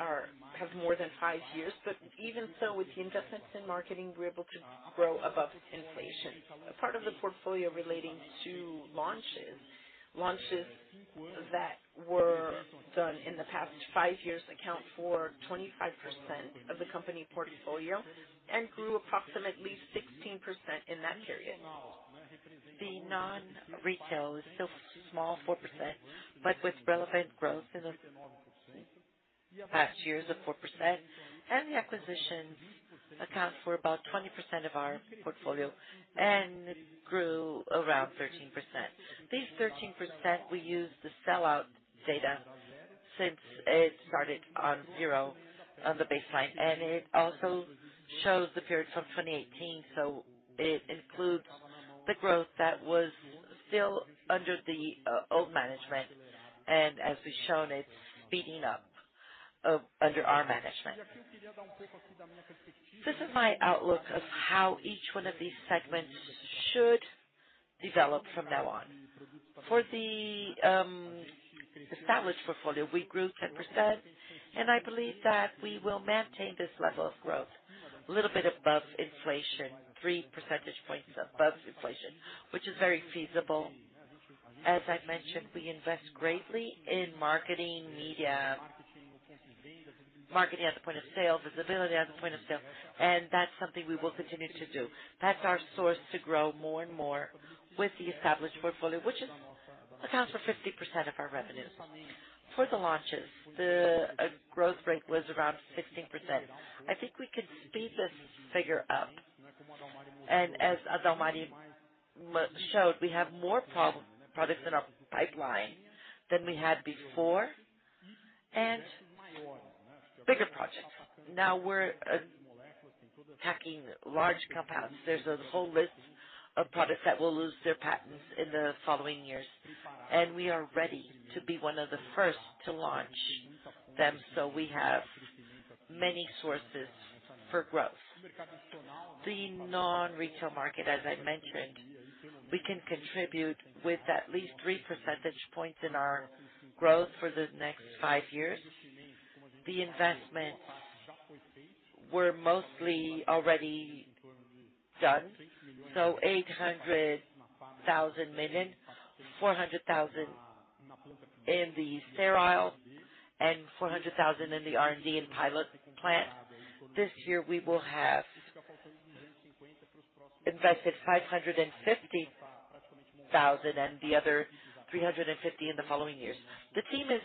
have more than five years. Even so, with the investments in marketing, we're able to grow above inflation. A part of the portfolio relating to launches. Launches that were done in the past five years account for 25% of the company portfolio and grew approximately 16% in that period. The non-retail is still small, 4%, but with relevant growth in the past years of 4%. The acquisitions account for about 20% of our portfolio and grew around 13%. These 13%, we use the sellout data since it started on zero on the baseline. It also shows the period from 2018, so it includes the growth that was still under the old management. As we've shown, it's speeding up under our management. This is my outlook of how each one of these segments should develop from now on. For the established portfolio, we grew 10%, and I believe that we will maintain this level of growth a little bit above inflation, three percentage points above inflation, which is very feasible. As I mentioned, we invest greatly in marketing, media, marketing at the point of sale, visibility at the point of sale, and that's something we will continue to do. That's our source to grow more and more with the established portfolio, which accounts for 50% of our revenues. For the launches, the growth rate was around 16%. I think we could speed this figure up. As Adalmario showed, we have more products in our pipeline than we had before, and bigger projects. Now we're packing large compounds. There's a whole list of products that will lose their patents in the following years, and we are ready to be one of the first to launch them, so we have many sources for growth. The non-retail market, as I mentioned, we can contribute with at least three percentage points in our growth for the next five years. The investments were mostly already done. 800 million, 400 million in the sterile and 400 million in the R&D and pilot plant. This year, we will have invested 550 million and the other 350 million in the following years. The team is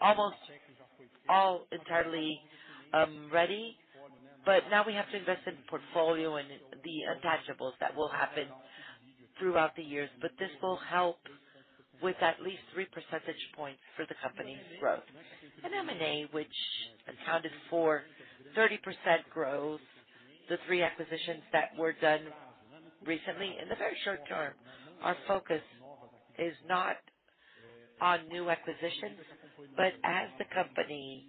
almost all entirely ready. Now we have to invest in portfolio and the intangibles that will happen throughout the years. This will help with at least three percentage points for the company's growth. M&A, which accounted for 30% growth. The 3 acquisitions that were done recently. In the very short term, our focus is not on new acquisitions. As the company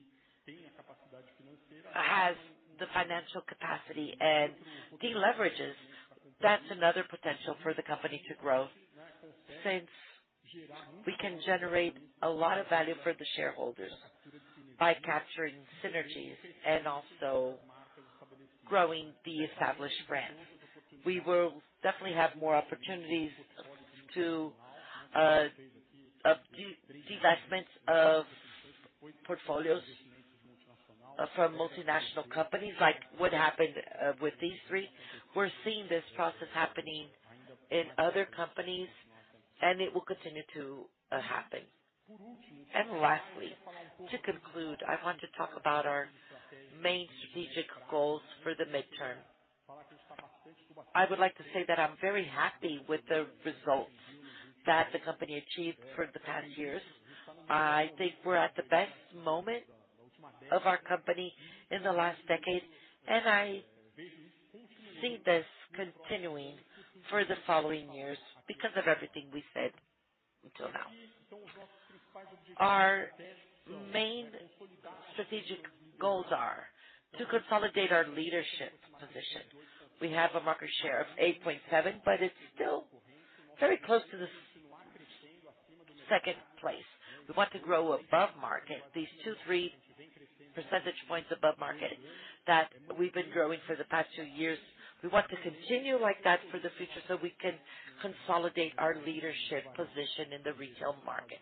has the financial capacity and de-leverages, that's another potential for the company to grow. Since we can generate a lot of value for the shareholders by capturing synergies and also growing the established brand. We will definitely have more opportunities to divestments of portfolios from multinational companies like what happened with these three. We're seeing this process happening in other companies, and it will continue to happen. Lastly, to conclude, I want to talk about our main strategic goals for the midterm. I would like to say that I'm very happy with the results that the company achieved for the past years. I think we're at the best moment of our company in the last decade, and I see this continuing for the following years because of everything we said until now. Our main strategic goals are to consolidate our leadership position. We have a market share of 8.7%, but it's still very close to the second place. We want to grow above market. These two-three percentage points above market that we've been growing for the past two years, we want to continue like that for the future so we can consolidate our leadership position in the retail market.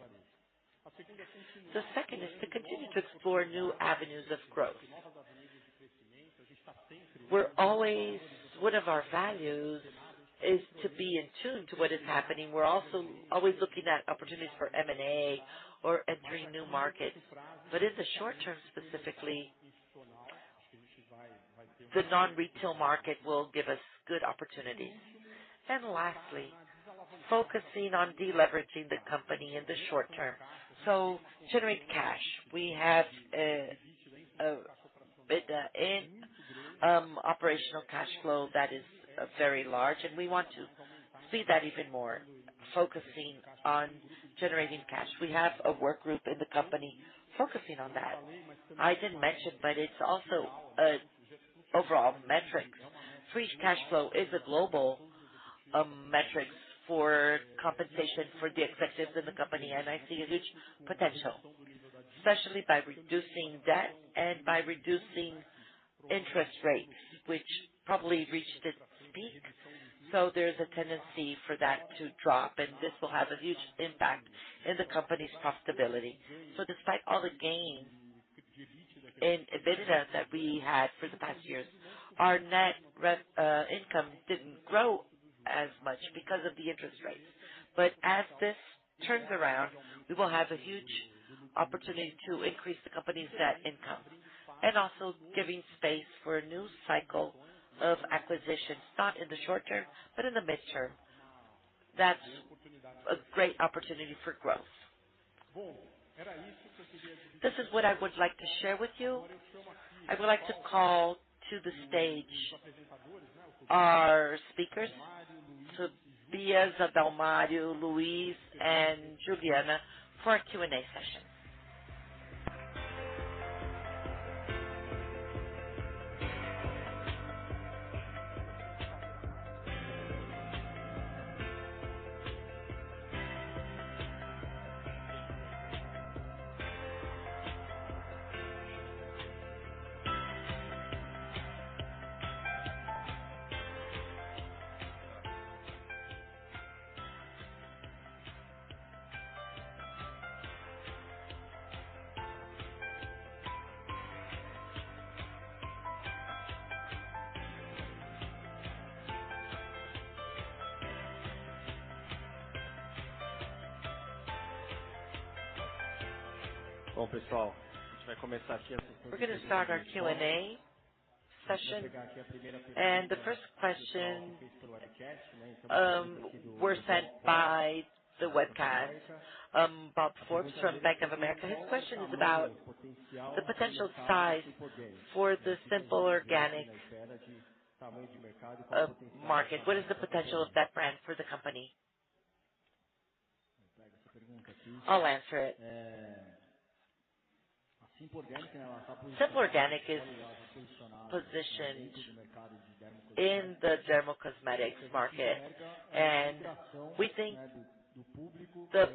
The second is to continue to explore new avenues of growth. One of our values is to be in tune to what is happening. We're also always looking at opportunities for M&A or entering new markets. In the short term, specifically, the non-retail market will give us good opportunities. Lastly, focusing on de-leveraging the company in the short term. Generate cash. We have a operational cash flow that is very large, and we want to see that even more, focusing on generating cash. We have a work group in the company focusing on that. I didn't mention, but it's also a overall metric. Free cash flow is a global metric for compensation for the executives in the company, and I see a huge potential. Especially by reducing debt and by reducing interest rates, which probably reached its peak. There's a tendency for that to drop, and this will have a huge impact in the company's profitability. Despite all the gain in EBITDA that we had for the past years, our net income didn't grow as much because of the interest rates. As this turns around, we will have a huge opportunity to increase the company's net income. Also giving space for a new cycle of acquisitions, not in the short term, but in the midterm. That's a great opportunity for growth. This is what I would like to share with you. I would like to call to the stage our speakers, Tobias, Adalmario, Luiz, and Juliana for our Q&A session. We're gonna start our Q&A session. The first question were sent by the webcast. Robert Ford from Bank of America. His question is about the potential size for the Simple Organic market. What is the potential of that brand for the company? I'll answer it. Simple Organic is positioned in the dermocosmetics market, and we think the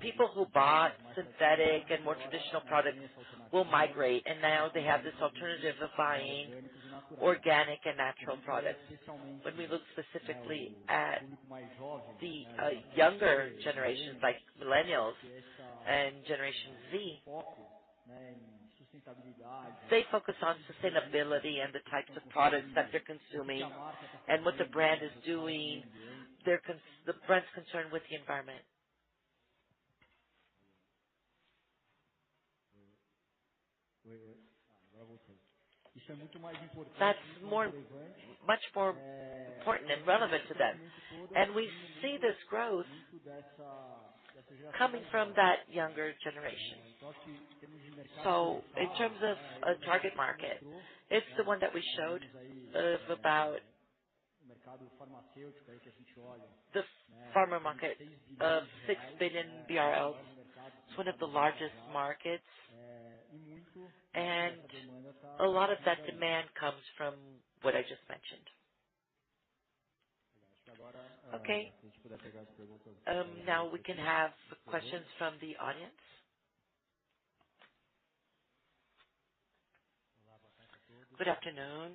people who bought synthetic and more traditional products will migrate, and now they have this alternative of buying organic and natural products. When we look specifically at the younger generations like Millennials and Generation Z, they focus on sustainability and the types of products that they're consuming and what the brand is doing. The brand's concerned with the environment. That's much more important and relevant to them. We see this growth coming from that younger generation. In terms of a target market, it's the one that we showed of about the pharma market of 6 billion BRL. It's one of the largest markets, and a lot of that demand comes from what I just mentioned. Okay. Now we can have some questions from the audience. Good afternoon.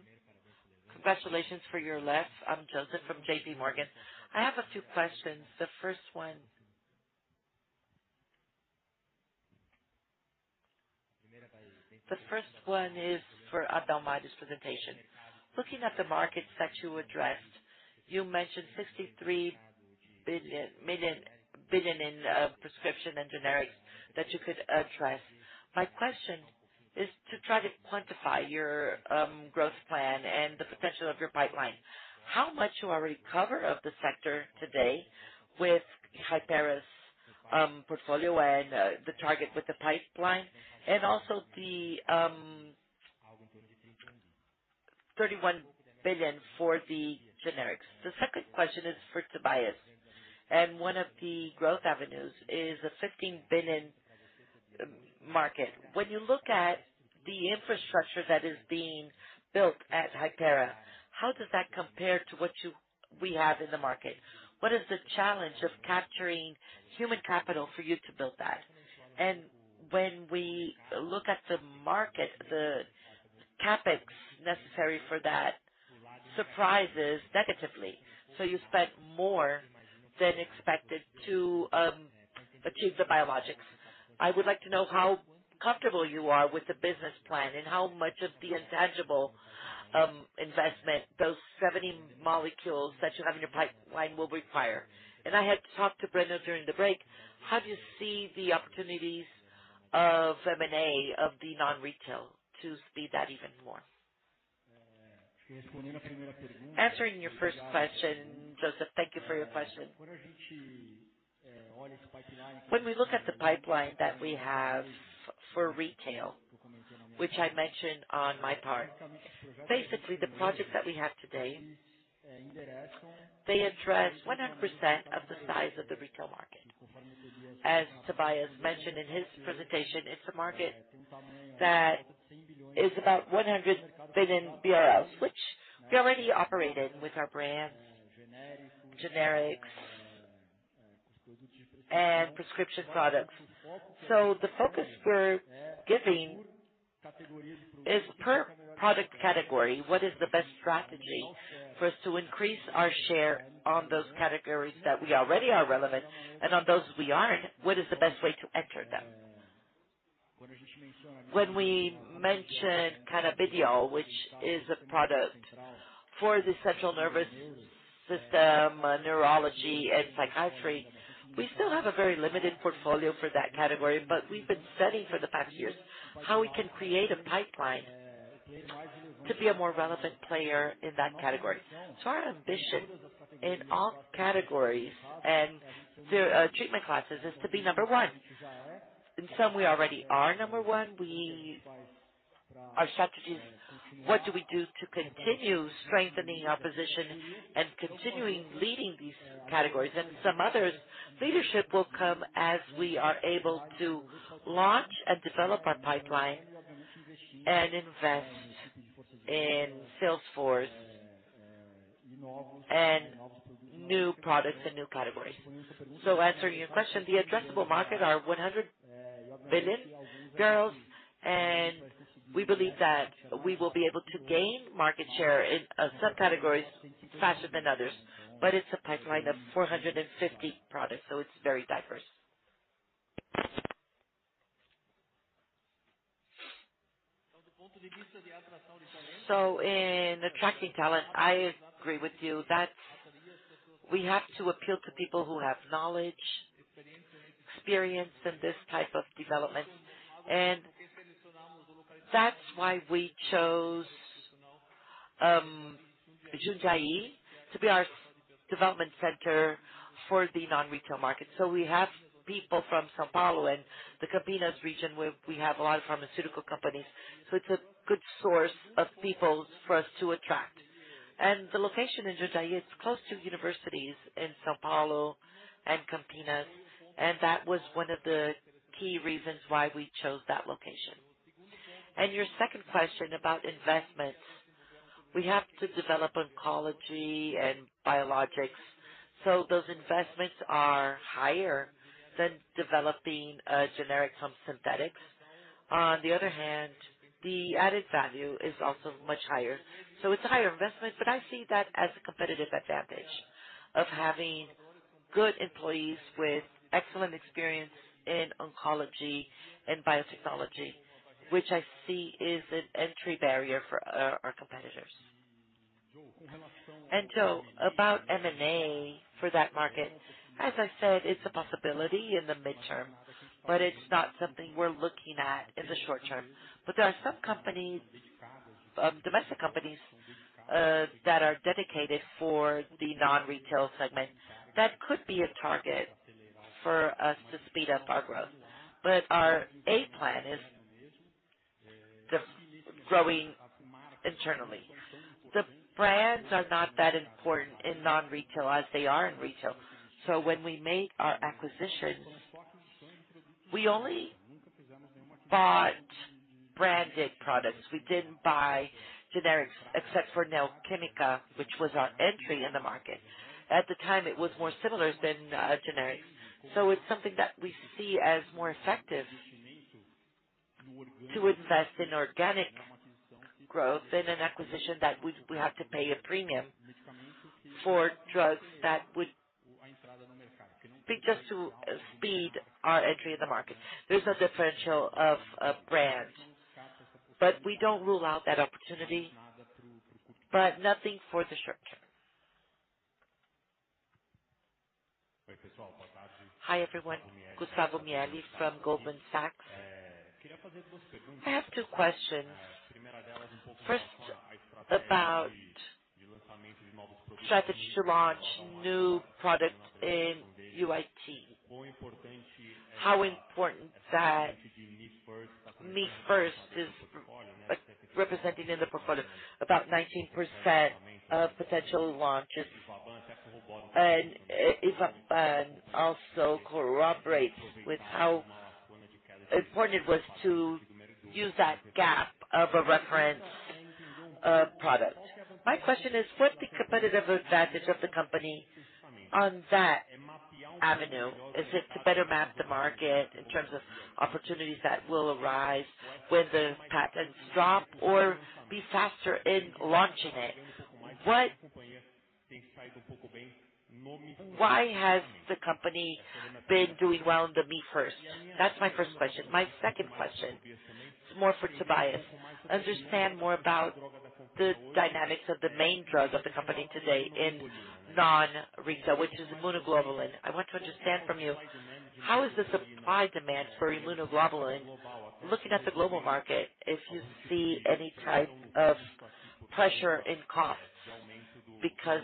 Congratulations for your results. I'm Joseph from JP Morgan. I have a few questions. The first one is for Adalmario's presentation. Looking at the markets that you addressed, you mentioned 63 billion in prescription and generics that you could address. My question is to try to quantify your growth plan and the potential of your pipeline. How much you already cover of the sector today with Hypera's portfolio and the target with the pipeline and also the 31 billion for the generics. The second question is for Tobias, and one of the growth avenues is a 15 billion market. When you look at the infrastructure that is being built at Hypera, how does that compare to what you have in the market? What is the challenge of capturing human capital for you to build that? When we look at the market, the CapEx necessary for that surprises negatively. You spent more than expected to achieve the biologics. I would like to know how comfortable you are with the business plan and how much of the intangible investment, those 70 molecules that you have in your pipeline will require. I had talked to Breno during the break. How do you see the opportunities of M&A, of the non-retail to speed that even more? Answering your first question, Joseph. Thank you for your question. When we look at the pipeline that we have for retail, which I mentioned on my part, basically the projects that we have today, they address 100% of the size of the retail market. As Tobias mentioned in his presentation, it's a market that is about 100 billion BRL, which we already operate in with our brands, generics, and prescription products. The focus we're giving is per product category. What is the best strategy for us to increase our share on those categories that we already are relevant, and on those we aren't, what is the best way to enter them? When we mention Cannabidiol, which is a product for the central nervous system, neurology and psychiatry, we still have a very limited portfolio for that category, but we've been studying for the past years how we can create a pipeline to be a more relevant player in that category. Our ambition in all categories and the treatment classes is to be number one. In some, we already are number one. Our strategy is what do we do to continue strengthening our position and continuing leading these categories. In some others, leadership will come as we are able to launch and develop our pipeline and invest in sales force and new products and new categories. Answering your question, the addressable market are 100 billion, and we believe that we will be able to gain market share in subcategories faster than others, but it's a pipeline of 450 products, so it's very diverse. In attracting talent, I agree with you that we have to appeal to people who have knowledge, experience in this type of development, and that's why we chose Jundiaí to be our development center for the non-retail market. We have people from São Paulo and the Campinas region, where we have a lot of pharmaceutical companies, so it's a good source of people for us to attract. The location in Jundiaí, it's close to universities in São Paulo and Campinas, and that was one of the key reasons why we chose that location. Your second question about investments. We have to develop oncology and biologics, so those investments are higher than developing generic synthetics. On the other hand, the added value is also much higher. It's a higher investment, but I see that as a competitive advantage of having good employees with excellent experience in oncology and biotechnology, which I see is an entry barrier for our competitors. About M&A for that market, as I said, it's a possibility in the mid-term, but it's not something we're looking at in the short term. There are some companies, domestic companies, that are dedicated for the non-retail segment that could be a target for us to speed up our growth. Our plan is to grow internally. The brands are not that important in non-retail as they are in retail. When we made our acquisitions, we only bought branded products. We didn't buy generics except for Neo Química, which was our entry in the market. At the time, it was more similar than generics. It's something that we see as more effective to invest in organic growth than an acquisition that we have to pay a premium for drugs that would be just to speed our entry in the market. There's no differential of brand. We don't rule out that opportunity, but nothing for the short term. Hi, everyone. Gustavo Miele from Goldman Sachs. I have two questions. First, about strategy to launch new products in OTC. How important that me first is representing in the portfolio about 19% of potential launches. Also corroborate with how important it was to use that gap of a reference product. My question is, what's the competitive advantage of the company on that avenue? Is it to better map the market in terms of opportunities that will arise when the patents drop or be faster in launching it? Why has the company been doing well in the me first? That's my first question. My second question is more for Tobias. Understand more about the dynamics of the main drug of the company today in non-retail, which is immunoglobulins. I want to understand from you, how is the supply-demand for immunoglobulin? Looking at the global market, if you see any type of pressure in costs because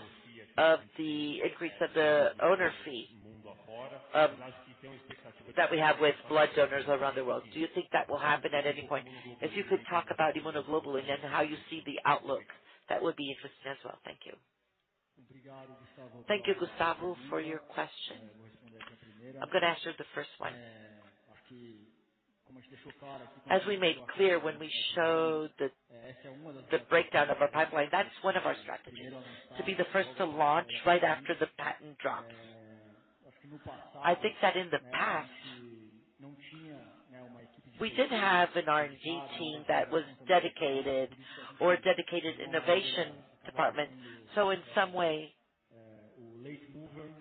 of the increase of the donor fee that we have with blood donors around the world? Do you think that will happen at any point? If you could talk about immunoglobulin and how you see the outlook, that would be interesting as well. Thank you. Thank you, Gustavo, for your question. I'm gonna answer the first one. As we made clear when we showed the breakdown of our pipeline, that's one of our strategies, to be the first to launch right after the patent drops. I think that in the past, we didn't have an R&D team that was dedicated or a dedicated innovation department. In some way,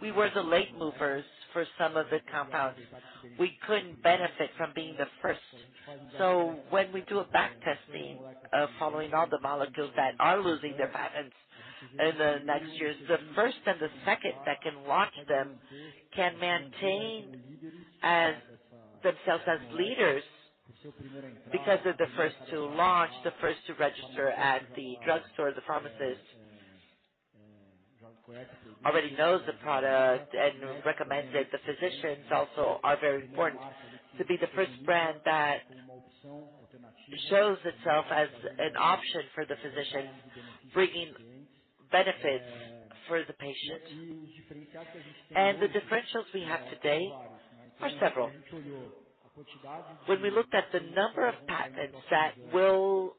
we were the late movers for some of the compounds. We couldn't benefit from being the first. When we do a backtesting of following all the molecules that are losing their patents in the next years, the first and the second that can launch them can maintain as, themselves as leaders, because they're the first to launch, the first to register at the drugstore. The pharmacist already knows the product and recommends it. The physicians also are very important. To be the first brand that shows itself as an option for the physician, bringing benefits for the patient. The differentials we have today are several. When we looked at the number of patents that will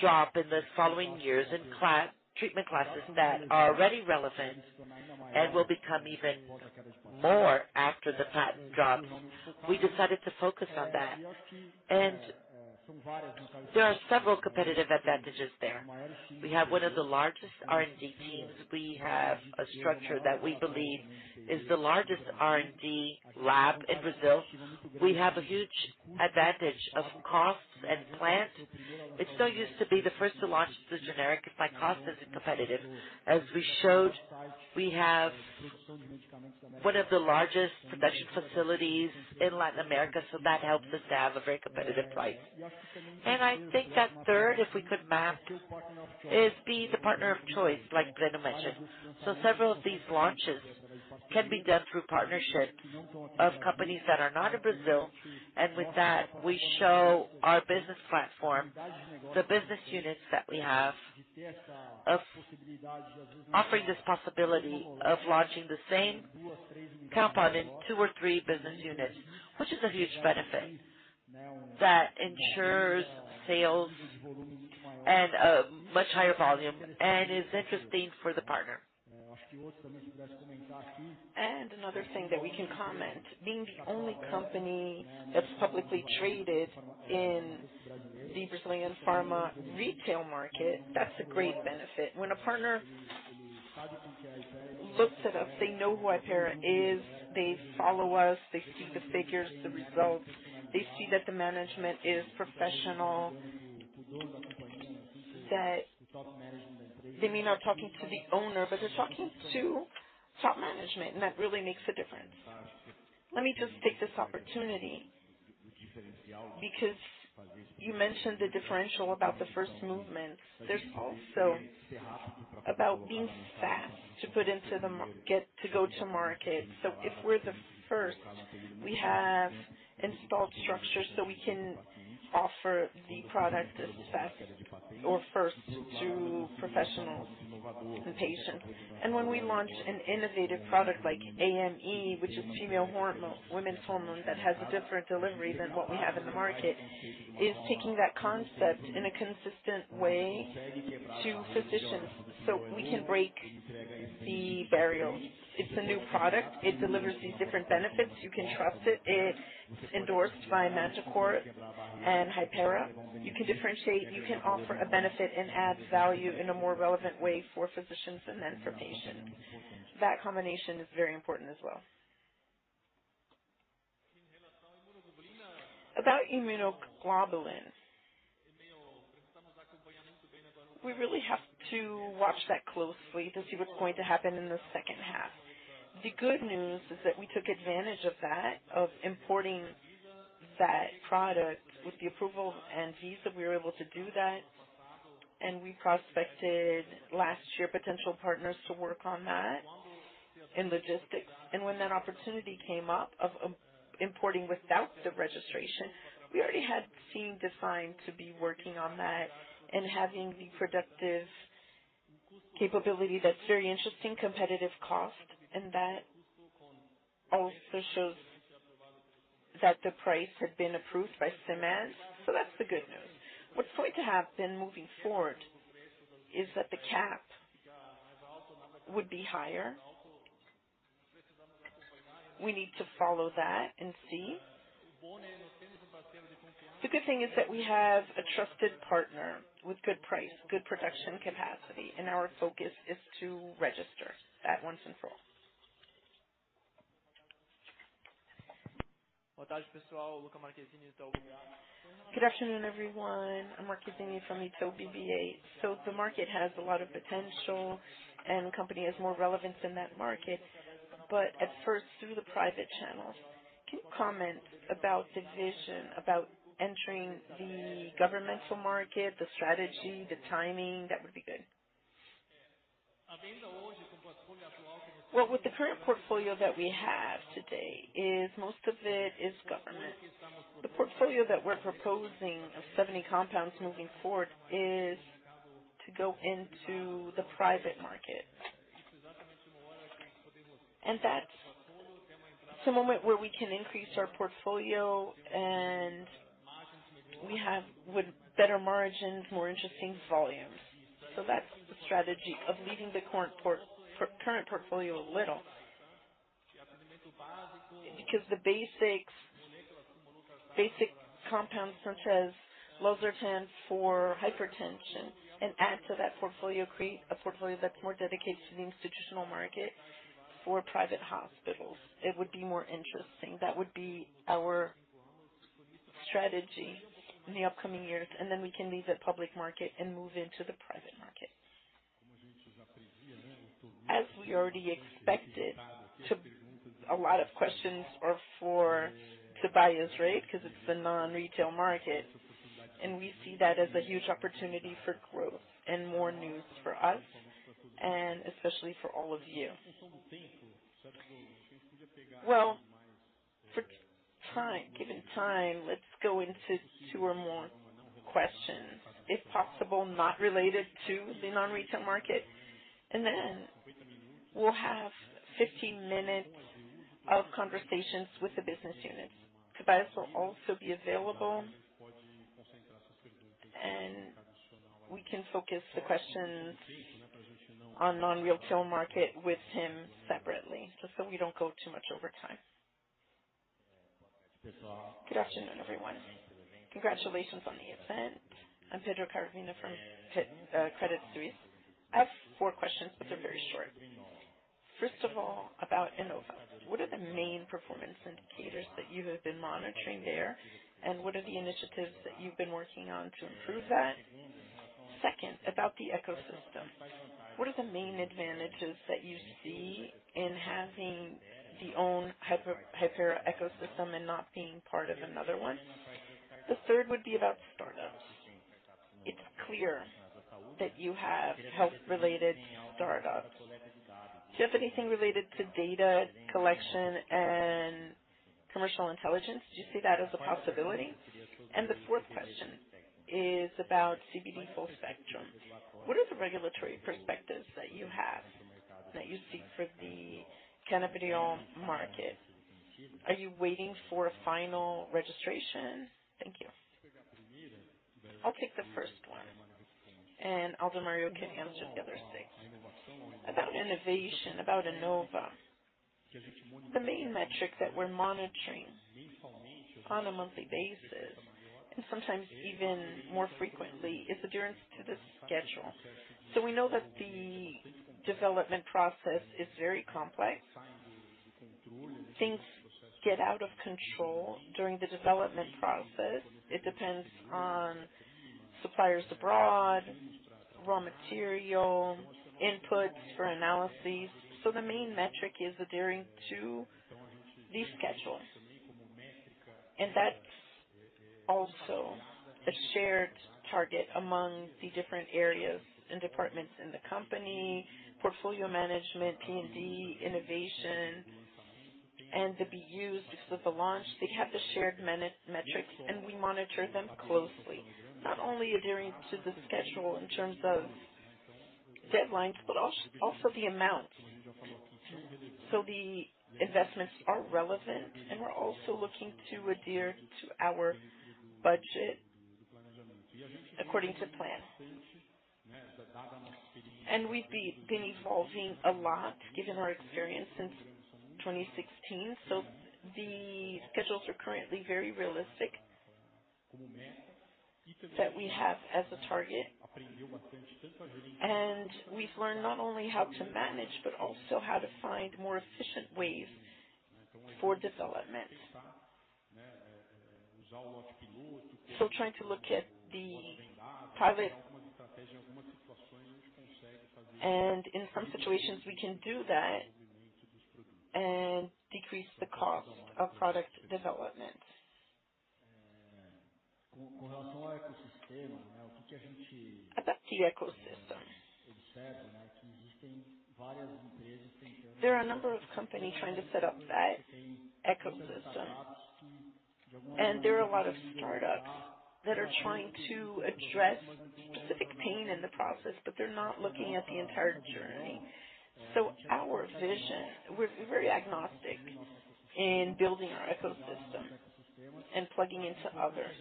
drop in the following years in treatment classes that are already relevant and will become even more after the patent drops, we decided to focus on that. There are several competitive advantages there. We have one of the largest R&D teams. We have a structure that we believe is the largest R&D lab in Brazil. We have a huge advantage of costs and plant. It's no use to be the first to launch the generic if my cost isn't competitive. As we showed, we have one of the largest production facilities in Latin America, so that helps us to have a very competitive price. I think that third, if we could map, is be the partner of choice, like Breno mentioned. Several of these launches can be done through partnership of companies that are not in Brazil. With that, we show our business platform, the business units that we have, of offering this possibility of launching the same compound in two or three business units, which is a huge benefit that ensures sales and a much higher volume and is interesting for the partner. Another thing that we can comment, being the only company that's publicly traded in the Brazilian pharma retail market, that's a great benefit. When a partner looks at us, they know who Hypera is, they follow us, they see the figures, the results, they see that the management is professional, that they may not be talking to the owner, but they're talking to top management, and that really makes a difference. Let me just take this opportunity. You mentioned the differential about the first movement. There's also about being fast to get to market. If we're the first, we have installed structures, so we can offer the product as fast or first to professionals and patients. When we launch an innovative product like Umma, which is female hormone, women's hormone that has a different delivery than what we have in the market, is taking that concept in a consistent way to physicians, so we can break the barrier. It's a new product. It delivers these different benefits. You can trust it. It's endorsed by Mantecorp and Hypera. You can differentiate, you can offer a benefit and add value in a more relevant way for physicians and then for patients. That combination is very important as well. About immunoglobulin. We really have to watch that closely to see what's going to happen in the second half. The good news is that we took advantage of that, of importing that product. With the approval of Anvisa, we were able to do that, and we prospected last year potential partners to work on that in logistics. When that opportunity came up of importing without the registration, we already had a team designed to be working on that and having the productive capability that's a very interesting competitive cost, and that also shows that the price had been approved by CMED. That's the good news. What's going to happen moving forward is that the cap would be higher. We need to follow that and see. The good thing is that we have a trusted partner with good price, good production capacity, and our focus is to register that once and for all. Good afternoon, everyone. I'm Marquinhos from Itaú BBA. The market has a lot of potential and the company has more relevance in that market, but at first, through the private channels. Can you comment about the vision about entering the governmental market, the strategy, the timing? That would be good. Well, with the current portfolio that we have today, most of it is government. The portfolio that we're proposing of 70 compounds moving forward is to go into the private market. That's the moment where we can increase our portfolio, and we have with better margins, more interesting volumes. That's the strategy of leaving the current portfolio a little. Because basic compounds such as Losartan for hypertension and add to that portfolio, create a portfolio that's more dedicated to the institutional market for private hospitals. It would be more interesting. That would be our strategy in the upcoming years, and then we can leave the public market and move into the private market. As we already expected. A lot of questions are for Tobias, right? Because it's the non-retail market, and we see that as a huge opportunity for growth and more news for us, and especially for all of you. Well, given time, let's go into two or more questions, if possible, not related to the non-retail market. We'll have 15 minutes of conversations with the business units. Tobias will also be available, and we can focus the questions on non-retail market with him separately, just so we don't go too much over time. Good afternoon, everyone. Congratulations on the event. I'm Pedro Caravina from Credit Suisse. I have 4 questions, but they're very short. First of all, about Hynova. What are the main performance indicators that you have been monitoring there, and what are the initiatives that you've been working on to improve that? Second, about the ecosystem. What are the main advantages that you see in having our own Hypera ecosystem and not being part of another one? The third would be about startups. It's clear that you have health-related startups. Do you have anything related to data collection and commercial intelligence? Do you see that as a possibility? The fourth question is about CBD full spectrum. What are the regulatory perspectives that you have that you see for the cannabidiol market? Are you waiting for a final registration? Thank you. I'll take the first one, and Adalmario Couto can answer the other six. About innovation, about Hynova. The main metric that we're monitoring on a monthly basis, and sometimes even more frequently, is adherence to the schedule. We know that the development process is very complex. Things get out of control during the development process. It depends on suppliers abroad, raw material, inputs for analyses. The main metric is adhering to the schedule. That's also a shared target among the different areas and departments in the company, portfolio management, R&D, innovation, and to be used for the launch. They have the shared metrics, and we monitor them closely, not only adhering to the schedule in terms of deadlines, but also the amount. The investments are relevant, and we're also looking to adhere to our budget according to plan. We've been evolving a lot given our experience since 2016, the schedules are currently very realistic that we have as a target. We've learned not only how to manage, but also how to find more efficient ways for development. Trying to look at the private. In some situations, we can do that and decrease the cost of product development. About the ecosystem. There are a number of companies trying to set up that ecosystem, and there are a lot of startups that are trying to address specific pain in the process, but they're not looking at the entire journey. Our vision, we're very agnostic in building our ecosystem and plugging into others.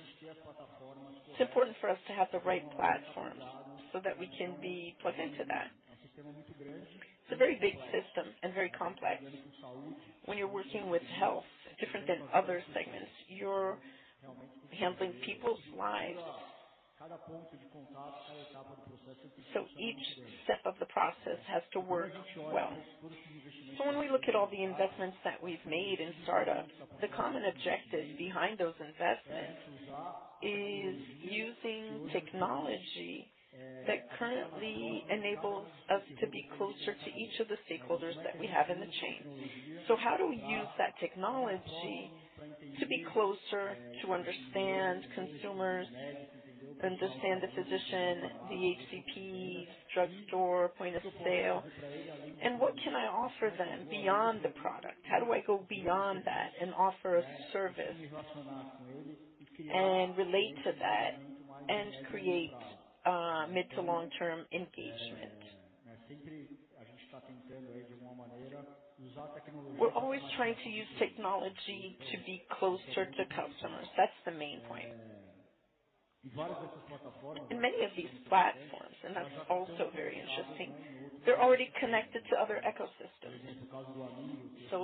It's important for us to have the right platforms so that we can be plugged into that. It's a very big system and very complex. When you're working with health, different than other segments, you're handling people's lives. Each step of the process has to work well. When we look at all the investments that we've made in startups, the common objective behind those investments is using technology that currently enables us to be closer to each of the stakeholders that we have in the chain. How do we use that technology to be closer to understand consumers, understand the physician, the HCP, drugstore, point of sale, and what can I offer them beyond the product? How do I go beyond that and offer a service and relate to that and create mid to long-term engagement? We're always trying to use technology to be closer to customers. That's the main point. In many of these platforms, and that's also very interesting, they're already connected to other ecosystems.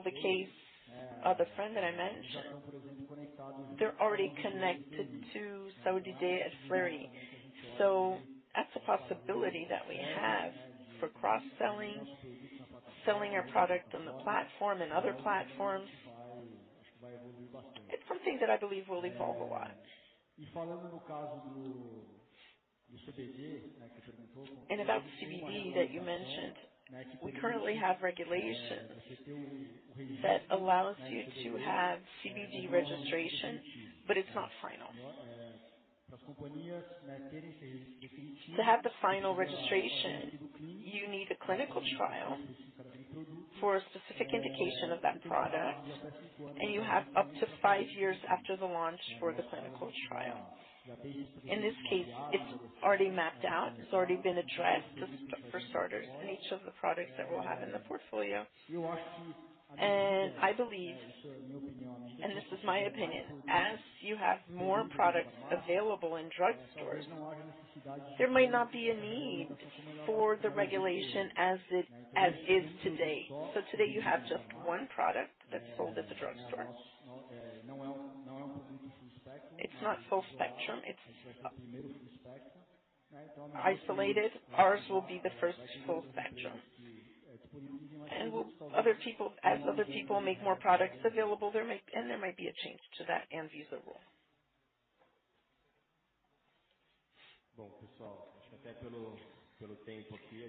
The case of the friend that I mentioned, they're already connected to São José and Fleury. That's a possibility that we have for cross-selling, selling our product on the platform and other platforms. It's something that I believe will evolve a lot. About CBD that you mentioned, we currently have regulations that allows you to have CBD registration, but it's not final. To have the final registration, you need a clinical trial for a specific indication of that product, and you have up to five years after the launch for the clinical trial. In this case, it's already mapped out. It's already been addressed just for starters in each of the products that we'll have in the portfolio. I believe, and this is my opinion, as you have more products available in drugstores, there might not be a need for the regulation as it, as is today. Today you have just one product that's sold at the drugstore. It's not full spectrum. It's isolated. Ours will be the first full spectrum. As other people make more products available, there might be a change to that Anvisa rule.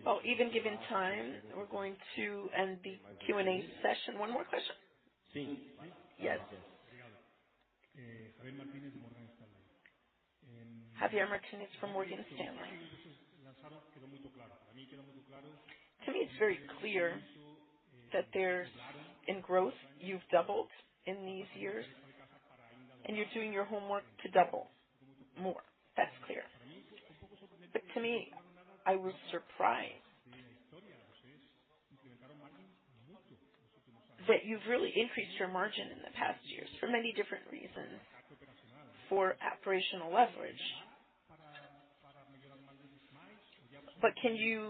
Oh, even given time, we're going to end the Q&A session. One more question. Sí. Yes. Javier Martinez from Morgan Stanley. To me, it's very clear that there's been growth, you've doubled in these years, and you're doing your homework to double more. That's clear. To me, I was surprised that you've really increased your margin in the past years for many different reasons, for operational leverage. Can you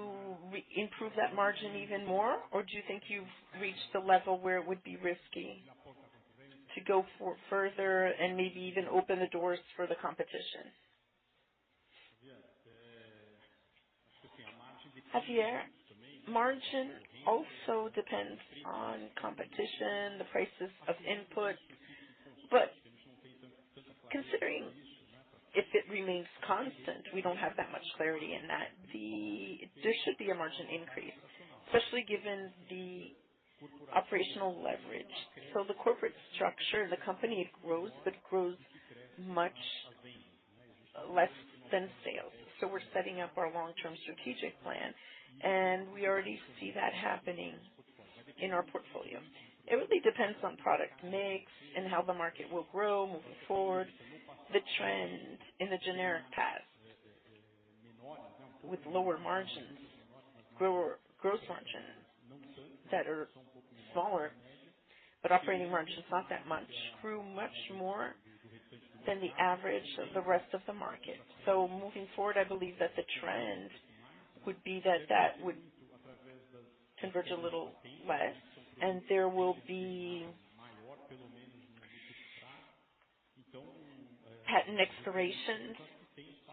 improve that margin even more, or do you think you've reached the level where it would be risky to go further and maybe even open the doors for the competition? Javier, margin also depends on competition, the prices of input. Considering if it remains constant, we don't have that much clarity in that there should be a margin increase, especially given the operational leverage. The corporate structure, the company grows, but grows much less than sales. We're setting up our long-term strategic plan, and we already see that happening in our portfolio. It really depends on product mix and how the market will grow moving forward. The trends in the generic past with lower margins, gross margins that are smaller, but operating margins, not that much, grew much more than the average of the rest of the market. Moving forward, I believe that the trend would be that that would converge a little less, and there will be patent expirations,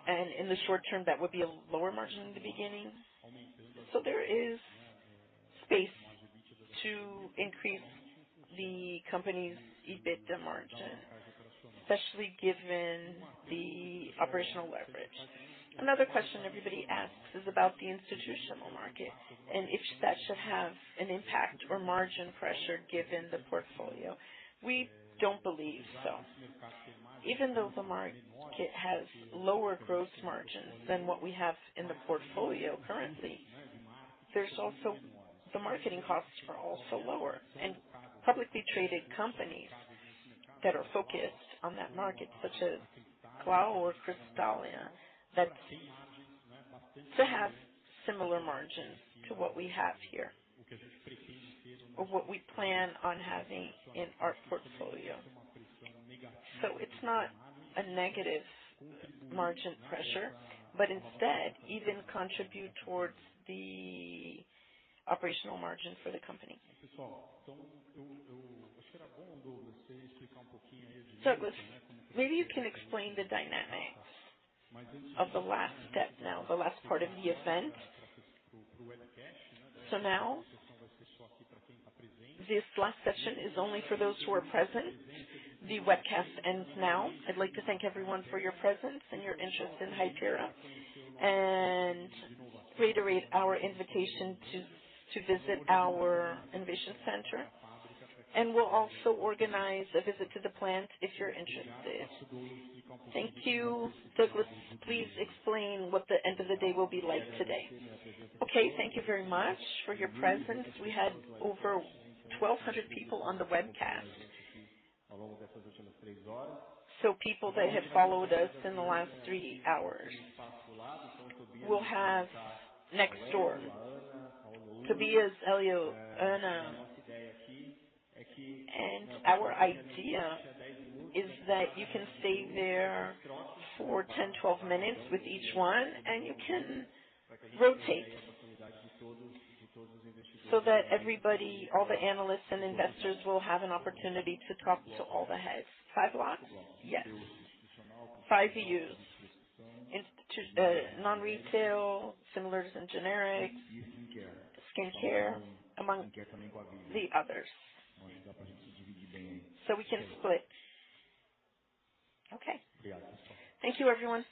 and in the short term, that would be a lower margin in the beginning. There is space to increase the company's EBITDA margin, especially given the operational leverage. Another question everybody asks is about the institutional market, and if that should have an impact or margin pressure given the portfolio. We don't believe so. Even though the market has lower gross margins than what we have in the portfolio currently, there's also the marketing costs are also lower. Publicly traded companies that are focused on that market, such as Blau or Cristália, that's they have similar margins to what we have here or what we plan on having in our portfolio. It's not a negative margin pressure, but instead even contribute towards the operational margin for the company. Douglas, maybe you can explain the dynamics of the last step now, the last part of the event. Now, this last session is only for those who are present. The webcast ends now. I'd like to thank everyone for your presence and your interest in Hypera. Reiterate our invitation to visit our Innovation Center. We'll also organize a visit to the plant if you're interested. Thank you. Douglas, please explain what the end of the day will be like today. Okay, thank you very much for your presence. We had over 1,200 people on the webcast. People that have followed us in the last three hours. We'll have next door, Tobias, Hélio, Ana. Our idea is that you can stay there for 10, 12 minutes with each one, and you can rotate. That everybody, all the analysts and investors will have an opportunity to talk to all the heads. Five lots? Yes. Five of you. Non-retail, similars and generics, skin care, among the others. We can split. Okay. Thank you, everyone.